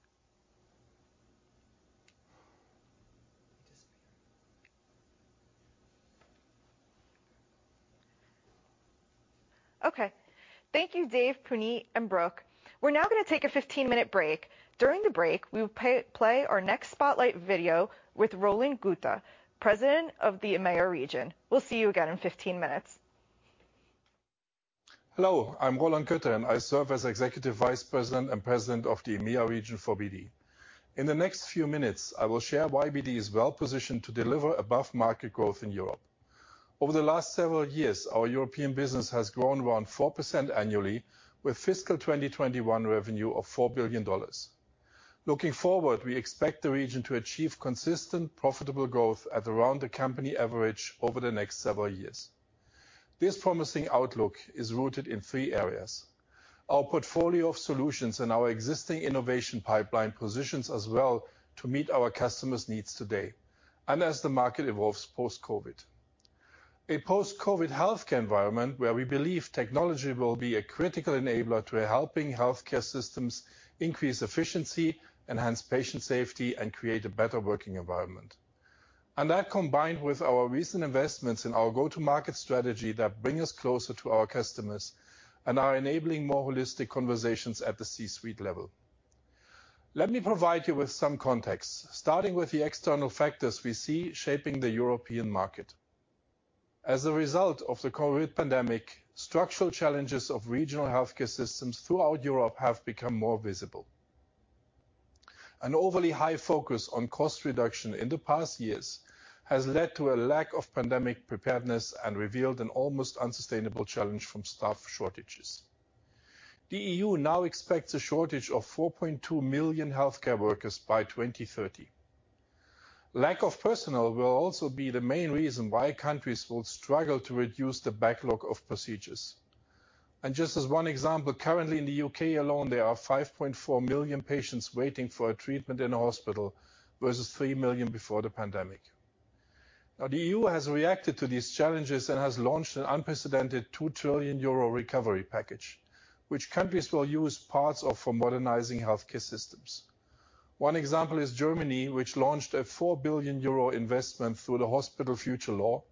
Okay. Thank you, Dave, Puneet, and Brooke. We're now gonna take a 15-minute break. During the break, we will play our next spotlight video with Roland Goette, President of the EMEA region. We'll see you again in 15 minutes. Hello, I'm Roland Goette, and I serve as Executive Vice President and President of the EMEA region for BD. In the next few minutes, I will share why BD is well-positioned to deliver above-market growth in Europe. Over the last several years, our European business has grown around 4% annually, with fiscal 2021 revenue of $4 billion. Looking forward, we expect the region to achieve consistent, profitable growth at around the company average over the next several years. This promising outlook is rooted in three areas. Our portfolio of solutions and our existing innovation pipeline positions us well to meet our customers' needs today, and as the market evolves post-COVID. A post-COVID healthcare environment where we believe technology will be a critical enabler to helping healthcare systems increase efficiency, enhance patient safety, and create a better working environment. That combined with our recent investments in our go-to-market strategy that bring us closer to our customers and are enabling more holistic conversations at the C-suite level. Let me provide you with some context, starting with the external factors we see shaping the European market. As a result of the COVID pandemic, structural challenges of regional healthcare systems throughout Europe have become more visible. An overly high focus on cost reduction in the past years has led to a lack of pandemic preparedness and revealed an almost unsustainable challenge from staff shortages. The E.U. now expects a shortage of 4.2 million healthcare workers by 2030. Lack of personnel will also be the main reason why countries will struggle to reduce the backlog of procedures. Just as one example, currently in the U.K. alone, there are 5.4 million patients waiting for a treatment in a hospital versus 3 million before the pandemic. Now, the E.U. has reacted to these challenges and has launched an unprecedented 2 trillion euro recovery package, which countries will use parts of for modernizing healthcare systems. One example is Germany, which launched a 4 billion euro investment through the Hospital Future Act,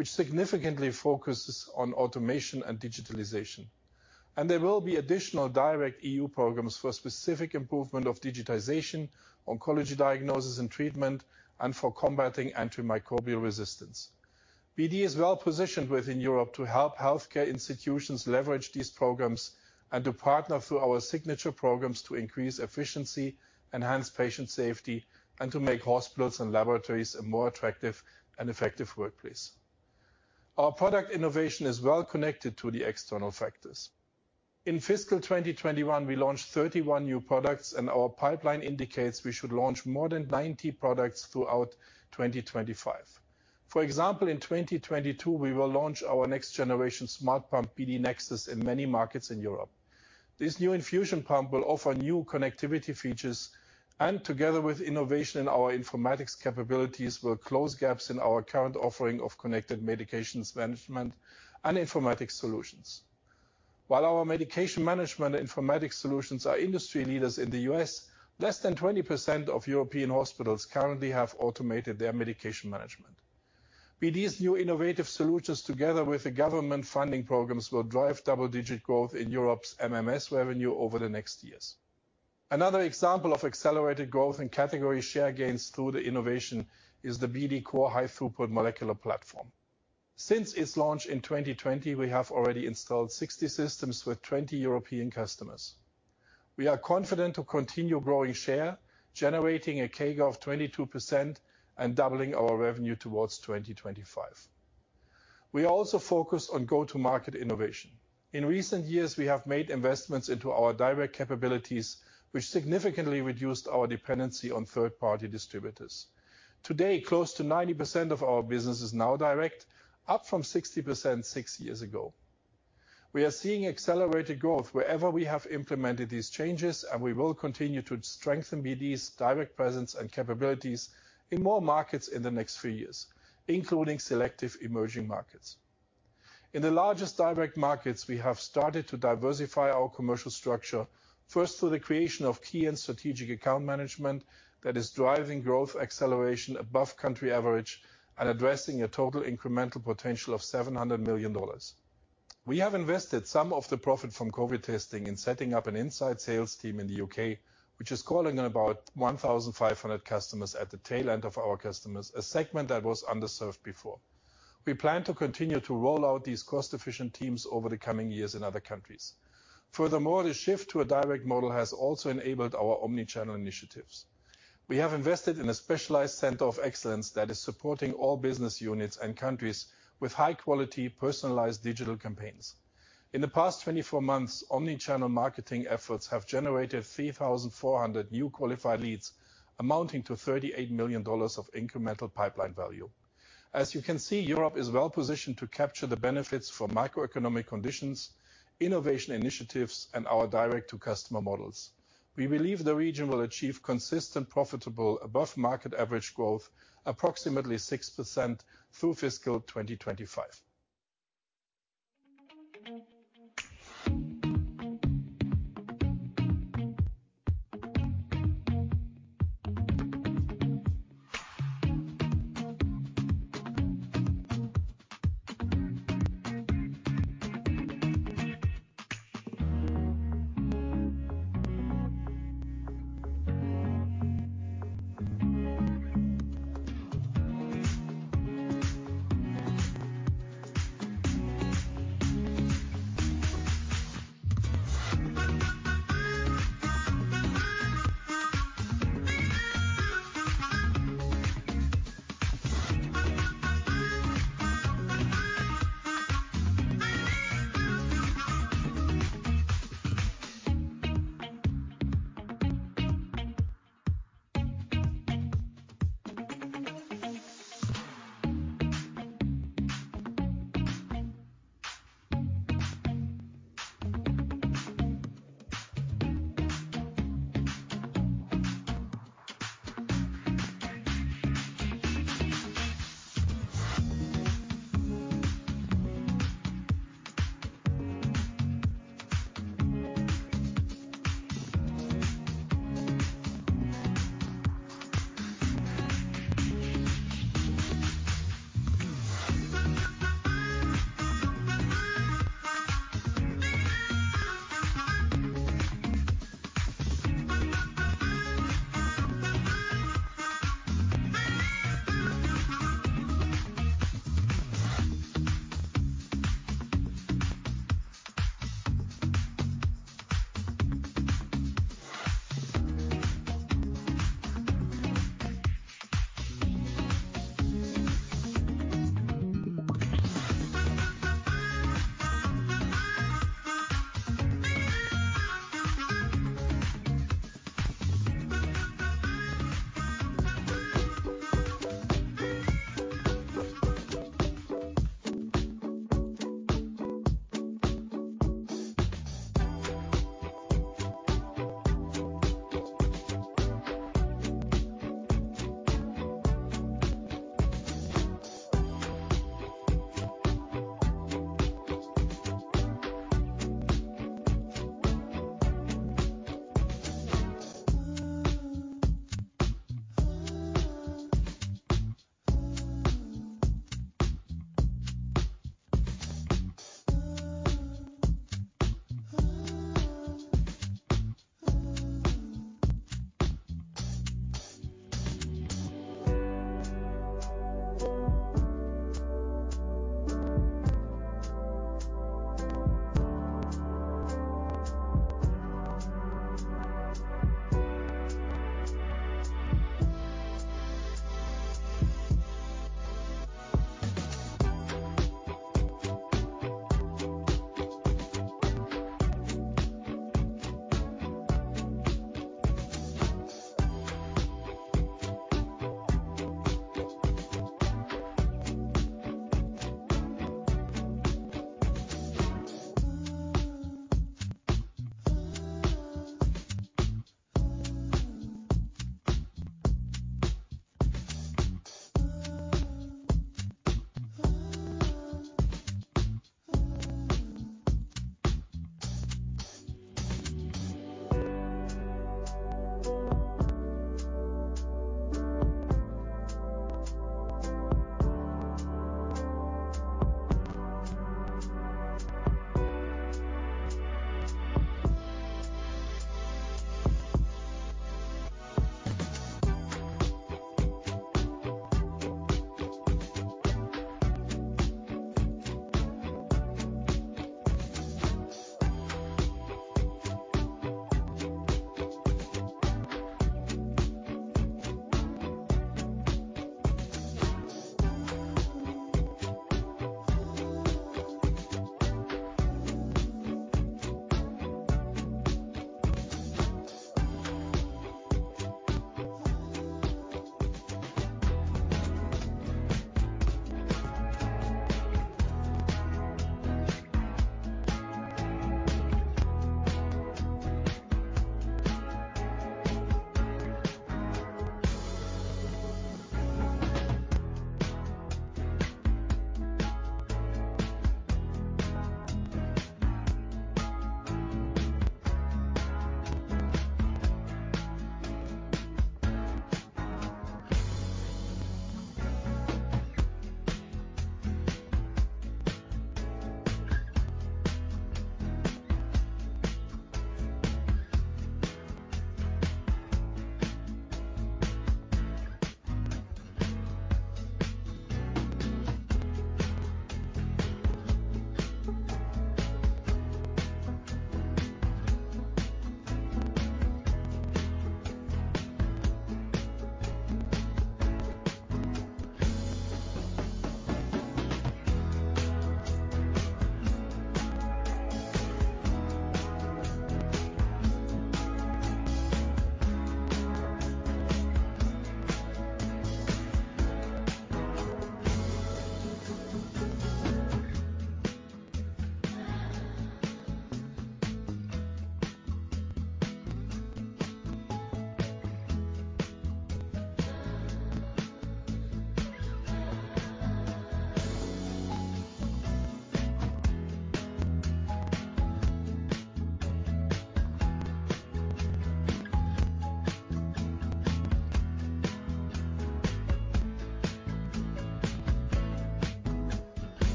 which significantly focuses on automation and digitalization. There will be additional direct E.U. programs for specific improvement of digitization, oncology diagnosis and treatment, and for combating antimicrobial resistance. BD is well positioned within Europe to help healthcare institutions leverage these programs and to partner through our signature programs to increase efficiency, enhance patient safety, and to make hospitals and laboratories a more attractive and effective workplace. Our product innovation is well connected to the external factors. In fiscal 2021, we launched 31 new products, and our pipeline indicates we should launch more than 90 products throughout 2025. For example, in 2022, we will launch our next generation smart pump, BD neXus, in many markets in Europe. This new infusion pump will offer new connectivity features, and together with innovation in our informatics capabilities, will close gaps in our current offering of connected medications management and informatics solutions. While our medication management informatics solutions are industry leaders in the U.S., less than 20% of European hospitals currently have automated their medication management. BD's new innovative solutions together with the government funding programs will drive double-digit growth in Europe's MMS revenue over the next years. Another example of accelerated growth and category share gains through the innovation is the BD COR high-throughput molecular platform. Since its launch in 2020, we have already installed 60 systems with 20 European customers. We are confident to continue growing share, generating a CAGR of 22%, and doubling our revenue toward 2025. We also focus on go-to-market innovation. In recent years, we have made investments into our direct capabilities, which significantly reduced our dependency on third-party distributors. Today, close to 90% of our business is now direct, up from 60% six years ago. We are seeing accelerated growth wherever we have implemented these changes, and we will continue to strengthen BD's direct presence and capabilities in more markets in the next few years, including selective emerging markets. In the largest direct markets, we have started to diversify our commercial structure, first through the creation of key and strategic account management that is driving growth acceleration above country average and addressing a total incremental potential of $700 million. We have invested some of the profit from COVID testing in setting up an inside sales team in the U.K., which is calling about 1,500 customers at the tail end of our customers, a segment that was underserved before. We plan to continue to roll out these cost-efficient teams over the coming years in other countries. Furthermore, the shift to a direct model has also enabled our omni-channel initiatives. We have invested in a specialized center of excellence that is supporting all business units and countries with high-quality, personalized digital campaigns. In the past 24 months, omni-channel marketing efforts have generated 3,400 new qualified leads, amounting to $38 million of incremental pipeline value. As you can see, Europe is well-positioned to capture the benefits for macroeconomic conditions, innovation initiatives, and our direct-to-customer models. We believe the region will achieve consistent, profitable above market average growth approximately 6% through fiscal 2025.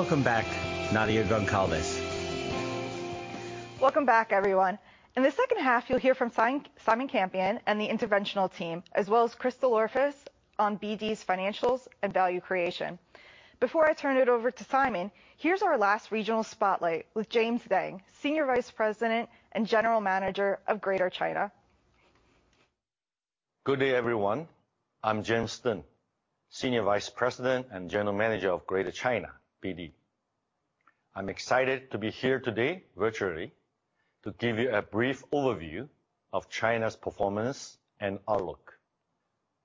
Please welcome back Nadia Goncalves. Welcome back, everyone. In the second half, you'll hear from Simon Campion and the interventional team, as well as Chris DelOrefice on BD's financials and value creation. Before I turn it over to Simon, here's our last regional spotlight with James Deng, Senior Vice President and General Manager of Greater China. Good day, everyone. I'm James Deng, Senior Vice President and General Manager of Greater China, BD. I'm excited to be here today virtually, to give you a brief overview of China's performance and outlook.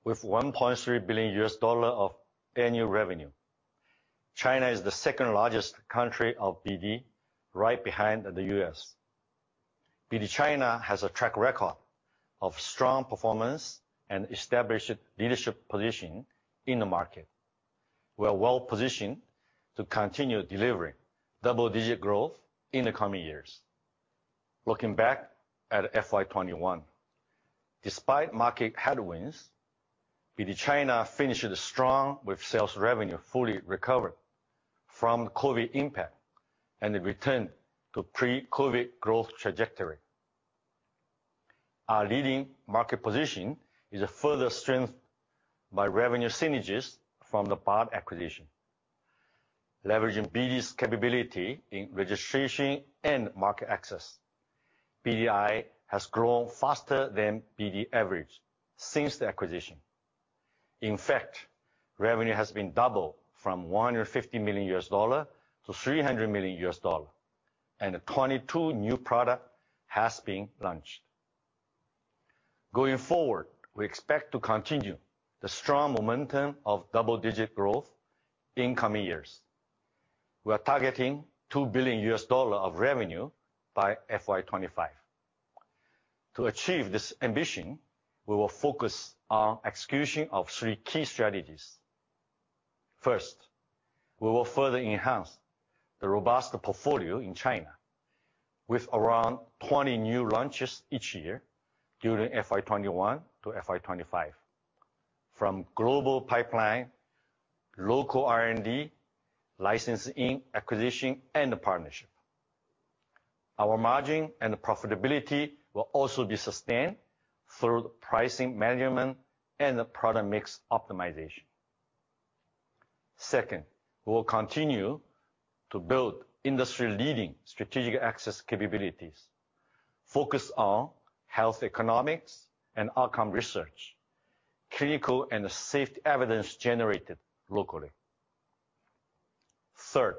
With $1.3 billion of annual revenue, China is the second-largest country of BD, right behind the U.S. BD China has a track record of strong performance and established leadership position in the market. We are well-positioned to continue delivering double-digit growth in the coming years. Looking back at FY 2021, despite market headwinds, BD China finished strong with sales revenue fully recovered from COVID impact and the return to pre-COVID growth trajectory. Our leading market position is further strengthened by revenue synergies from the Bard acquisition. Leveraging BD's capability in registration and market access, BDI has grown faster than BD average since the acquisition. In fact, revenue has been doubled from $150 million to $300 million, and 22 new products have been launched. Going forward, we expect to continue the strong momentum of double-digit growth in coming years. We are targeting $2 billion of revenue by FY 2025. To achieve this ambition, we will focus on execution of three key strategies. First, we will further enhance the robust portfolio in China with around 20 new launches each year during FY 2021 to FY 2025 from global pipeline, local R&D, licensing, acquisition, and partnership. Our margins and profitability will also be sustained through pricing management and the product mix optimization. Second, we will continue to build industry-leading strategic access capabilities focused on health economics and outcomes research, clinical and safety evidence generated locally. Third,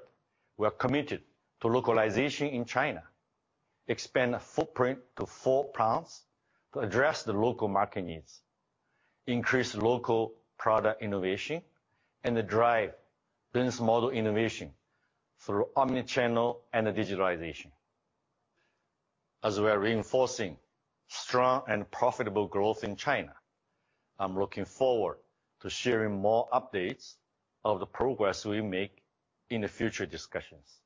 we are committed to localization in China. Expand footprint to four plants to address the local market needs, increase local product innovation, and to drive business model innovation through omni-channel and digitalization. As we are reinforcing strong and profitable growth in China, I'm looking forward to sharing more updates of the progress we make in the future discussions.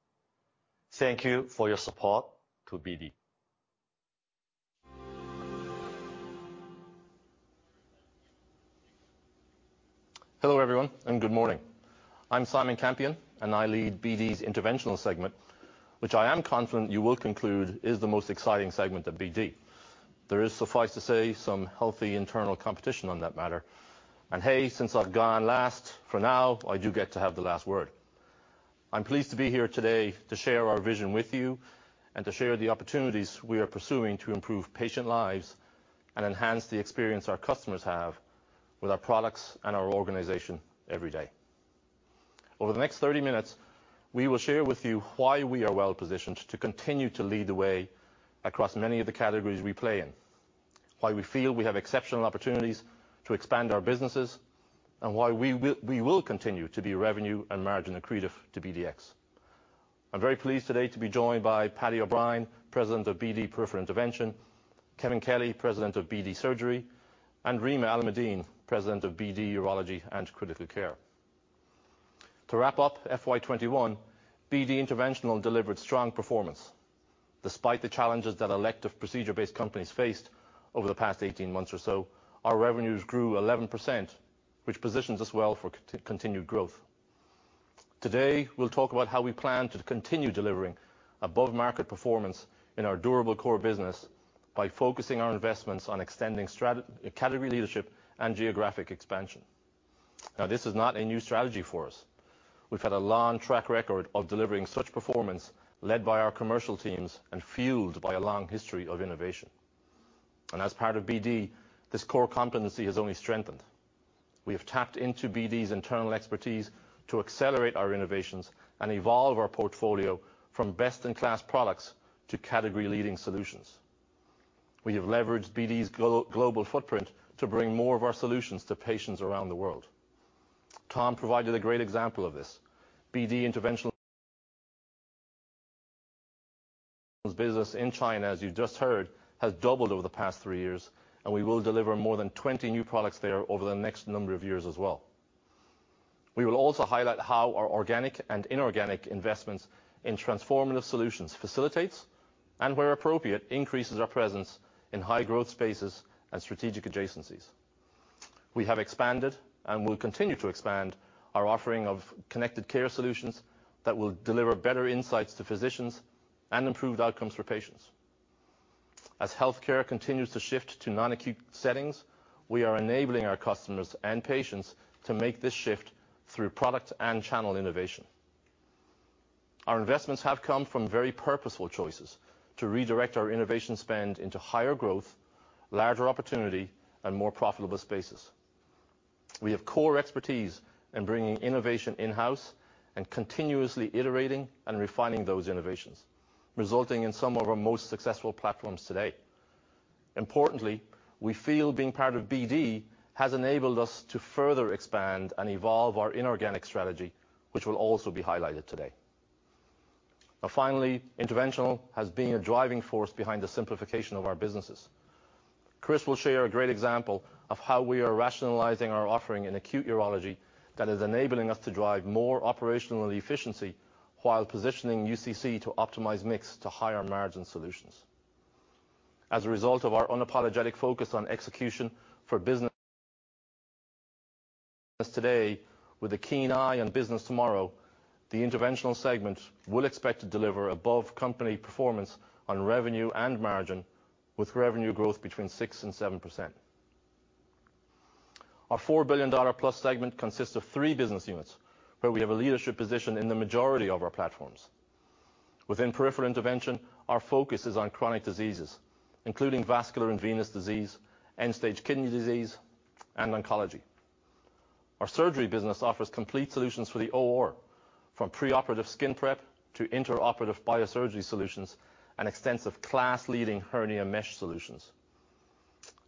Thank you for your support to BD. Hello, everyone, and good morning. I'm Simon Campion, and I lead BD's Interventional segment, which I am confident you will conclude is the most exciting segment of BD. There is, suffice to say, some healthy internal competition on that matter. Hey, since I've gone last, for now, I do get to have the last word. I'm pleased to be here today to share our vision with you and to share the opportunities we are pursuing to improve patient lives and enhance the experience our customers have with our products and our organization every day. Over the next 30 minutes, we will share with you why we are well-positioned to continue to lead the way across many of the categories we play in, why we feel we have exceptional opportunities to expand our businesses, and why we will continue to be revenue and margin accretive to BDX. I'm very pleased today to be joined by Paddy O'Brien, President of BD Peripheral Intervention, Kevin Kelly, President of BD Surgery, and Rima Alamuddin, President of BD Urology and Critical Care. To wrap up FY 2021, BD Interventional delivered strong performance. Despite the challenges that elective procedure-based companies faced over the past 18 months or so, our revenues grew 11%, which positions us well for continued growth. Today, we'll talk about how we plan to continue delivering above-market performance in our durable core business by focusing our investments on extending category leadership and geographic expansion. Now, this is not a new strategy for us. We've had a long track record of delivering such performance led by our commercial teams and fueled by a long history of innovation. As part of BD, this core competency has only strengthened. We have tapped into BD's internal expertise to accelerate our innovations and evolve our portfolio from best-in-class products to category-leading solutions. We have leveraged BD's global footprint to bring more of our solutions to patients around the world. Tom provided a great example of this. BD Interventional business in China, as you just heard, has doubled over the past three years, and we will deliver more than 20 new products there over the next number of years as well. We will also highlight how our organic and inorganic investments in transformative solutions facilitates and, where appropriate, increases our presence in high growth spaces and strategic adjacencies. We have expanded and will continue to expand our offering of connected care solutions that will deliver better insights to physicians and improved outcomes for patients. As healthcare continues to shift to non-acute settings, we are enabling our customers and patients to make this shift through product and channel innovation. Our investments have come from very purposeful choices to redirect our innovation spend into higher growth, larger opportunity, and more profitable spaces. We have core expertise in bringing innovation in-house and continuously iterating and refining those innovations, resulting in some of our most successful platforms today. Importantly, we feel being part of BD has enabled us to further expand and evolve our inorganic strategy, which will also be highlighted today. Now finally, Interventional has been a driving force behind the simplification of our businesses. Chris will share a great example of how we are rationalizing our offering in acute urology that is enabling us to drive more operational efficiency while positioning UCC to optimize mix to higher margin solutions. As a result of our unapologetic focus on execution for business today with a keen eye on business tomorrow, the Interventional segment will expect to deliver above company performance on revenue and margin with revenue growth between 6% and 7%. Our $4 billion+ segment consists of three business units, where we have a leadership position in the majority of our platforms. Within Peripheral Intervention, our focus is on chronic diseases, including vascular and venous disease, end-stage kidney disease, and oncology. Our Surgery business offers complete solutions for the OR, from preoperative skin prep to intraoperative biosurgery solutions and extensive class-leading hernia mesh solutions.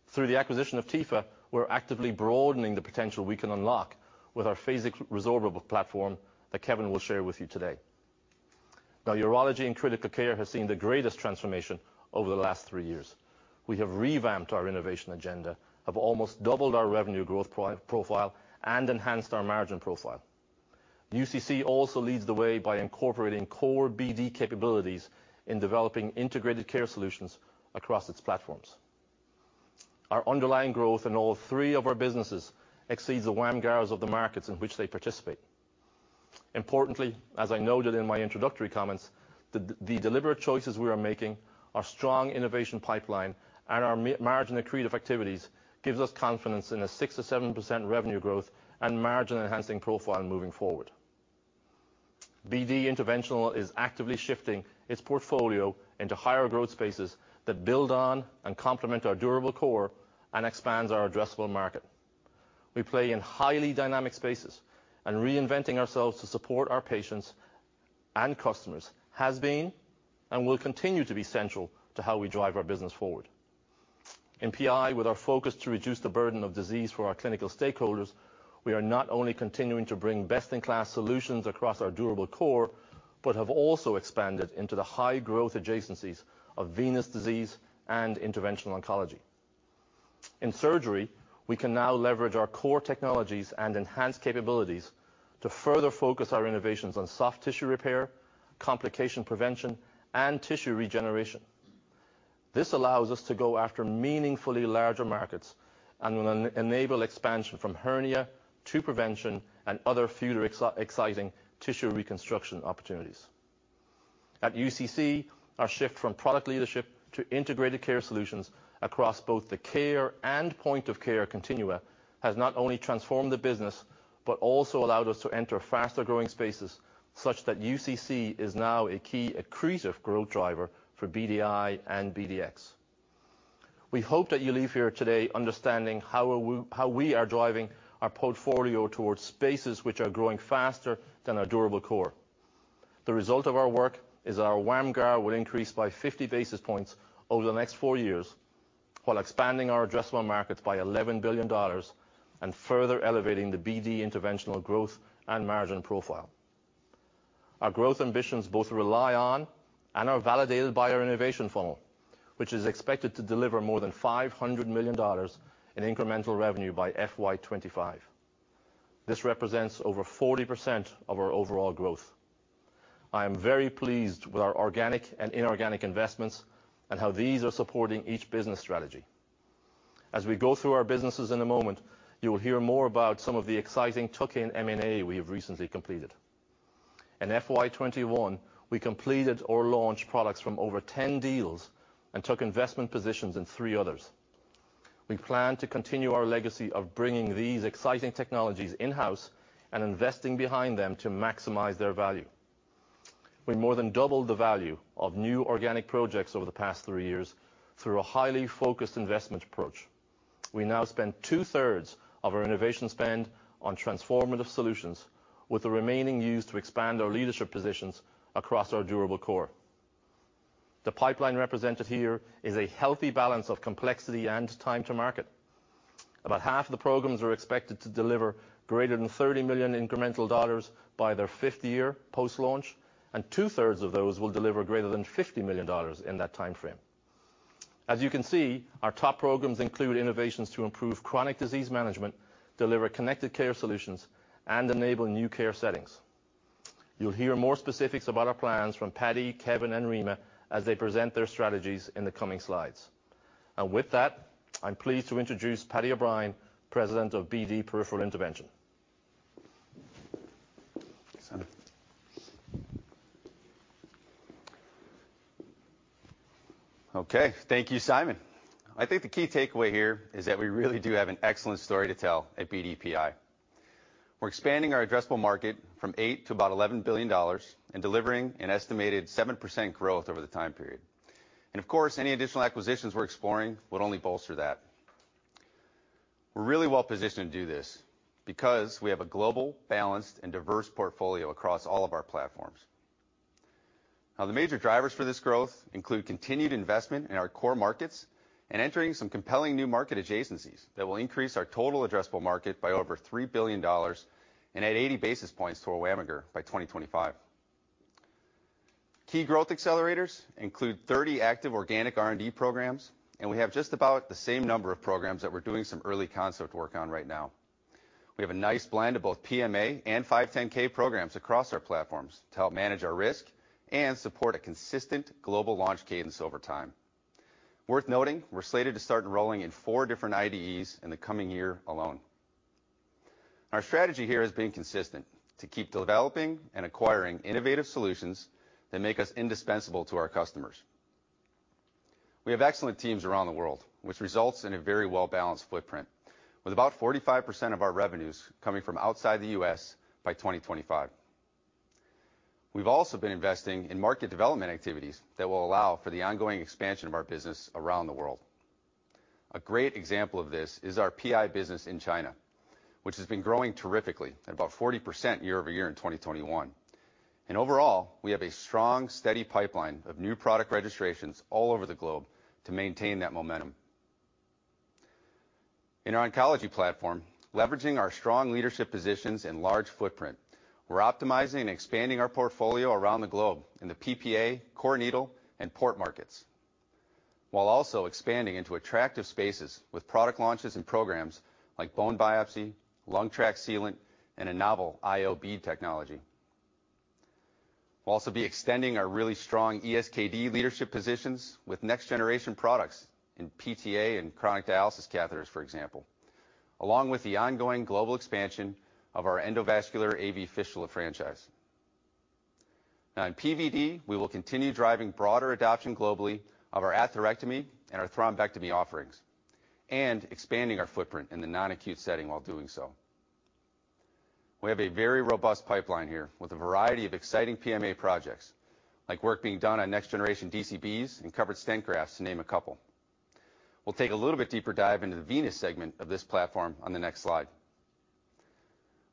Through the acquisition of Tepha, we're actively broadening the potential we can unlock with our Phasix resorbable platform that Kevin will share with you today. Urology and Critical Care has seen the greatest transformation over the last three years. We have revamped our innovation agenda, have almost doubled our revenue growth profile, and enhanced our margin profile. UCC also leads the way by incorporating core BD capabilities in developing integrated care solutions across its platforms. Our underlying growth in all three of our businesses exceeds the WAMGRs of the markets in which they participate. Importantly, as I noted in my introductory comments, the deliberate choices we are making, our strong innovation pipeline, and our margin accretive activities gives us confidence in a 6%-7% revenue growth and margin-enhancing profile moving forward. BD Interventional is actively shifting its portfolio into higher growth spaces that build on and complement our durable core and expands our addressable market. We play in highly dynamic spaces, and reinventing ourselves to support our patients and customers has been and will continue to be central to how we drive our business forward. In PI, with our focus to reduce the burden of disease for our clinical stakeholders, we are not only continuing to bring best-in-class solutions across our durable core, but have also expanded into the high growth adjacencies of venous disease and interventional oncology. In surgery, we can now leverage our core technologies and enhance capabilities to further focus our innovations on soft tissue repair, complication prevention, and tissue regeneration. This allows us to go after meaningfully larger markets and enable expansion from hernia to prevention and other future exciting tissue reconstruction opportunities. At UCC, our shift from product leadership to integrated care solutions across both the care and Point of Care continua has not only transformed the business, but also allowed us to enter faster-growing spaces such that UCC is now a key accretive growth driver for BDI and BDX. We hope that you leave here today understanding how we are driving our portfolio towards spaces which are growing faster than our durable core. The result of our work is our WAMGR will increase by 50 basis points over the next four years while expanding our addressable markets by $11 billion and further elevating the BD Interventional growth and margin profile. Our growth ambitions both rely on and are validated by our innovation funnel, which is expected to deliver more than $500 million in incremental revenue by FY 2025. This represents over 40% of our overall growth. I am very pleased with our organic and inorganic investments and how these are supporting each business strategy. As we go through our businesses in a moment, you will hear more about some of the exciting tuck-in M&A we have recently completed. In FY 2021, we completed or launched products from over 10 deals and took investment positions in three others. We plan to continue our legacy of bringing these exciting technologies in-house and investing behind them to maximize their value. We more than doubled the value of new organic projects over the past three years through a highly focused investment approach. We now spend 2/3 of our innovation spend on transformative solutions, with the remaining used to expand our leadership positions across our durable core. The pipeline represented here is a healthy balance of complexity and time to market. About half the programs are expected to deliver greater than $30 million incremental dollars by their 5th year post-launch, and 2/3 of those will deliver greater than $50 million dollars in that timeframe. As you can see, our top programs include innovations to improve chronic disease management, deliver connected care solutions, and enable new care settings. You'll hear more specifics about our plans from Paddy, Kevin, and Rima as they present their strategies in the coming slides. With that, I'm pleased to introduce Paddy O'Brien, President of BD Peripheral Intervention. Thank you, Simon. I think the key takeaway here is that we really do have an excellent story to tell at BDPI. We're expanding our addressable market from $8 billion to about $11 billion, and delivering an estimated 7% growth over the time period. Of course, any additional acquisitions we're exploring would only bolster that. We're really well-positioned to do this because we have a global, balanced, and diverse portfolio across all of our platforms. Now the major drivers for this growth include continued investment in our core markets and entering some compelling new market adjacencies that will increase our total addressable market by over $3 billion and add 80 basis points to our WAMGR by 2025. Key growth accelerators include 30 active organic R&D programs, and we have just about the same number of programs that we're doing some early concept work on right now. We have a nice blend of both PMA and 510(k) programs across our platforms to help manage our risk and support a consistent global launch cadence over time. Worth noting, we're slated to start enrolling in four different IDEs in the coming year alone. Our strategy here has been consistent, to keep developing and acquiring innovative solutions that make us indispensable to our customers. We have excellent teams around the world, which results in a very well-balanced footprint, with about 45% of our revenues coming from outside the U.S. by 2025. We've also been investing in market development activities that will allow for the ongoing expansion of our business around the world. A great example of this is our PI business in China, which has been growing terrifically, at about 40% year-over-year in 2021. Overall, we have a strong, steady pipeline of new product registrations all over the globe to maintain that momentum. In our oncology platform, leveraging our strong leadership positions and large footprint, we're optimizing and expanding our portfolio around the globe in the PPA, core needle, and port markets, while also expanding into attractive spaces with product launches and programs like bone biopsy, lung track sealant, and a novel IO bead technology. We'll also be extending our really strong ESKD leadership positions with next generation products in PTA and chronic dialysis catheters, for example. Along with the ongoing global expansion of our endovascular AV fistula franchise. Now in PVD, we will continue driving broader adoption globally of our atherectomy and our thrombectomy offerings, and expanding our footprint in the non-acute setting while doing so. We have a very robust pipeline here with a variety of exciting PMA projects, like work being done on next generation DCBs and covered stent grafts to name a couple. We'll take a little bit deeper dive into the venous segment of this platform on the next slide.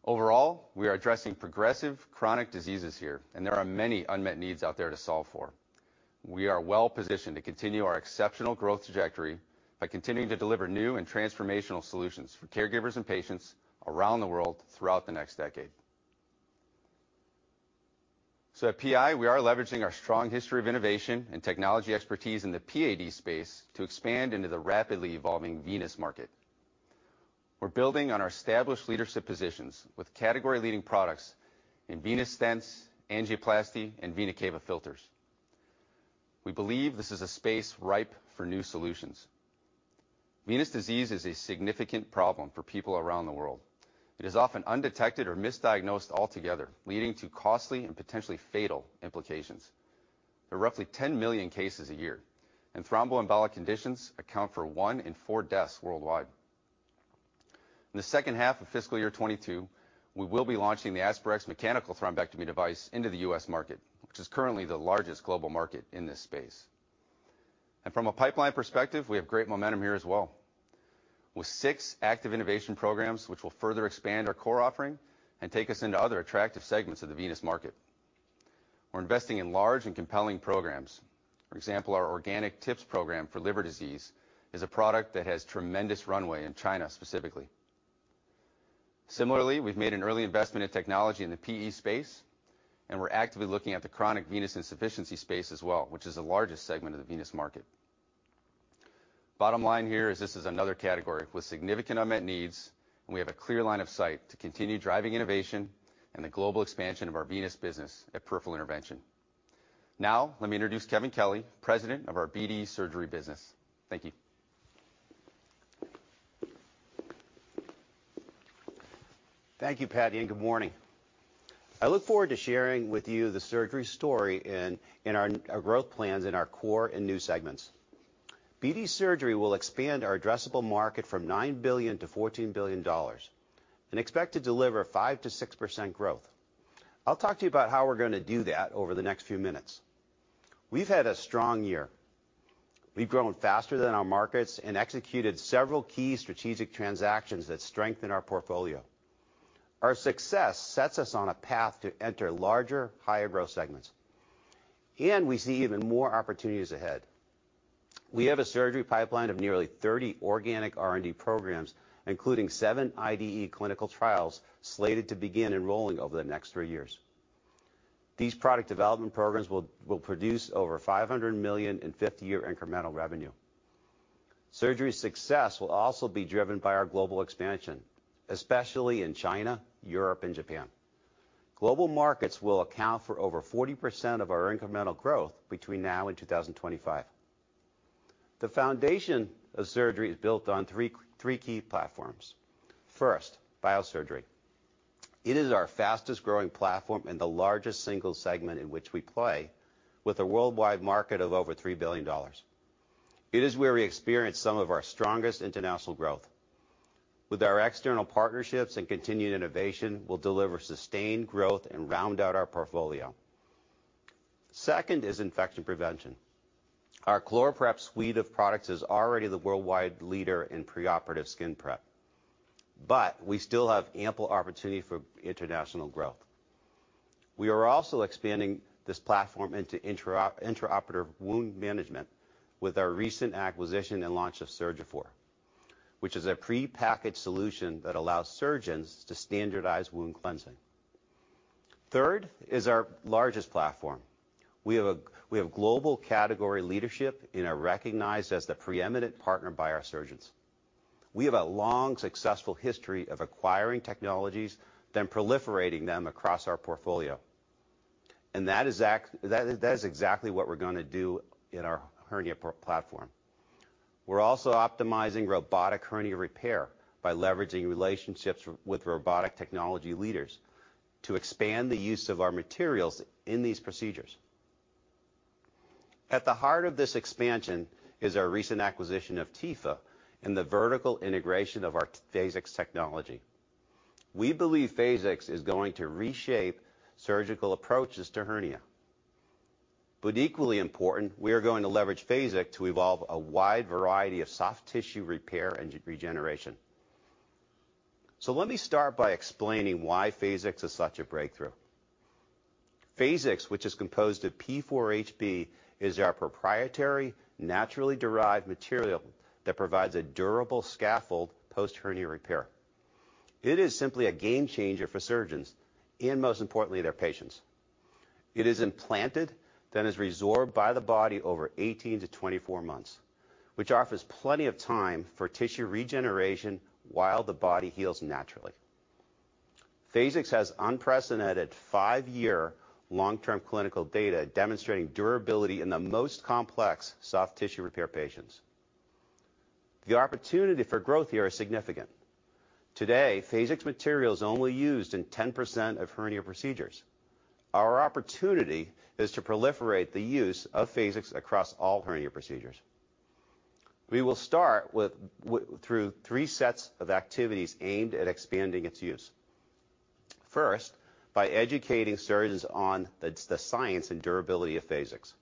Overall, we are addressing progressive chronic diseases here, and there are many unmet needs out there to solve for. We are well-positioned to continue our exceptional growth trajectory by continuing to deliver new and transformational solutions for caregivers and patients around the world throughout the next decade. At PI, we are leveraging our strong history of innovation and technology expertise in the PAD space to expand into the rapidly evolving venous market. We're building on our established leadership positions with category-leading products in venous stents, angioplasty, and vena cava filters. We believe this is a space ripe for new solutions. Venous disease is a significant problem for people around the world. It is often undetected or misdiagnosed altogether, leading to costly and potentially fatal implications. There are roughly 10 million cases a year, and thromboembolic conditions account for one in four deaths worldwide. In the second half of fiscal year 2022, we will be launching the Aspirex mechanical thrombectomy device into the U.S. market, which is currently the largest global market in this space. From a pipeline perspective, we have great momentum here as well, with six active innovation programs which will further expand our core offering and take us into other attractive segments of the venous market. We're investing in large and compelling programs. For example, our organic TIPS program for liver disease is a product that has tremendous runway in China specifically. Similarly, we've made an early investment in technology in the PE space, and we're actively looking at the chronic venous insufficiency space as well, which is the largest segment of the venous market. Bottom line here is this is another category with significant unmet needs, and we have a clear line of sight to continue driving innovation and the global expansion of our venous business at Peripheral Intervention. Now let me introduce Kevin Kelly, President of our BD Surgery business. Thank you. Thank you, Paddy, and good morning. I look forward to sharing with you the surgery story in our growth plans in our core and new segments. BD Surgery will expand our addressable market from $9 billion-$14 billion and expect to deliver 5%-6% growth. I'll talk to you about how we're gonna do that over the next few minutes. We've had a strong year. We've grown faster than our markets and executed several key strategic transactions that strengthen our portfolio. Our success sets us on a path to enter larger, higher-growth segments. We see even more opportunities ahead. We have a surgery pipeline of nearly 30 organic R&D programs, including seven IDE clinical trials slated to begin enrolling over the next three years. These product development programs will produce over $500 million in fifth year incremental revenue. Surgery success will also be driven by our global expansion, especially in China, Europe, and Japan. Global markets will account for over 40% of our incremental growth between now and 2025. The foundation of surgery is built on three key platforms. First, biosurgery. It is our fastest-growing platform and the largest single segment in which we play with a worldwide market of over $3 billion. It is where we experience some of our strongest international growth. With our external partnerships and continued innovation, we'll deliver sustained growth and round out our portfolio. Second is infection prevention. Our ChloraPrep suite of products is already the worldwide leader in preoperative skin prep, but we still have ample opportunity for international growth. We are also expanding this platform into intraoperative wound management with our recent acquisition and launch of Surgiphor, which is a prepackaged solution that allows surgeons to standardize wound cleansing. Third is our largest platform. We have global category leadership and are recognized as the preeminent partner by our surgeons. We have a long, successful history of acquiring technologies, then proliferating them across our portfolio, and that is exactly what we're gonna do in our hernia platform. We're also optimizing robotic hernia repair by leveraging relationships with robotic technology leaders to expand the use of our materials in these procedures. At the heart of this expansion is our recent acquisition of Tepha and the vertical integration of our Phasix technology. We believe Phasix is going to reshape surgical approaches to hernia. Equally important, we are going to leverage Phasix to evolve a wide variety of soft tissue repair and regeneration. Let me start by explaining why Phasix is such a breakthrough. Phasix, which is composed of P4HB, is our proprietary, naturally derived material that provides a durable scaffold post hernia repair. It is simply a game changer for surgeons and, most importantly, their patients. It is implanted, then is resorbed by the body over 18-24 months, which offers plenty of time for tissue regeneration while the body heals naturally. Phasix has unprecedented 5-year long-term clinical data demonstrating durability in the most complex soft tissue repair patients. The opportunity for growth here is significant. Today, Phasix material is only used in 10% of hernia procedures. Our opportunity is to proliferate the use of Phasix across all hernia procedures. We will start through three sets of activities aimed at expanding its use. First, by educating surgeons on the science and durability of Phasix.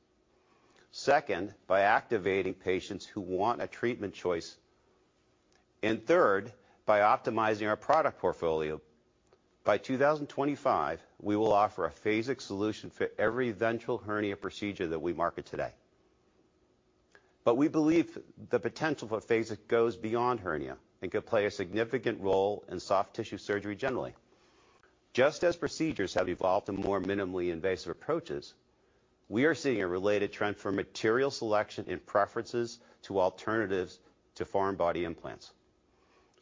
Second, by activating patients who want a treatment choice. Third, by optimizing our product portfolio. By 2025, we will offer a Phasix solution for every ventral hernia procedure that we market today. We believe the potential for Phasix goes beyond hernia and could play a significant role in soft tissue surgery generally. Just as procedures have evolved to more minimally invasive approaches, we are seeing a related trend for material selection and preferences to alternatives to foreign body implants.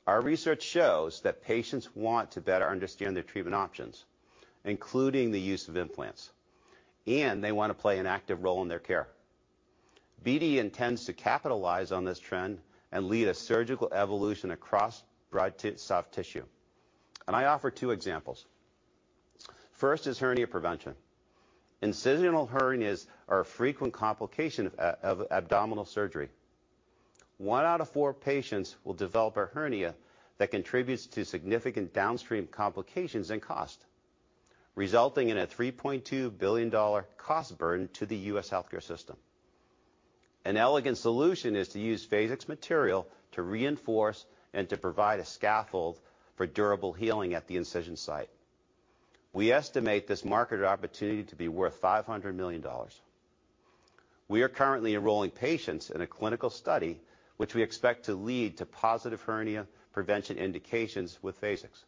Our research shows that patients want to better understand their treatment options, including the use of implants, and they want to play an active role in their care. BD intends to capitalize on this trend and lead a surgical evolution across broad soft tissue, and I offer two examples. First is hernia prevention. Incisional hernias are a frequent complication of abdominal surgery. One out of four patients will develop a hernia that contributes to significant downstream complications and cost, resulting in a $3.2 billion cost burden to the U.S. healthcare system. An elegant solution is to use Phasix material to reinforce and to provide a scaffold for durable healing at the incision site. We estimate this market opportunity to be worth $500 million. We are currently enrolling patients in a clinical study which we expect to lead to positive hernia prevention indications with Phasix.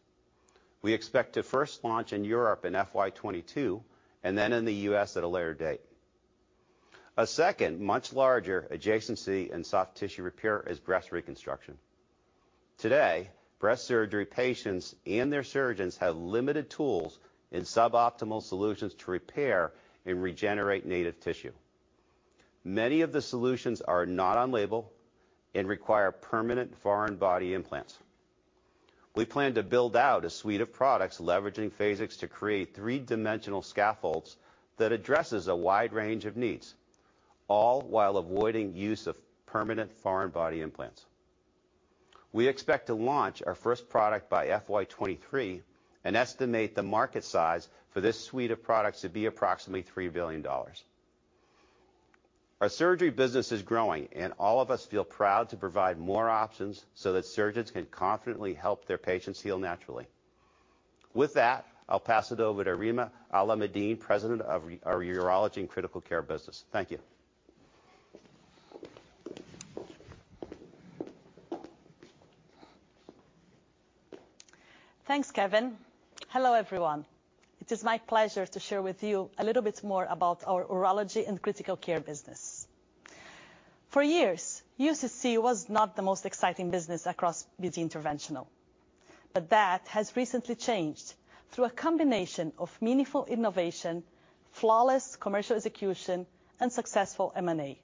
We expect to first launch in Europe in FY 2022 and then in the U.S. at a later date. A second much larger adjacency in soft tissue repair is breast reconstruction. Today, breast surgery patients and their surgeons have limited tools and suboptimal solutions to repair and regenerate native tissue. Many of the solutions are not on label and require permanent foreign body implants. We plan to build out a suite of products leveraging Phasix to create three-dimensional scaffolds that addresses a wide range of needs, all while avoiding use of permanent foreign body implants. We expect to launch our first product by FY 2023 and estimate the market size for this suite of products to be approximately $3 billion. Our surgery business is growing, and all of us feel proud to provide more options so that surgeons can confidently help their patients heal naturally. With that, I'll pass it over to Rima Alamuddin, President of our Urology and Critical Care business. Thank you. Thanks, Kevin. Hello, everyone. It is my pleasure to share with you a little bit more about our urology and critical care business. For years, UCC was not the most exciting business across BD Interventional, but that has recently changed. Through a combination of meaningful innovation, flawless commercial execution, and successful M&A,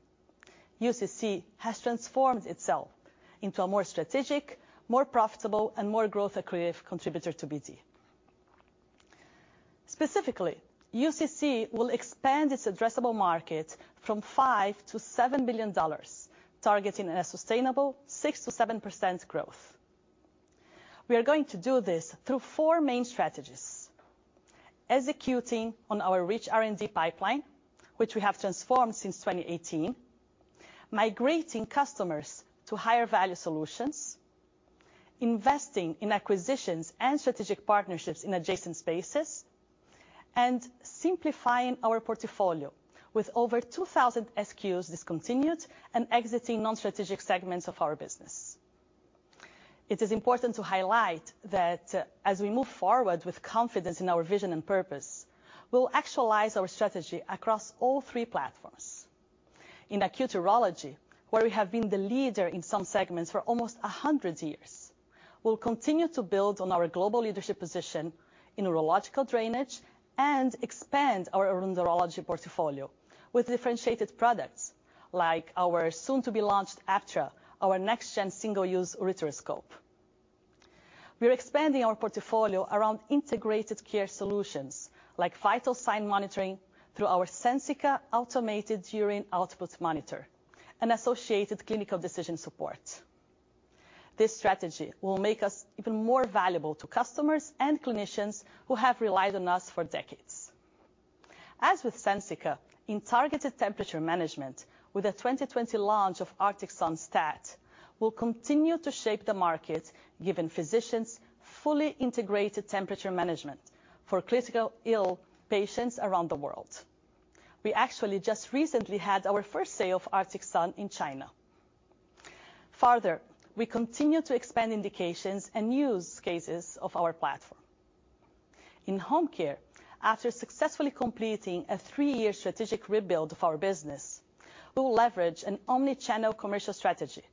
UCC has transformed itself into a more strategic, more profitable, and more growth-accretive contributor to BD. Specifically, UCC will expand its addressable market from $5 billion-$7 billion, targeting a sustainable 6%-7% growth. We are going to do this through four main strategies, executing on our rich R&D pipeline, which we have transformed since 2018, migrating customers to higher value solutions, investing in acquisitions and strategic partnerships in adjacent spaces, and simplifying our portfolio with over 2,000 SKUs discontinued and exiting non-strategic segments of our business. It is important to highlight that, as we move forward with confidence in our vision and purpose, we'll actualize our strategy across all three platforms. In acute urology, where we have been the leader in some segments for almost a hundred years, we'll continue to build on our global leadership position in urological drainage and expand our around urology portfolio with differentiated products, like our soon-to-be-launched Aptra, our next-gen single-use ureteroscope. We are expanding our portfolio around integrated care solutions, like vital sign monitoring through our Sensica automated urine output monitor and associated clinical decision support. This strategy will make us even more valuable to customers and clinicians who have relied on us for decades. As with Sensica, in targeted temperature management, with the 2020 launch of Arctic Sun Stat, we'll continue to shape the market, giving physicians fully integrated temperature management for critically ill patients around the world. We actually just recently had our first sale of Arctic Sun in China. Further, we continue to expand indications and use cases of our platform. In home care, after successfully completing a 3-year strategic rebuild of our business, we'll leverage an omni-channel commercial strategy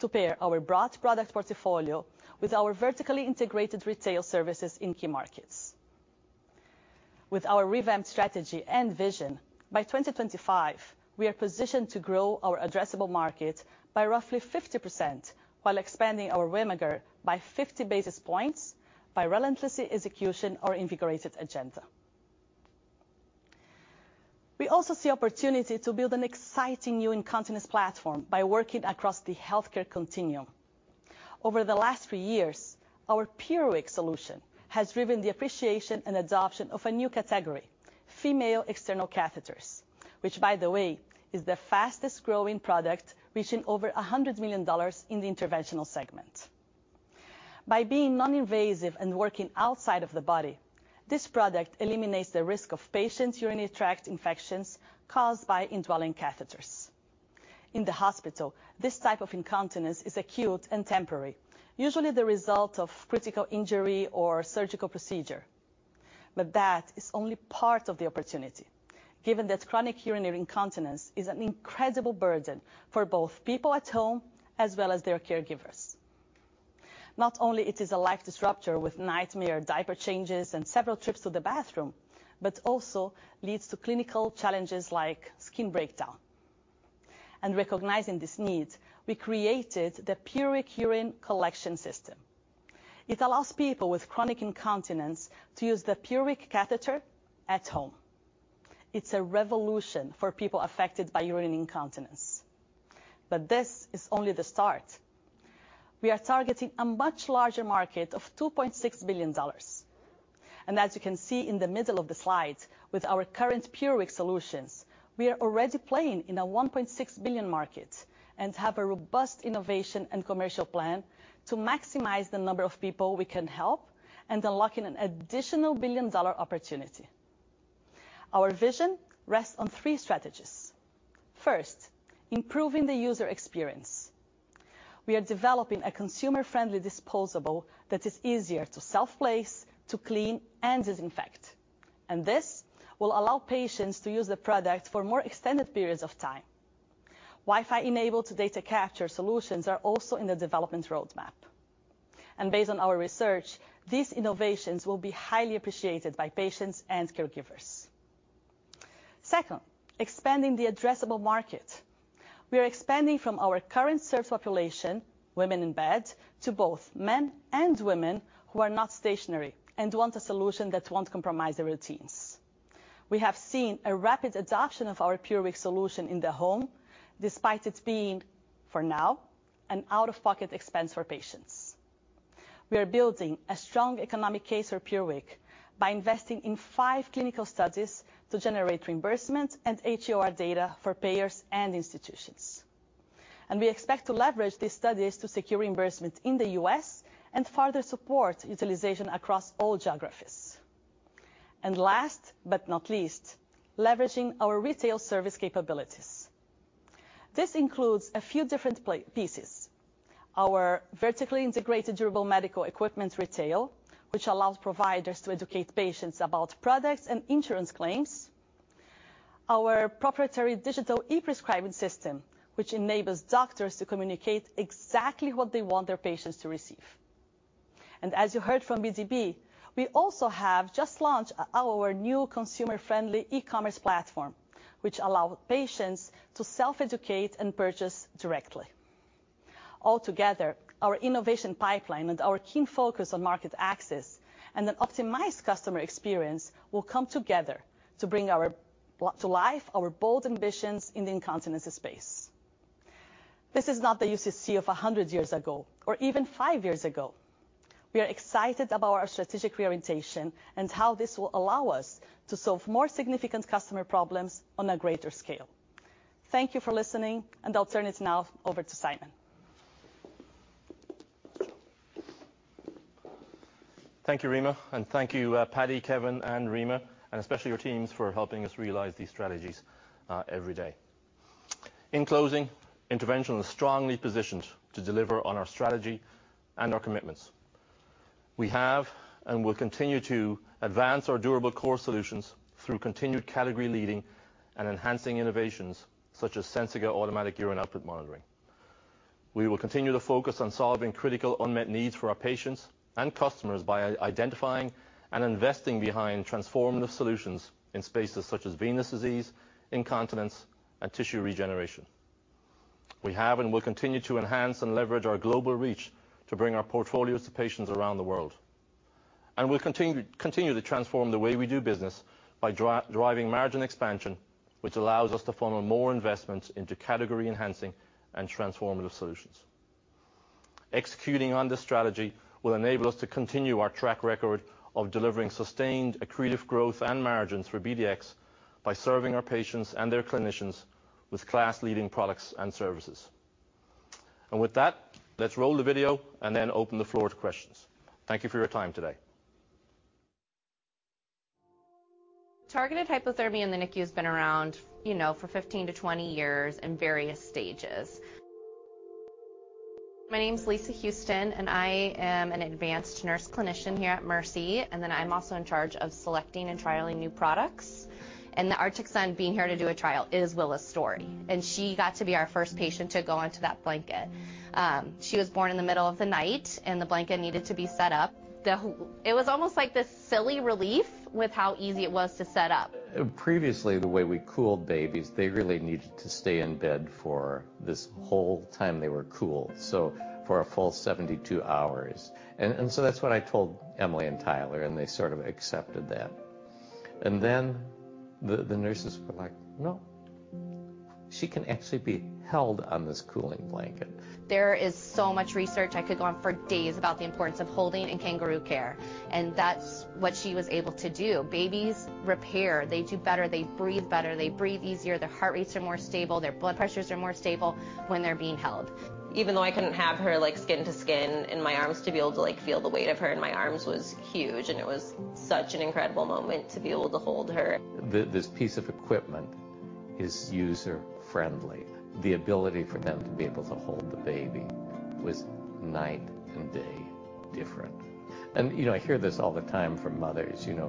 to pair our broad product portfolio with our vertically integrated retail services in key markets. With our revamped strategy and vision, by 2025, we are positioned to grow our addressable market by roughly 50% while expanding our WAMGR by 50 basis points by relentless execution of our invigorated agenda. We also see opportunity to build an exciting new incontinence platform by working across the healthcare continuum. Over the last three years, our PureWick solution has driven the appreciation and adoption of a new category, female external catheters, which by the way, is the fastest-growing product, reaching over $100 million in the Interventional segment. By being non-invasive and working outside of the body, this product eliminates the risk of patient's urinary tract infections caused by indwelling catheters. In the hospital, this type of incontinence is acute and temporary, usually the result of critical injury or surgical procedure. But that is only part of the opportunity, given that chronic urinary incontinence is an incredible burden for both people at home as well as their caregivers. Not only it is a life disruptor with nightmare diaper changes and several trips to the bathroom, but also leads to clinical challenges like skin breakdown. Recognizing this need, we created the PureWick Urine Collection System. It allows people with chronic incontinence to use the PureWick catheter at home. It's a revolution for people affected by urinary incontinence. This is only the start. We are targeting a much larger market of $2.6 billion. As you can see in the middle of the slide, with our current PureWick solutions, we are already playing in a $1.6 billion market and have a robust innovation and commercial plan to maximize the number of people we can help and unlock an additional billion-dollar opportunity. Our vision rests on three strategies. First, improving the user experience. We are developing a consumer-friendly disposable that is easier to self-place, to clean, and disinfect. This will allow patients to use the product for more extended periods of time. Wi-Fi enabled data capture solutions are also in the development roadmap. Based on our research, these innovations will be highly appreciated by patients and caregivers. Second, expanding the addressable market. We are expanding from our current served population, women in bed, to both men and women who are not stationary and want a solution that won't compromise their routines. We have seen a rapid adoption of our PureWick solution in the home, despite it being, for now, an out-of-pocket expense for patients. We are building a strong economic case for PureWick by investing in five clinical studies to generate reimbursement and HEOR data for payers and institutions. We expect to leverage these studies to secure reimbursement in the U.S. and further support utilization across all geographies. Last but not least, leveraging our retail service capabilities. This includes a few different pieces. Our vertically integrated durable medical equipment retail, which allows providers to educate patients about products and insurance claims. Our proprietary digital e-prescribing system, which enables doctors to communicate exactly what they want their patients to receive. As you heard from BD, we also have just launched our new consumer-friendly e-commerce platform, which allow patients to self-educate and purchase directly. Altogether, our innovation pipeline and our keen focus on market access and an optimized customer experience will come together to bring our to life our bold ambitions in the incontinence space. This is not the UCC of a hundred years ago or even five years ago. We are excited about our strategic reorientation and how this will allow us to solve more significant customer problems on a greater scale. Thank you for listening, and I'll turn it now over to Simon. Thank you, Rima. Thank you, Paddy, Kevin, and Rima, and especially your teams for helping us realize these strategies every day. In closing, Interventional is strongly positioned to deliver on our strategy and our commitments. We have and will continue to advance our durable core solutions through continued category leading and enhancing innovations such as Sensica Automatic Urine Output Monitoring. We will continue to focus on solving critical unmet needs for our patients and customers by identifying and investing behind transformative solutions in spaces such as venous disease, incontinence, and tissue regeneration. We have and will continue to enhance and leverage our global reach to bring our portfolios to patients around the world. We'll continue to transform the way we do business by driving margin expansion, which allows us to funnel more investments into category enhancing and transformative solutions. Executing on this strategy will enable us to continue our track record of delivering sustained accretive growth and margins for BDX by serving our patients and their clinicians with class-leading products and services. With that, let's roll the video and then open the floor to questions. Thank you for your time today. Targeted hypothermia in the NICU has been around, you know, for 15-20 years in various stages. My name's Lisa Houston, and I am an advanced nurse clinician here at Mercy, and then I'm also in charge of selecting and trialing new products. The Arctic Sun being here to do a trial is Willa's story, and she got to be our first patient to go onto that blanket. She was born in the middle of the night, and the blanket needed to be set up. It was almost like this silly relief with how easy it was to set up. Previously, the way we cooled babies, they really needed to stay in bed for this whole time they were cooled, so for a full 72 hours. That's what I told Emily and Tyler, and they sort of accepted that. The nurses were like, "No. She can actually be held on this cooling blanket. There is so much research, I could go on for days, about the importance of holding and kangaroo care, and that's what she was able to do. Babies repair, they do better, they breathe better, they breathe easier, their heart rates are more stable, their blood pressures are more stable when they're being held. Even though I couldn't have her, like, skin to skin in my arms, to be able to, like, feel the weight of her in my arms was huge, and it was such an incredible moment to be able to hold her. This piece of equipment is user-friendly. The ability for them to be able to hold the baby was night and day different. You know, I hear this all the time from mothers, you know,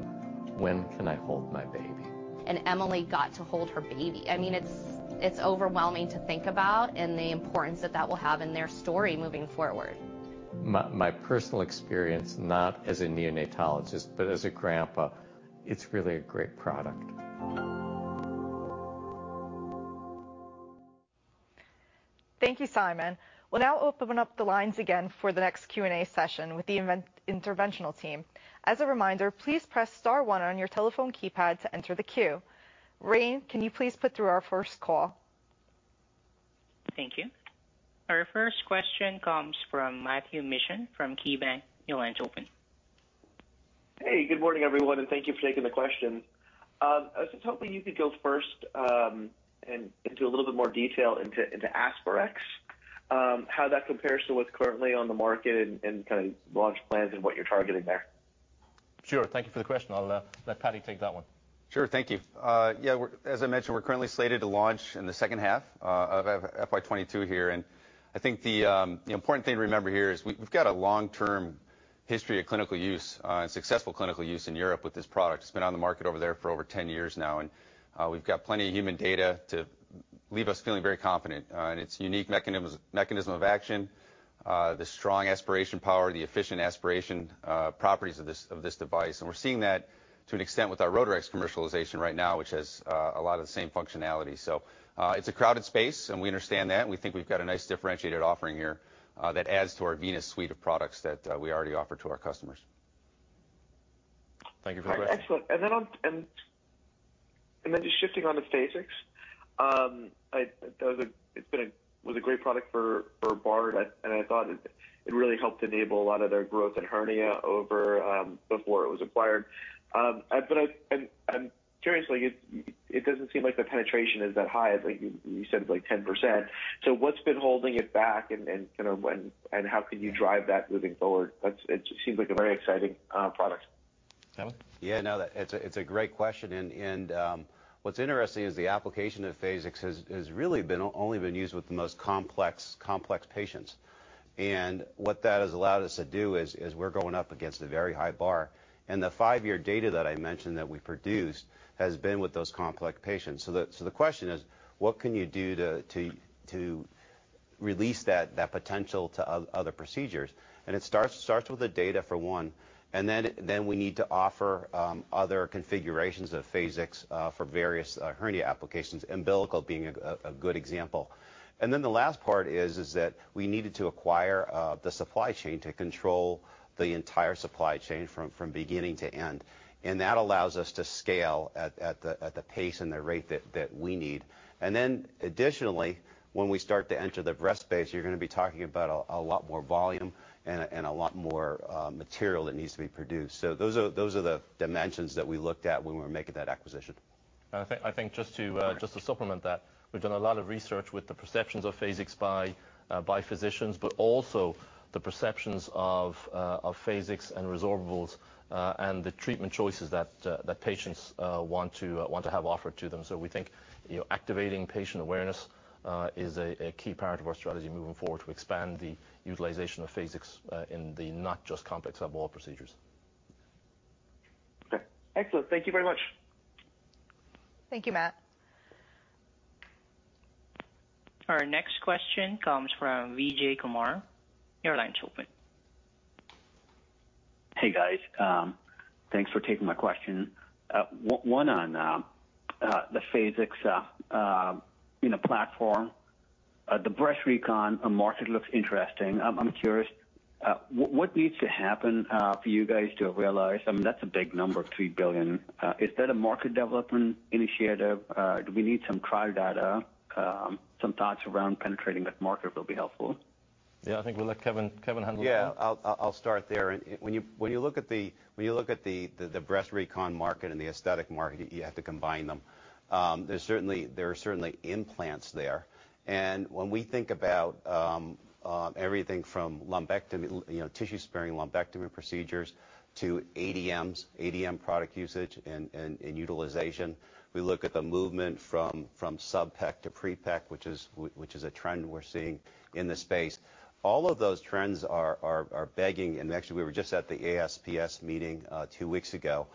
"When can I hold my baby? Emily got to hold her baby. I mean, it's overwhelming to think about and the importance that will have in their story moving forward. My personal experience, not as a neonatologist but as a grandpa, it's really a great product. Thank you, Simon. We'll now open up the lines again for the next Q&A session with the Interventional team. As a reminder, please press star one on your telephone keypad to enter the queue. Rayne, can you please put through our first call? Thank you. Our first question comes from Matthew Mishan from KeyBanc. Your line's open. Hey, good morning, everyone, and thank you for taking the question. I was just hoping you could go first, and into a little bit more detail into Aspirex, how that compares to what's currently on the market and kind of launch plans and what you're targeting there. Sure. Thank you for the question. I'll let Paddy take that one. Sure. Thank you. As I mentioned, we're currently slated to launch in the second half of FY 2022 here. I think the important thing to remember here is we've got a long-term history of clinical use and successful clinical use in Europe with this product. It's been on the market over there for over 10 years now, and we've got plenty of human data to leave us feeling very confident in its unique mechanism of action, the strong aspiration power, the efficient aspiration properties of this device. We're seeing that to an extent with our Rotarex commercialization right now, which has a lot of the same functionality. It's a crowded space, and we understand that. We think we've got a nice differentiated offering here, that adds to our venous suite of products that we already offer to our customers. Thank you for the question. Excellent. Just shifting to Phasix. It has been a great product for Bard, and I thought it really helped enable a lot of their growth in hernia before it was acquired. I'm curious, like, it doesn't seem like the penetration is that high. It's like you said it's like 10%. So what's been holding it back and kind of when and how can you drive that moving forward. It seems like a very exciting product. Kevin. Yeah, no, that's a great question. What's interesting is the application of Phasix has really only been used with the most complex patients. What that has allowed us to do is we're going up against a very high bar. The five-year data that I mentioned that we produced has been with those complex patients. The question is, what can you do to release that potential to other procedures? It starts with the data for one, and then we need to offer other configurations of Phasix for various hernia applications, umbilical being a good example. The last part is that we needed to acquire the supply chain to control the entire supply chain from beginning to end. That allows us to scale at the pace and the rate that we need. Then additionally, when we start to enter the breast space, you're gonna be talking about a lot more volume and a lot more material that needs to be produced. Those are the dimensions that we looked at when we were making that acquisition. I think just to supplement that, we've done a lot of research with the perceptions of Phasix by physicians, but also the perceptions of Phasix and resorbables, and the treatment choices that patients want to have offered to them. We think, you know, activating patient awareness is a key part of our strategy moving forward to expand the utilization of Phasix in not just complex abdominal wall procedures. Okay. Excellent. Thank you very much. Thank you, Matt. Our next question comes from Vijay Kumar, Evercore ISI. Hey, guys. Thanks for taking my question. One on the Phasix platform. The breast recon market looks interesting. I'm curious what needs to happen for you guys to realize. I mean, that's a big number, $3 billion. Is that a market development initiative? Do we need some trial data? Some thoughts around penetrating that market will be helpful. Yeah. I think we'll let Kevin handle that one. I'll start there. When you look at the breast recon market and the aesthetic market, you have to combine them. There are certainly implants there. When we think about everything from lumpectomy, you know, tissue-sparing lumpectomy procedures to ADMs, ADM product usage and utilization, we look at the movement from subpec to prepec, which is a trend we're seeing in the space. All of those trends are begging. Actually, we were just at the ASPS meeting two weeks ago,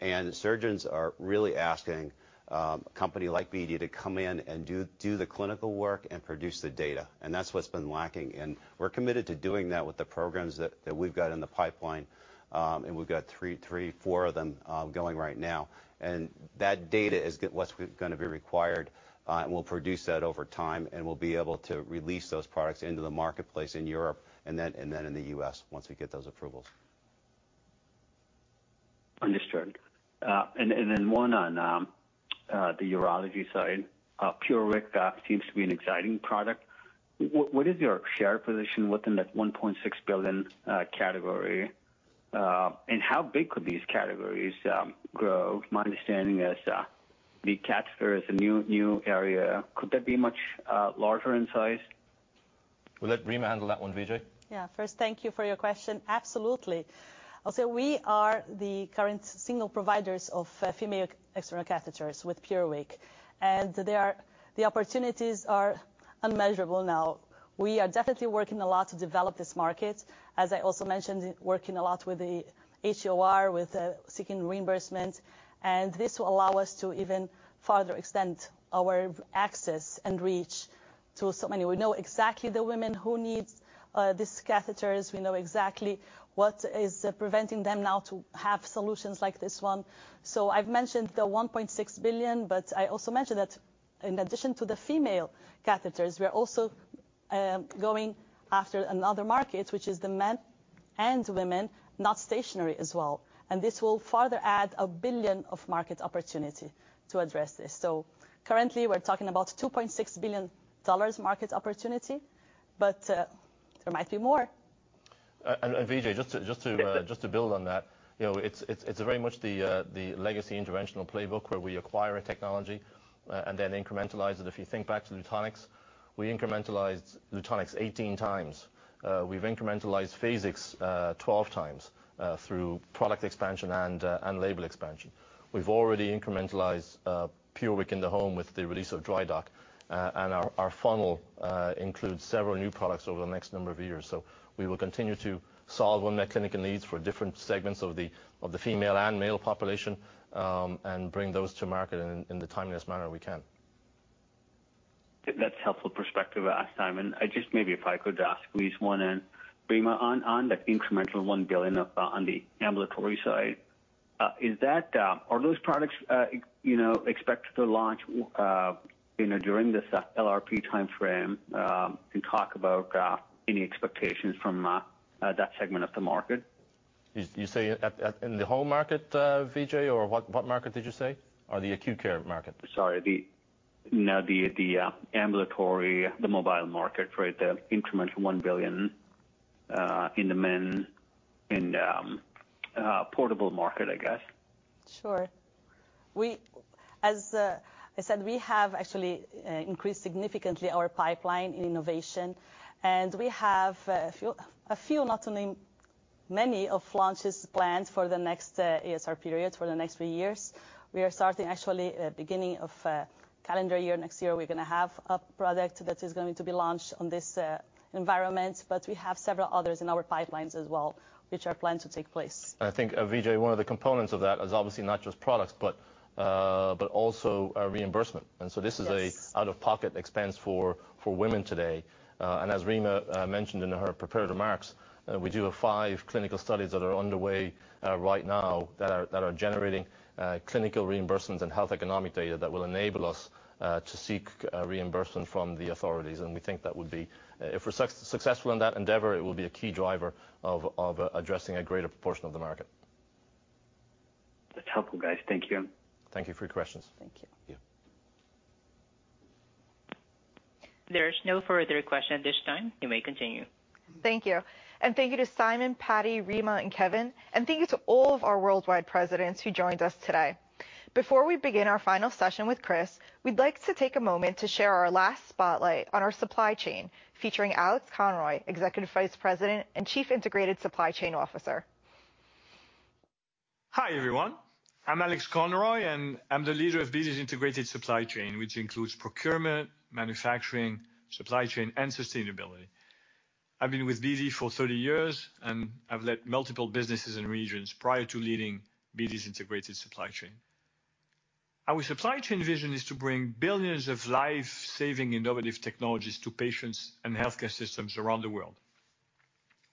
and surgeons are really asking a company like BD to come in and do the clinical work and produce the data, and that's what's been lacking. We're committed to doing that with the programs that we've got in the pipeline. We've got three, four of them going right now. That data is what's gonna be required, and we'll produce that over time, and we'll be able to release those products into the marketplace in Europe and then in the U.S. once we get those approvals. Understood. One on the urology side. PureWick seems to be an exciting product. What is your share position within that $1.6 billion category? How big could these categories grow? My understanding is the catheter is a new area. Could that be much larger in size? We'll let Rima handle that one, Vijay. Yeah. First, thank you for your question. Absolutely. I'll say we are the current single providers of female external catheters with PureWick. The opportunities are unmeasurable now. We are definitely working a lot to develop this market. As I also mentioned, working a lot with the HEOR, with seeking reimbursement. This will allow us to even further extend our access and reach to so many. We know exactly the women who need these catheters. We know exactly what is preventing them now to have solutions like this one. I've mentioned the $1.6 billion, but I also mentioned that in addition to the female catheters, we are also going after another market, which is the men and women, not stationary as well. This will further add $1 billion of market opportunity to address this. Currently, we're talking about $2.6 billion market opportunity, but there might be more. Vijay, just to build on that, you know, it's very much the legacy interventional playbook where we acquire a technology and then incrementalize it. If you think back to Lutonix, we incrementalized Lutonix 18 times. We've incrementalized Phasix 12 times through product expansion and label expansion. We've already incrementalized PureWick in the home with the release of DryDoc. Our funnel includes several new products over the next number of years. We will continue to solve unmet clinical needs for different segments of the female and male population and bring those to market in the timeliest manner we can. That's helpful perspective, Simon. I just maybe if I could ask, please, one more. Rima, on the incremental $1 billion on the ambulatory side, is that... Are those products, you know, expected to launch, you know, during this LRP timeframe? Can you talk about any expectations from that segment of the market? You say that in the home market, Vijay? Or what market did you say? Or the acute care market? Sorry, the ambulatory mobile market for the incremental $1 billion in the portable market, I guess. Sure. As I said, we have actually increased significantly our pipeline in innovation. We have a few, not to name many, of launches planned for the next ASR period, for the next three years. We are starting actually at the beginning of calendar year. Next year, we're gonna have a product that is going to be launched on this environment, but we have several others in our pipelines as well, which are planned to take place. I think, Vijay, one of the components of that is obviously not just products, but also, reimbursement. This is an out-of-pocket expense for women today. As Rima mentioned in her prepared remarks, we have five clinical studies that are underway right now that are generating clinical reimbursements and health economic data that will enable us to seek reimbursement from the authorities. We think that if we're successful in that endeavor, it will be a key driver of addressing a greater proportion of the market. That's helpful, guys. Thank you. Thank you for your questions. Thank you. There's no further question at this time. You may continue. Thank you. Thank you to Simon, Paddy, Rima, and Kevin. Thank you to all of our worldwide presidents who joined us today. Before we begin our final session with Chris, we'd like to take a moment to share our last spotlight on our supply chain, featuring Alexandre Conroy, Executive Vice President and Chief Integrated Supply Chain Officer. Hi, everyone. I'm Alex Conroy, and I'm the leader of BD's integrated supply chain, which includes procurement, manufacturing, supply chain, and sustainability. I've been with BD for 30 years, and I've led multiple businesses and regions prior to leading BD's integrated supply chain. Our supply chain vision is to bring billions of life-saving innovative technologies to patients and healthcare systems around the world.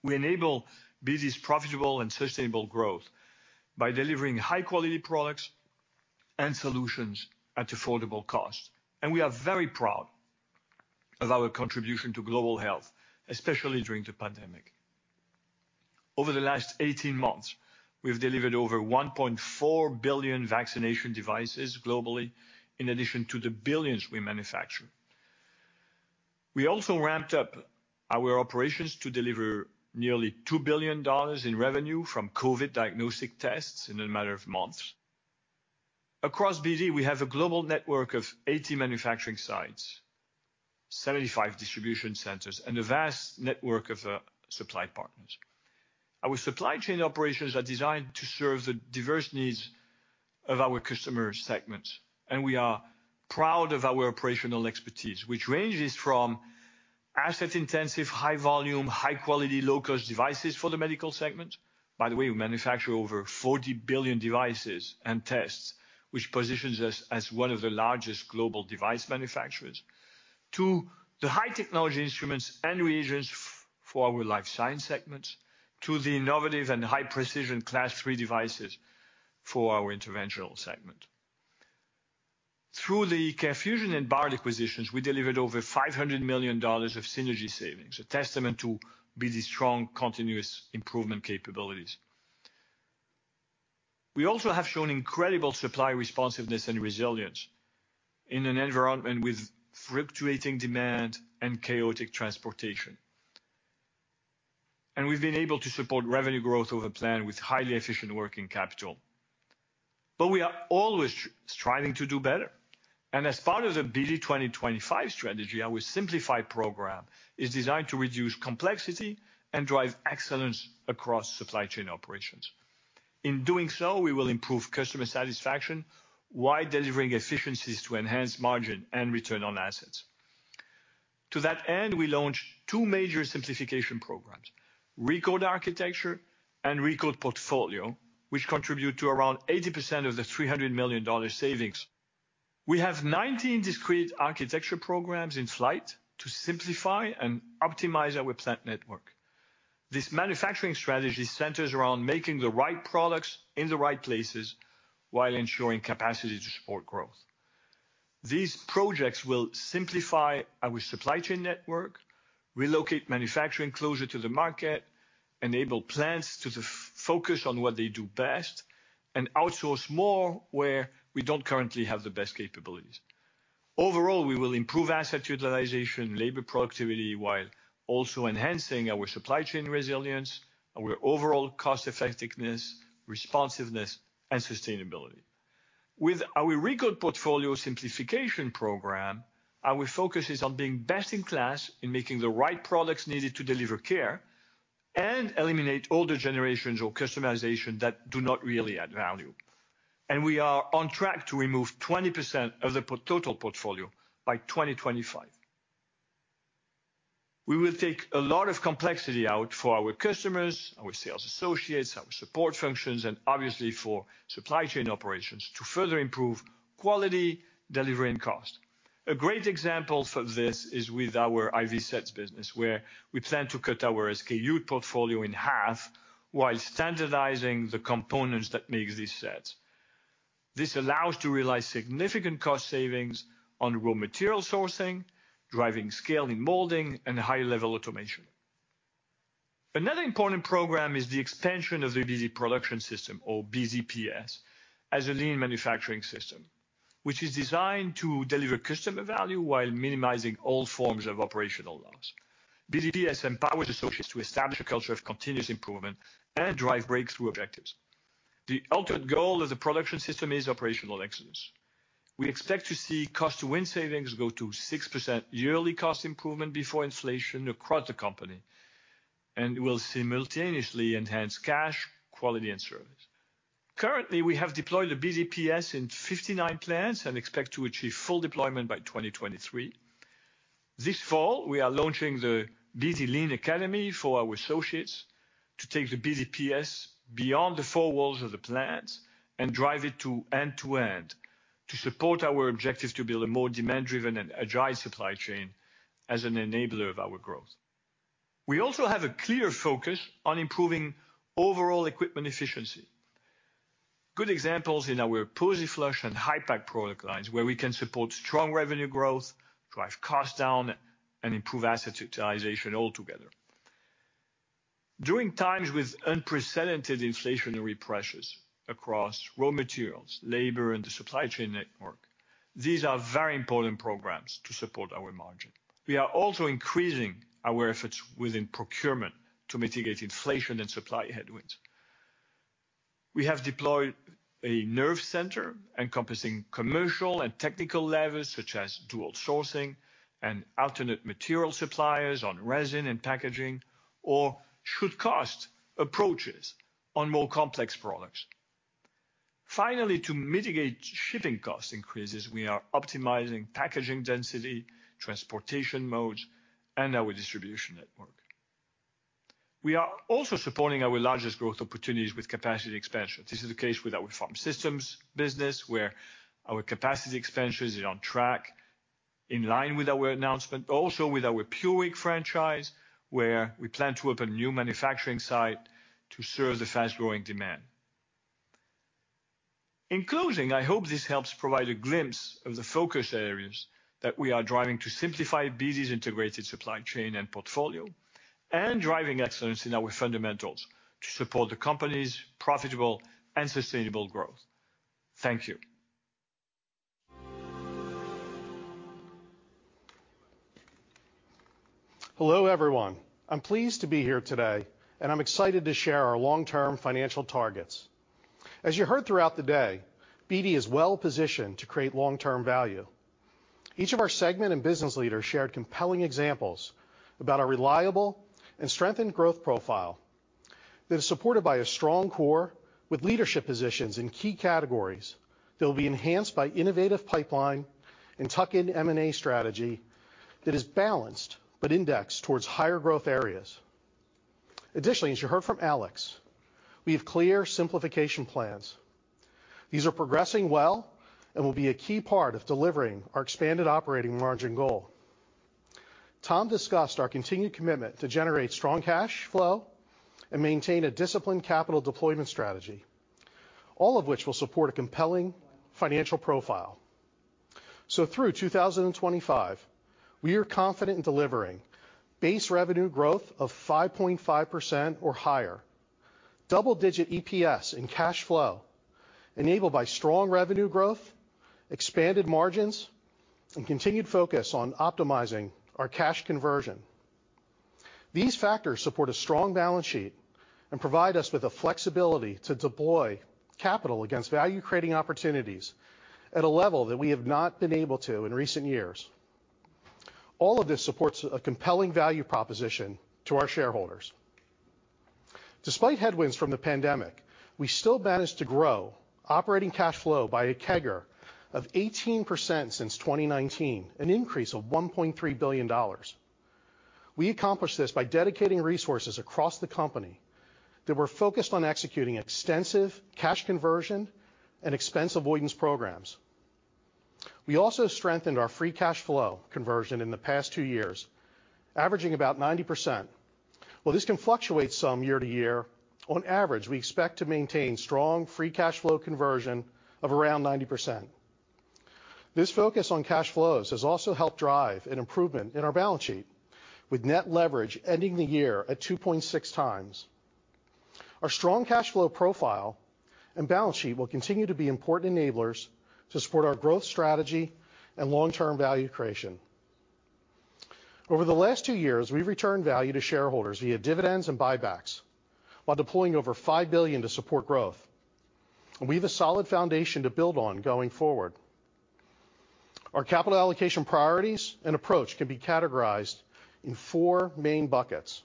We enable BD's profitable and sustainable growth by delivering high-quality products and solutions at affordable cost. We are very proud of our contribution to global health, especially during the pandemic. Over the last 18 months, we've delivered over 1.4 billion vaccination devices globally, in addition to the billions we manufacture. We also ramped up our operations to deliver nearly $2 billion in revenue from COVID diagnostic tests in a matter of months. Across BD, we have a global network of 80 manufacturing sites, 75 distribution centers, and a vast network of supply partners. Our supply chain operations are designed to serve the diverse needs of our customer segments, and we are proud of our operational expertise, which ranges from asset-intensive, high-volume, high-quality, low-cost devices for the medical segment. By the way, we manufacture over 40 billion devices and tests, which positions us as one of the largest global device manufacturers to the high technology instruments and reagents for our life science segments to the innovative and high-precision Class 3 devices for our interventional segment. Through the CareFusion and Bard acquisitions, we delivered over $500 million of synergy savings, a testament to BD's strong continuous improvement capabilities. We also have shown incredible supply responsiveness and resilience in an environment with fluctuating demand and chaotic transportation. We've been able to support revenue growth over plan with highly efficient working capital. We are always striving to do better. As part of the BD 2025 strategy, our Simplify program is designed to reduce complexity and drive excellence across supply chain operations. In doing so, we will improve customer satisfaction while delivering efficiencies to enhance margin and return on assets. To that end, we launched two major simplification programs, RECODE Architecture and RECODE Portfolio, which contribute to around 80% of the $300 million savings. We have 19 discrete architecture programs in flight to simplify and optimize our plant network. This manufacturing strategy centers around making the right products in the right places while ensuring capacity to support growth. These projects will simplify our supply chain network, relocate manufacturing closer to the market, enable plants to focus on what they do best, and outsource more where we don't currently have the best capabilities. Overall, we will improve asset utilization, labor productivity, while also enhancing our supply chain resilience, our overall cost effectiveness, responsiveness, and sustainability. With our RECODE Portfolio simplification program, our focus is on being best in class in making the right products needed to deliver care and eliminate older generations or customization that do not really add value. We are on track to remove 20% of the total portfolio by 2025. We will take a lot of complexity out for our customers, our sales associates, our support functions, and obviously for supply chain operations to further improve quality, delivery, and cost. A great example for this is with our IV sets business, where we plan to cut our SKU portfolio in half while standardizing the components that make these sets. This allows to realize significant cost savings on raw material sourcing, driving scale in molding, and high-level automation. Another important program is the expansion of the BD Production System or BDPS as a lean manufacturing system, which is designed to deliver customer value while minimizing all forms of operational loss. BDPS empowers associates to establish a culture of continuous improvement and drive breakthrough objectives. The ultimate goal of the production system is operational excellence. We expect to see cost-to-win savings go to 6% yearly cost improvement before inflation across the company, and will simultaneously enhance cash, quality and service. Currently, we have deployed the BDPS in 59 plants and expect to achieve full deployment by 2023. This fall, we are launching the BD Lean Academy for our associates to take the BDPS beyond the four walls of the plants and drive it to end-to-end to support our objective to build a more demand-driven and agile supply chain as an enabler of our growth. We also have a clear focus on improving overall equipment efficiency. Good examples in our PosiFlush and Hypak product lines, where we can support strong revenue growth, drive costs down, and improve asset utilization altogether. During times with unprecedented inflationary pressures across raw materials, labor, and the supply chain network, these are very important programs to support our margin. We are also increasing our efforts within procurement to mitigate inflation and supply headwinds. We have deployed a nerve center encompassing commercial and technical levers, such as dual sourcing and alternate material suppliers on resin and packaging, or should-cost approaches on more complex products. Finally, to mitigate shipping cost increases, we are optimizing packaging density, transportation modes, and our distribution network. We are also supporting our largest growth opportunities with capacity expansion. This is the case with our Pharmaceutical Systems business, where our capacity expansion is on track, in line with our announcement. Also with our PureWick franchise, where we plan to open a new manufacturing site to serve the fast-growing demand. In closing, I hope this helps provide a glimpse of the focus areas that we are driving to simplify BD's integrated supply chain and portfolio, and driving excellence in our fundamentals to support the company's profitable and sustainable growth. Thank you. Hello, everyone. I'm pleased to be here today, and I'm excited to share our long-term financial targets. As you heard throughout the day, BD is well-positioned to create long-term value. Each of our segment and business leaders shared compelling examples about our reliable and strengthened growth profile that is supported by a strong core with leadership positions in key categories that will be enhanced by innovative pipeline and tuck-in M&A strategy that is balanced but indexed towards higher growth areas. Additionally, as you heard from Alex, we have clear simplification plans. These are progressing well and will be a key part of delivering our expanded operating margin goal. Tom discussed our continued commitment to generate strong cash flow and maintain a disciplined capital deployment strategy, all of which will support a compelling financial profile. Through 2025, we are confident in delivering base revenue growth of 5.5% or higher, double-digit EPS and cash flow enabled by strong revenue growth, expanded margins, and continued focus on optimizing our cash conversion. These factors support a strong balance sheet and provide us with the flexibility to deploy capital against value-creating opportunities at a level that we have not been able to in recent years. All of this supports a compelling value proposition to our shareholders. Despite headwinds from the pandemic, we still managed to grow operating cash flow by a CAGR of 18% since 2019, an increase of $1.3 billion. We accomplished this by dedicating resources across the company that were focused on executing extensive cash conversion and expense avoidance programs. We also strengthened our free cash flow conversion in the past two years, averaging about 90%. While this can fluctuate some year to year, on average, we expect to maintain strong free cash flow conversion of around 90%. This focus on cash flows has also helped drive an improvement in our balance sheet, with net leverage ending the year at 2.6x. Our strong cash flow profile and balance sheet will continue to be important enablers to support our growth strategy and long-term value creation. Over the last two years, we've returned value to shareholders via dividends and buybacks while deploying over $5 billion to support growth. We have a solid foundation to build on going forward. Our capital allocation priorities and approach can be categorized in four main buckets.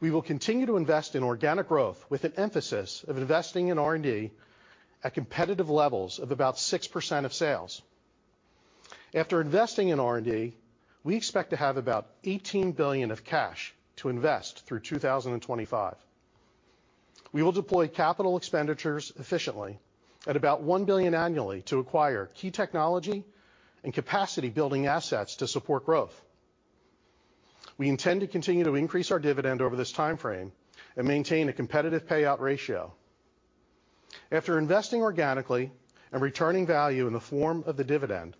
We will continue to invest in organic growth with an emphasis of investing in R&D at competitive levels of about 6% of sales. After investing in R&D, we expect to have about $18 billion of cash to invest through 2025. We will deploy capital expenditures efficiently at about $1 billion annually to acquire key technology and capacity-building assets to support growth. We intend to continue to increase our dividend over this timeframe and maintain a competitive payout ratio. After investing organically and returning value in the form of the dividend,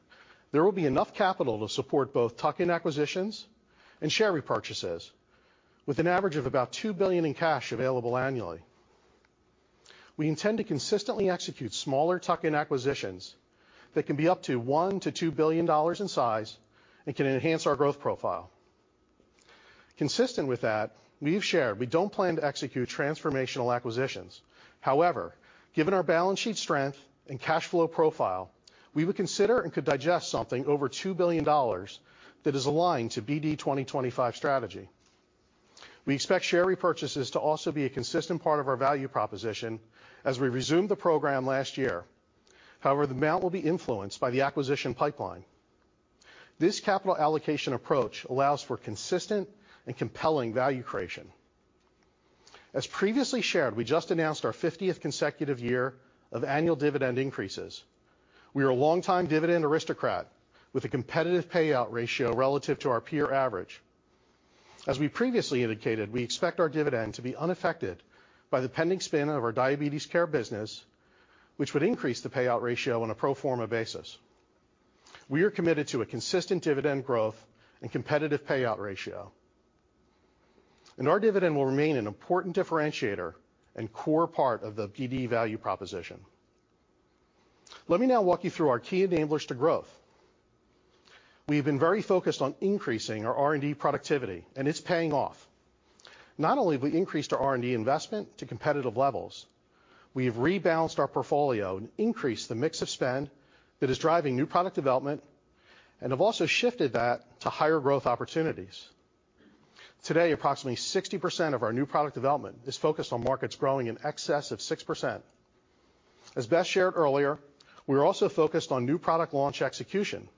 there will be enough capital to support both tuck-in acquisitions and share repurchases, with an average of about $2 billion in cash available annually. We intend to consistently execute smaller tuck-in acquisitions that can be up to $1 billion-$2 billion in size and can enhance our growth profile. Consistent with that, we've shared we don't plan to execute transformational acquisitions. However, given our balance sheet strength and cash flow profile, we would consider and could digest something over $2 billion that is aligned to BD 2025 strategy. We expect share repurchases to also be a consistent part of our value proposition as we resumed the program last year. However, the amount will be influenced by the acquisition pipeline. This capital allocation approach allows for consistent and compelling value creation. As previously shared, we just announced our 50th consecutive year of annual dividend increases. We are a longtime dividend aristocrat with a competitive payout ratio relative to our peer average. As we previously indicated, we expect our dividend to be unaffected by the pending spin of our Diabetes Care business, which would increase the payout ratio on a pro forma basis. We are committed to a consistent dividend growth and competitive payout ratio. Our dividend will remain an important differentiator and core part of the BD value proposition. Let me now walk you through our key enablers to growth. We have been very focused on increasing our R&D productivity, and it's paying off. Not only have we increased our R&D investment to competitive levels, we have rebalanced our portfolio and increased the mix of spend that is driving new product development and have also shifted that to higher growth opportunities. Today, approximately 60% of our new product development is focused on markets growing in excess of 6%. As Beth shared earlier, we're also focused on new product launch execution.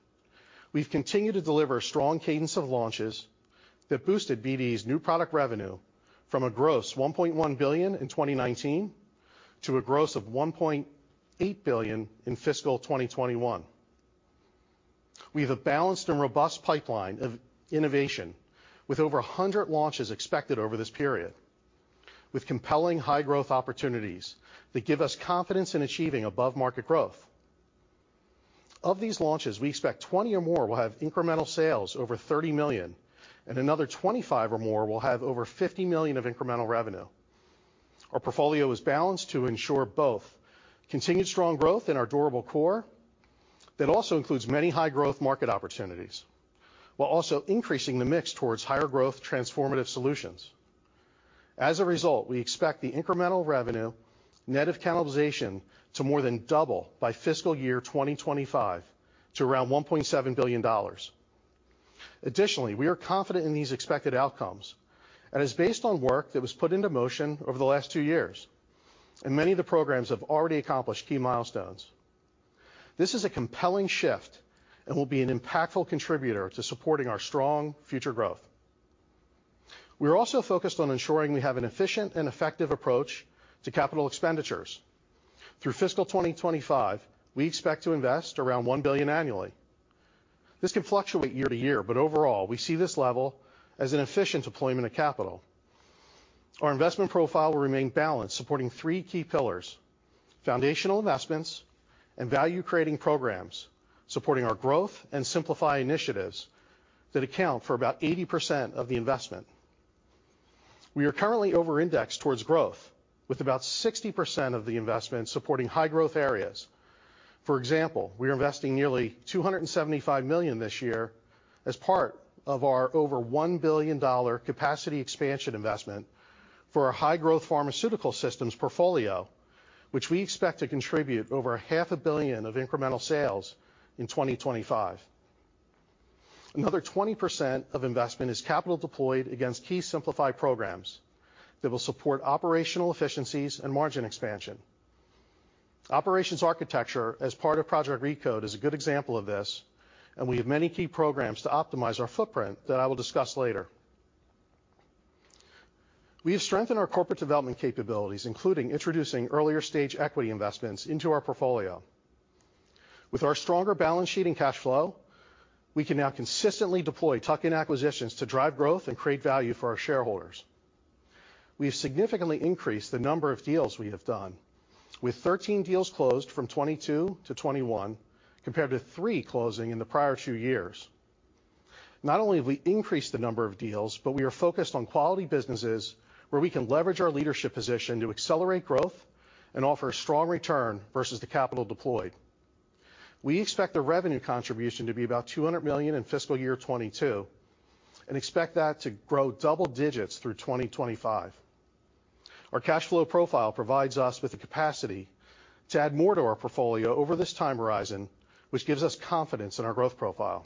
We've continued to deliver a strong cadence of launches that boosted BD's new product revenue from $1.1 billion in 2019 to $1.8 billion in fiscal 2021. We have a balanced and robust pipeline of innovation with over 100 launches expected over this period, with compelling high growth opportunities that give us confidence in achieving above-market growth. Of these launches, we expect 20 or more will have incremental sales over $30 million, and another 25 or more will have over $50 million of incremental revenue. Our portfolio is balanced to ensure both continued strong growth in our durable core that also includes many high-growth market opportunities while also increasing the mix towards higher growth transformative solutions. As a result, we expect the incremental revenue net of cannibalization to more than double by fiscal year 2025 to around $1.7 billion. Additionally, we are confident in these expected outcomes, and it's based on work that was put into motion over the last two years, and many of the programs have already accomplished key milestones. This is a compelling shift and will be an impactful contributor to supporting our strong future growth. We're also focused on ensuring we have an efficient and effective approach to capital expenditures. Through fiscal 2025, we expect to invest around $1 billion annually. This can fluctuate year to year, but overall, we see this level as an efficient deployment of capital. Our investment profile will remain balanced, supporting three key pillars. Foundational investments and value-creating programs supporting our growth and simplify initiatives account for about 80% of the investment. We are currently over-indexed towards growth, with about 60% of the investment supporting high growth areas. For example, we are investing nearly $275 million this year as part of our over $1 billion capacity expansion investment for our high-growth Pharmaceutical Systems portfolio, which we expect to contribute over half a billion of incremental sales in 2025. Another 20% of investment is capital deployed against key simplified programs that will support operational efficiencies and margin expansion. Operations architecture as part of Project RECODE is a good example of this, and we have many key programs to optimize our footprint that I will discuss later. We have strengthened our corporate development capabilities, including introducing earlier stage equity investments into our portfolio. With our stronger balance sheet and cash flow, we can now consistently deploy tuck-in acquisitions to drive growth and create value for our shareholders. We have significantly increased the number of deals we have done, with 13 deals closed from 2021 to 2022, compared to three closing in the prior two years. Not only have we increased the number of deals, but we are focused on quality businesses where we can leverage our leadership position to accelerate growth and offer a strong return versus the capital deployed. We expect the revenue contribution to be about $200 million in fiscal year 2022 and expect that to grow double digits through 2025. Our cash flow profile provides us with the capacity to add more to our portfolio over this time horizon, which gives us confidence in our growth profile.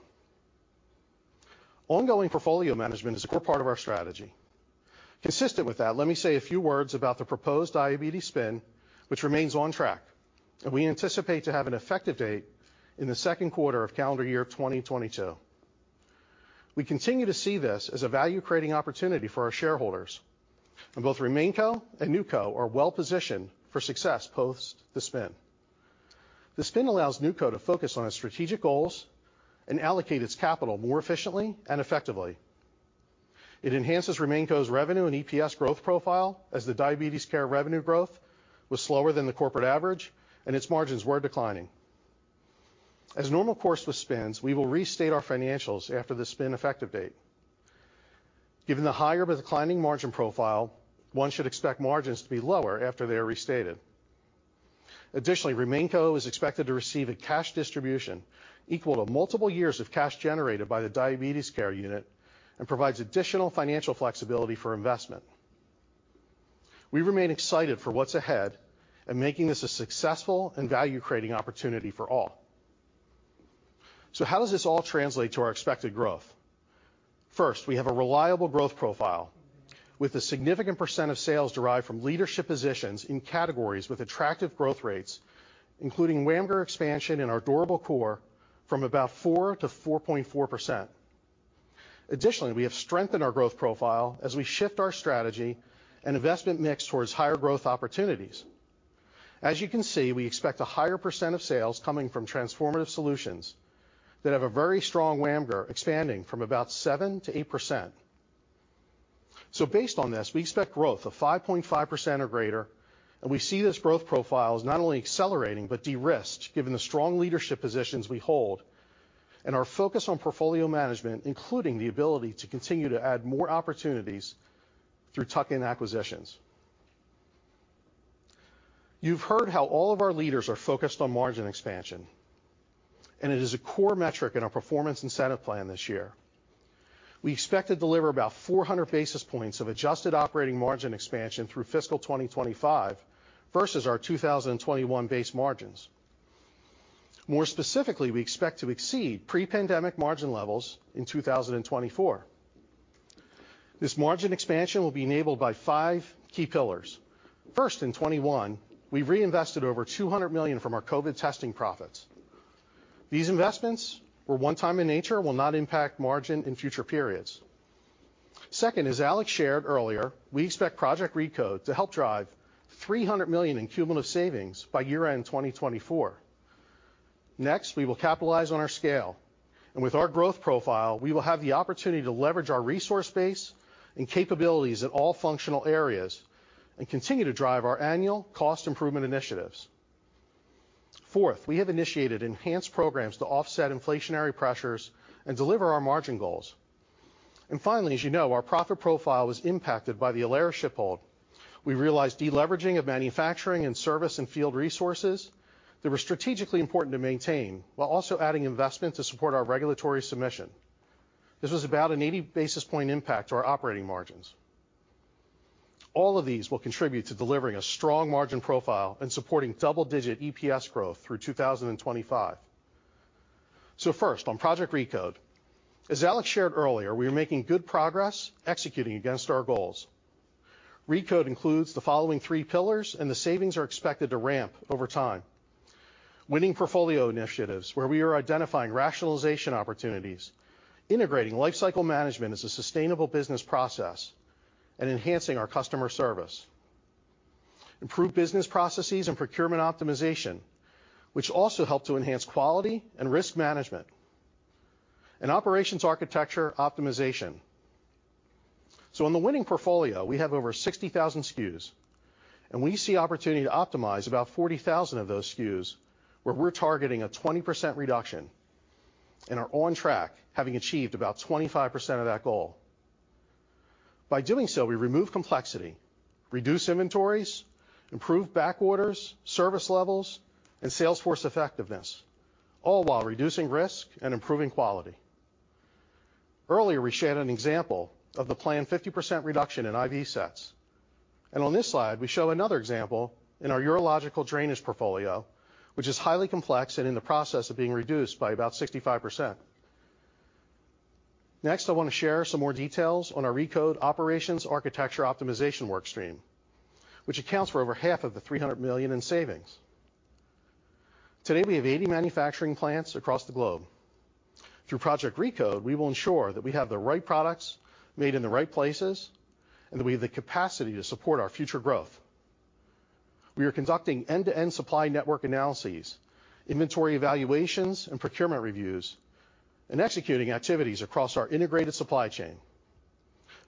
Ongoing portfolio management is a core part of our strategy. Consistent with that, let me say a few words about the proposed Diabetes spin, which remains on track, and we anticipate to have an effective date in the second quarter of calendar year 2022. We continue to see this as a value-creating opportunity for our shareholders, and both RemainCo and NewCo are well positioned for success post the spin. The spin allows NewCo to focus on its strategic goals and allocate its capital more efficiently and effectively. It enhances RemainCo's revenue and EPS growth profile as the Diabetes Care revenue growth was slower than the corporate average and its margins were declining. As normal course with spins, we will restate our financials after the spin effective date. Given the higher but declining margin profile, one should expect margins to be lower after they are restated. Additionally, RemainCo is expected to receive a cash distribution equal to multiple years of cash generated by the Diabetes Care unit and provides additional financial flexibility for investment. We remain excited for what's ahead and making this a successful and value-creating opportunity for all. How does this all translate to our expected growth? First, we have a reliable growth profile with a significant % of sales derived from leadership positions in categories with attractive growth rates, including WAMGR expansion in our durable core from about 4%-4.4%. Additionally, we have strengthened our growth profile as we shift our strategy and investment mix towards higher growth opportunities. As you can see, we expect a higher percent of sales coming from transformative solutions that have a very strong WAMGR expanding from about 7%-8%. Based on this, we expect growth of 5.5% or greater, and we see this growth profile as not only accelerating but de-risked, given the strong leadership positions we hold and our focus on portfolio management, including the ability to continue to add more opportunities through tuck-in acquisitions. You've heard how all of our leaders are focused on margin expansion, and it is a core metric in our performance incentive plan this year. We expect to deliver about 400 basis points of adjusted operating margin expansion through fiscal 2025 versus our 2021 base margins. More specifically, we expect to exceed pre-pandemic margin levels in 2024. This margin expansion will be enabled by five key pillars. First, in 2021, we reinvested over $200 million from our COVID testing profits. These investments were one-time in nature and will not impact margin in future periods. Second, as Alex shared earlier, we expect Project RECODE to help drive $300 million in cumulative savings by year-end 2024. Next, we will capitalize on our scale. With our growth profile, we will have the opportunity to leverage our resource base and capabilities in all functional areas and continue to drive our annual cost improvement initiatives. Fourth, we have initiated enhanced programs to offset inflationary pressures and deliver our margin goals. Finally, as you know, our profit profile was impacted by the Alaris ship hold. We realized deleveraging of manufacturing and service and field resources that were strategically important to maintain while also adding investment to support our regulatory submission. This was about an 80 basis point impact to our operating margins. All of these will contribute to delivering a strong margin profile and supporting double-digit EPS growth through 2025. First, on Project RECODE. As Alex shared earlier, we are making good progress executing against our goals. RECODE includes the following three pillars, and the savings are expected to ramp over time. Winning portfolio initiatives, where we are identifying rationalization opportunities, integrating lifecycle management as a sustainable business process, and enhancing our customer service. Improved business processes and procurement optimization, which also help to enhance quality and risk management. Operations architecture optimization. In the winning portfolio, we have over 60,000 SKUs, and we see opportunity to optimize about 40,000 of those SKUs, where we're targeting a 20% reduction and are on track, having achieved about 25% of that goal. By doing so, we remove complexity, reduce inventories, improve back orders, service levels, and sales force effectiveness, all while reducing risk and improving quality. Earlier, we shared an example of the planned 50% reduction in IV sets. On this slide, we show another example in our urological drainage portfolio, which is highly complex and in the process of being reduced by about 65%. Next, I want to share some more details on our RECODE Operations Architecture optimization workstream, which accounts for over half of the $300 million in savings. Today, we have 80 manufacturing plants across the globe. Through Project RECODE, we will ensure that we have the right products made in the right places and that we have the capacity to support our future growth. We are conducting end-to-end supply network analyses, inventory evaluations, and procurement reviews, and executing activities across our integrated supply chain.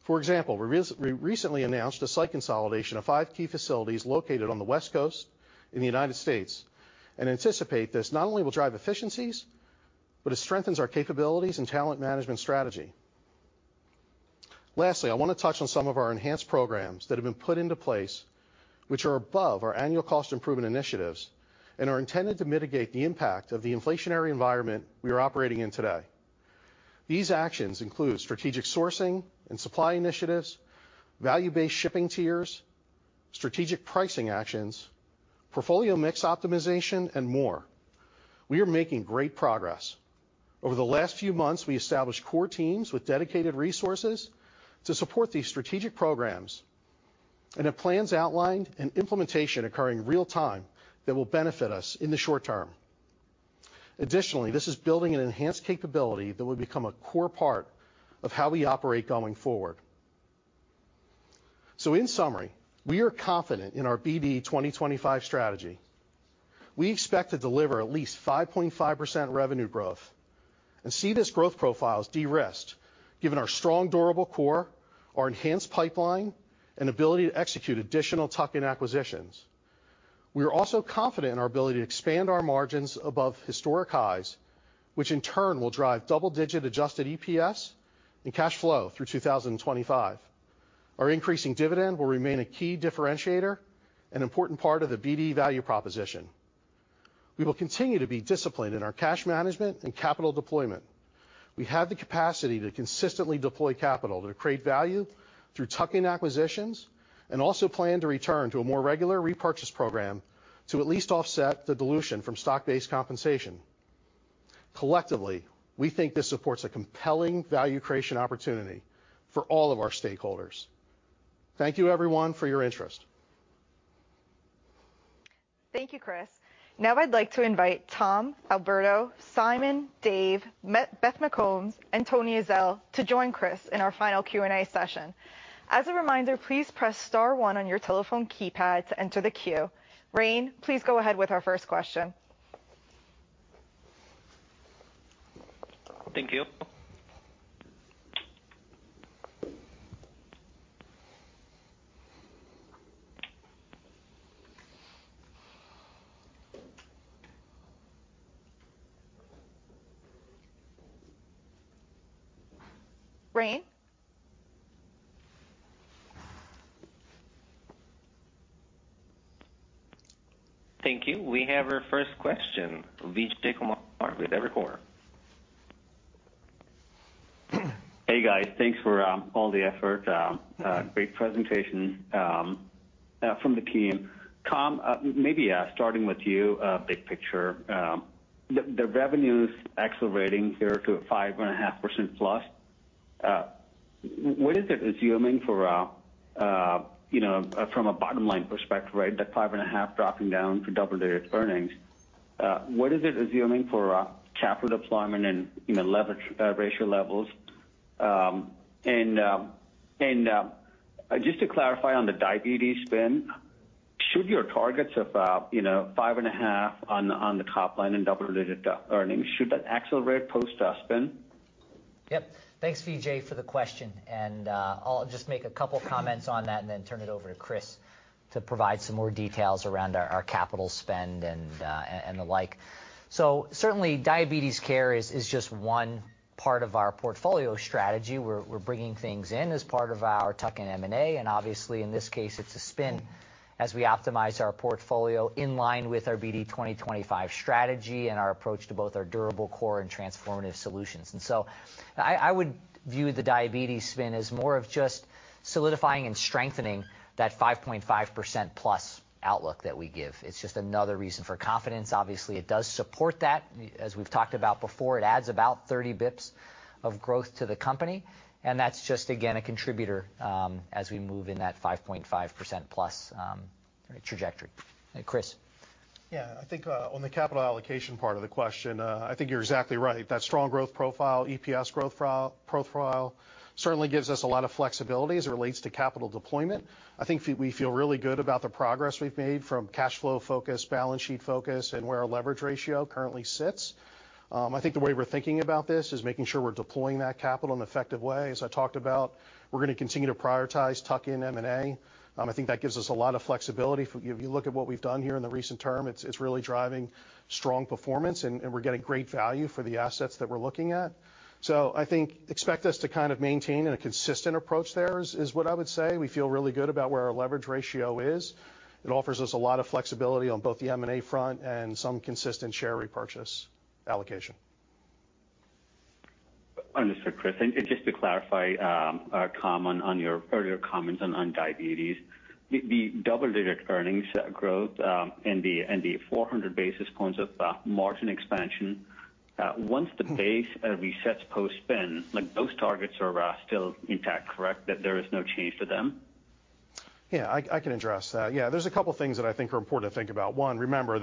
For example, we recently announced a site consolidation of five key facilities located on the West Coast in the United States and anticipate this not only will drive efficiencies, but it strengthens our capabilities and talent management strategy. Lastly, I want to touch on some of our enhanced programs that have been put into place which are above our annual cost improvement initiatives and are intended to mitigate the impact of the inflationary environment we are operating in today. These actions include strategic sourcing and supply initiatives, value-based shipping tiers, strategic pricing actions, portfolio mix optimization, and more. We are making great progress. Over the last few months, we established core teams with dedicated resources to support these strategic programs and have plans outlined and implementation occurring real-time that will benefit us in the short term. Additionally, this is building an enhanced capability that will become a core part of how we operate going forward. In summary, we are confident in our BD 2025 strategy. We expect to deliver at least 5.5% revenue growth and see this growth profile as de-risked, given our strong durable core, our enhanced pipeline, and ability to execute additional tuck-in acquisitions. We are also confident in our ability to expand our margins above historic highs, which in turn will drive double-digit adjusted EPS and cash flow through 2025. Our increasing dividend will remain a key differentiator, an important part of the BD value proposition. We will continue to be disciplined in our cash management and capital deployment. We have the capacity to consistently deploy capital to create value through tuck-in acquisitions and also plan to return to a more regular repurchase program to at least offset the dilution from stock-based compensation. Collectively, we think this supports a compelling value creation opportunity for all of our stakeholders. Thank you everyone for your interest. Thank you, Chris. Now I'd like to invite Tom, Alberto, Simon, Dave, Beth McCombs, and Tony Ezell to join Chris in our final Q&A session. As a reminder, please press star one on your telephone keypad to enter the queue. Rayne, please go ahead with our first question. Thank you. Rayne? Thank you. We have our first question. Vijay Kumar with Evercore. Hey guys, thanks for all the effort. Great presentation from the team. Tom, maybe starting with you, big picture. The revenue's accelerating here to 5.5%+. What is it assuming for, you know, from a bottom line perspective, right? That 5.5% dropping down to double-digit earnings. What is it assuming for capital deployment and, you know, leverage ratio levels? And just to clarify on the diabetes spin, should your targets of, you know, 5.5% on the top line and double-digit earnings, should that accelerate post spin? Yep. Thanks Vijay for the question, and I'll just make a couple comments on that and then turn it over to Chris to provide some more details around our capital spend and the like. Certainly, diabetes care is just one part of our portfolio strategy. We're bringing things in as part of our tuck-in M&A, and obviously in this case it's a spin as we optimize our portfolio in line with our BD 2025 strategy and our approach to both our durable core and transformative solutions. I would view the diabetes spin as more of just solidifying and strengthening that 5.5%+ outlook that we give. It's just another reason for confidence. Obviously, it does support that. As we've talked about before, it adds about 30 basis points of growth to the company, and that's just again, a contributor, as we move in that 5.5%+ trajectory. Chris. Yeah. I think on the capital allocation part of the question, I think you're exactly right. That strong growth profile, EPS growth profile certainly gives us a lot of flexibility as it relates to capital deployment. I think we feel really good about the progress we've made from cash flow focus, balance sheet focus, and where our leverage ratio currently sits. I think the way we're thinking about this is making sure we're deploying that capital in an effective way. As I talked about, we're gonna continue to prioritize tuck-in M&A. I think that gives us a lot of flexibility. If you look at what we've done here in the recent term, it's really driving strong performance and we're getting great value for the assets that we're looking at. I think you can expect us to kind of maintain a consistent approach there, is what I would say. We feel really good about where our leverage ratio is. It offers us a lot of flexibility on both the M&A front and some consistent share repurchase allocation. Understood, Chris. Just to clarify, Tom, on your earlier comments on diabetes. The double-digit earnings growth, and the 400 basis points of margin expansion, once the base resets post-spin, like those targets are still intact, correct? That there is no change to them? Yeah, I can address that. Yeah, there's a couple things that I think are important to think about. One, remember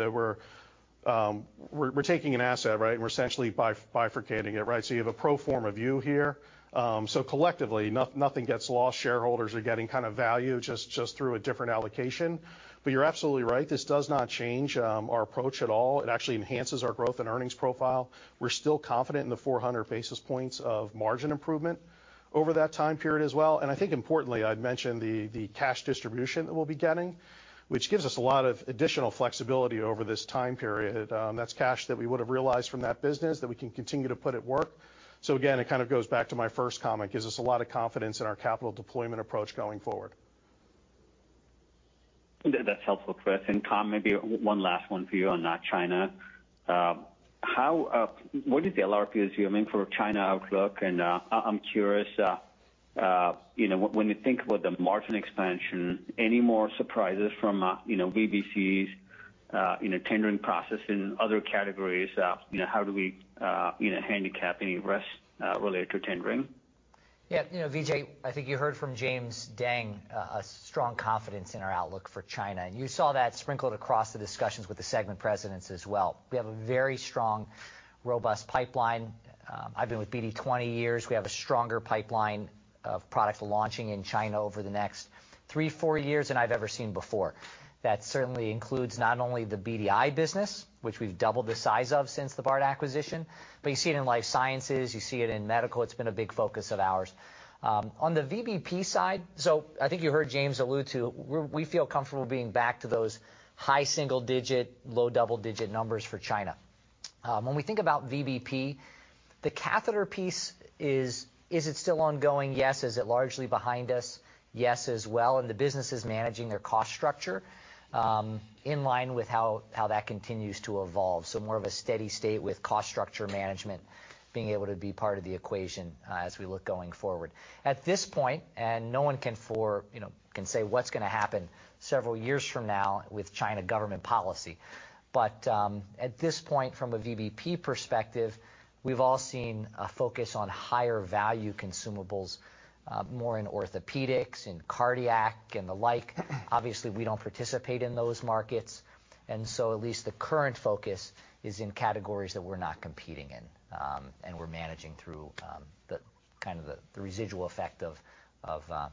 that we're taking an asset, right? We're essentially bifurcating it, right? You have a pro forma view here. Collectively, nothing gets lost. Shareholders are getting kind of value just through a different allocation. You're absolutely right, this does not change our approach at all. It actually enhances our growth and earnings profile. We're still confident in the 400 basis points of margin improvement over that time period as well. I think importantly, I'd mention the cash distribution that we'll be getting, which gives us a lot of additional flexibility over this time period. That's cash that we would've realized from that business that we can continue to put at work. Again, it kind of goes back to my first comment, gives us a lot of confidence in our capital deployment approach going forward. That's helpful, Chris. Tom, maybe one last one for you on China. What is the LRP assuming for China outlook? I'm curious, you know, when you think about the margin expansion, any more surprises from, you know, VBC's, you know, tendering process in other categories? You know, how do we, you know, handicap any risk related to tendering? Yeah, you know, Vijay, I think you heard from James Deng a strong confidence in our outlook for China, and you saw that sprinkled across the discussions with the segment presidents as well. We have a very strong, robust pipeline. I've been with BD 20 years. We have a stronger pipeline of products launching in China over the next 3-4 years than I've ever seen before. That certainly includes not only the BDI business, which we've doubled the size of since the Bard acquisition, but you see it in Life Sciences, you see it in Medical. It's been a big focus of ours. On the VBP side. I think you heard James allude to, we feel comfortable being back to those high single digit, low double digit numbers for China. When we think about VBP, the catheter piece is it still ongoing? Yes. Is it largely behind us? Yes as well. The business is managing their cost structure in line with how that continues to evolve. More of a steady state with cost structure management being able to be part of the equation as we look going forward. At this point, no one can, you know, say what's gonna happen several years from now with China government policy, but at this point, from a VBP perspective, we've all seen a focus on higher value consumables more in orthopedics and cardiac and the like. Obviously, we don't participate in those markets, and so at least the current focus is in categories that we're not competing in. We're managing through the residual effect of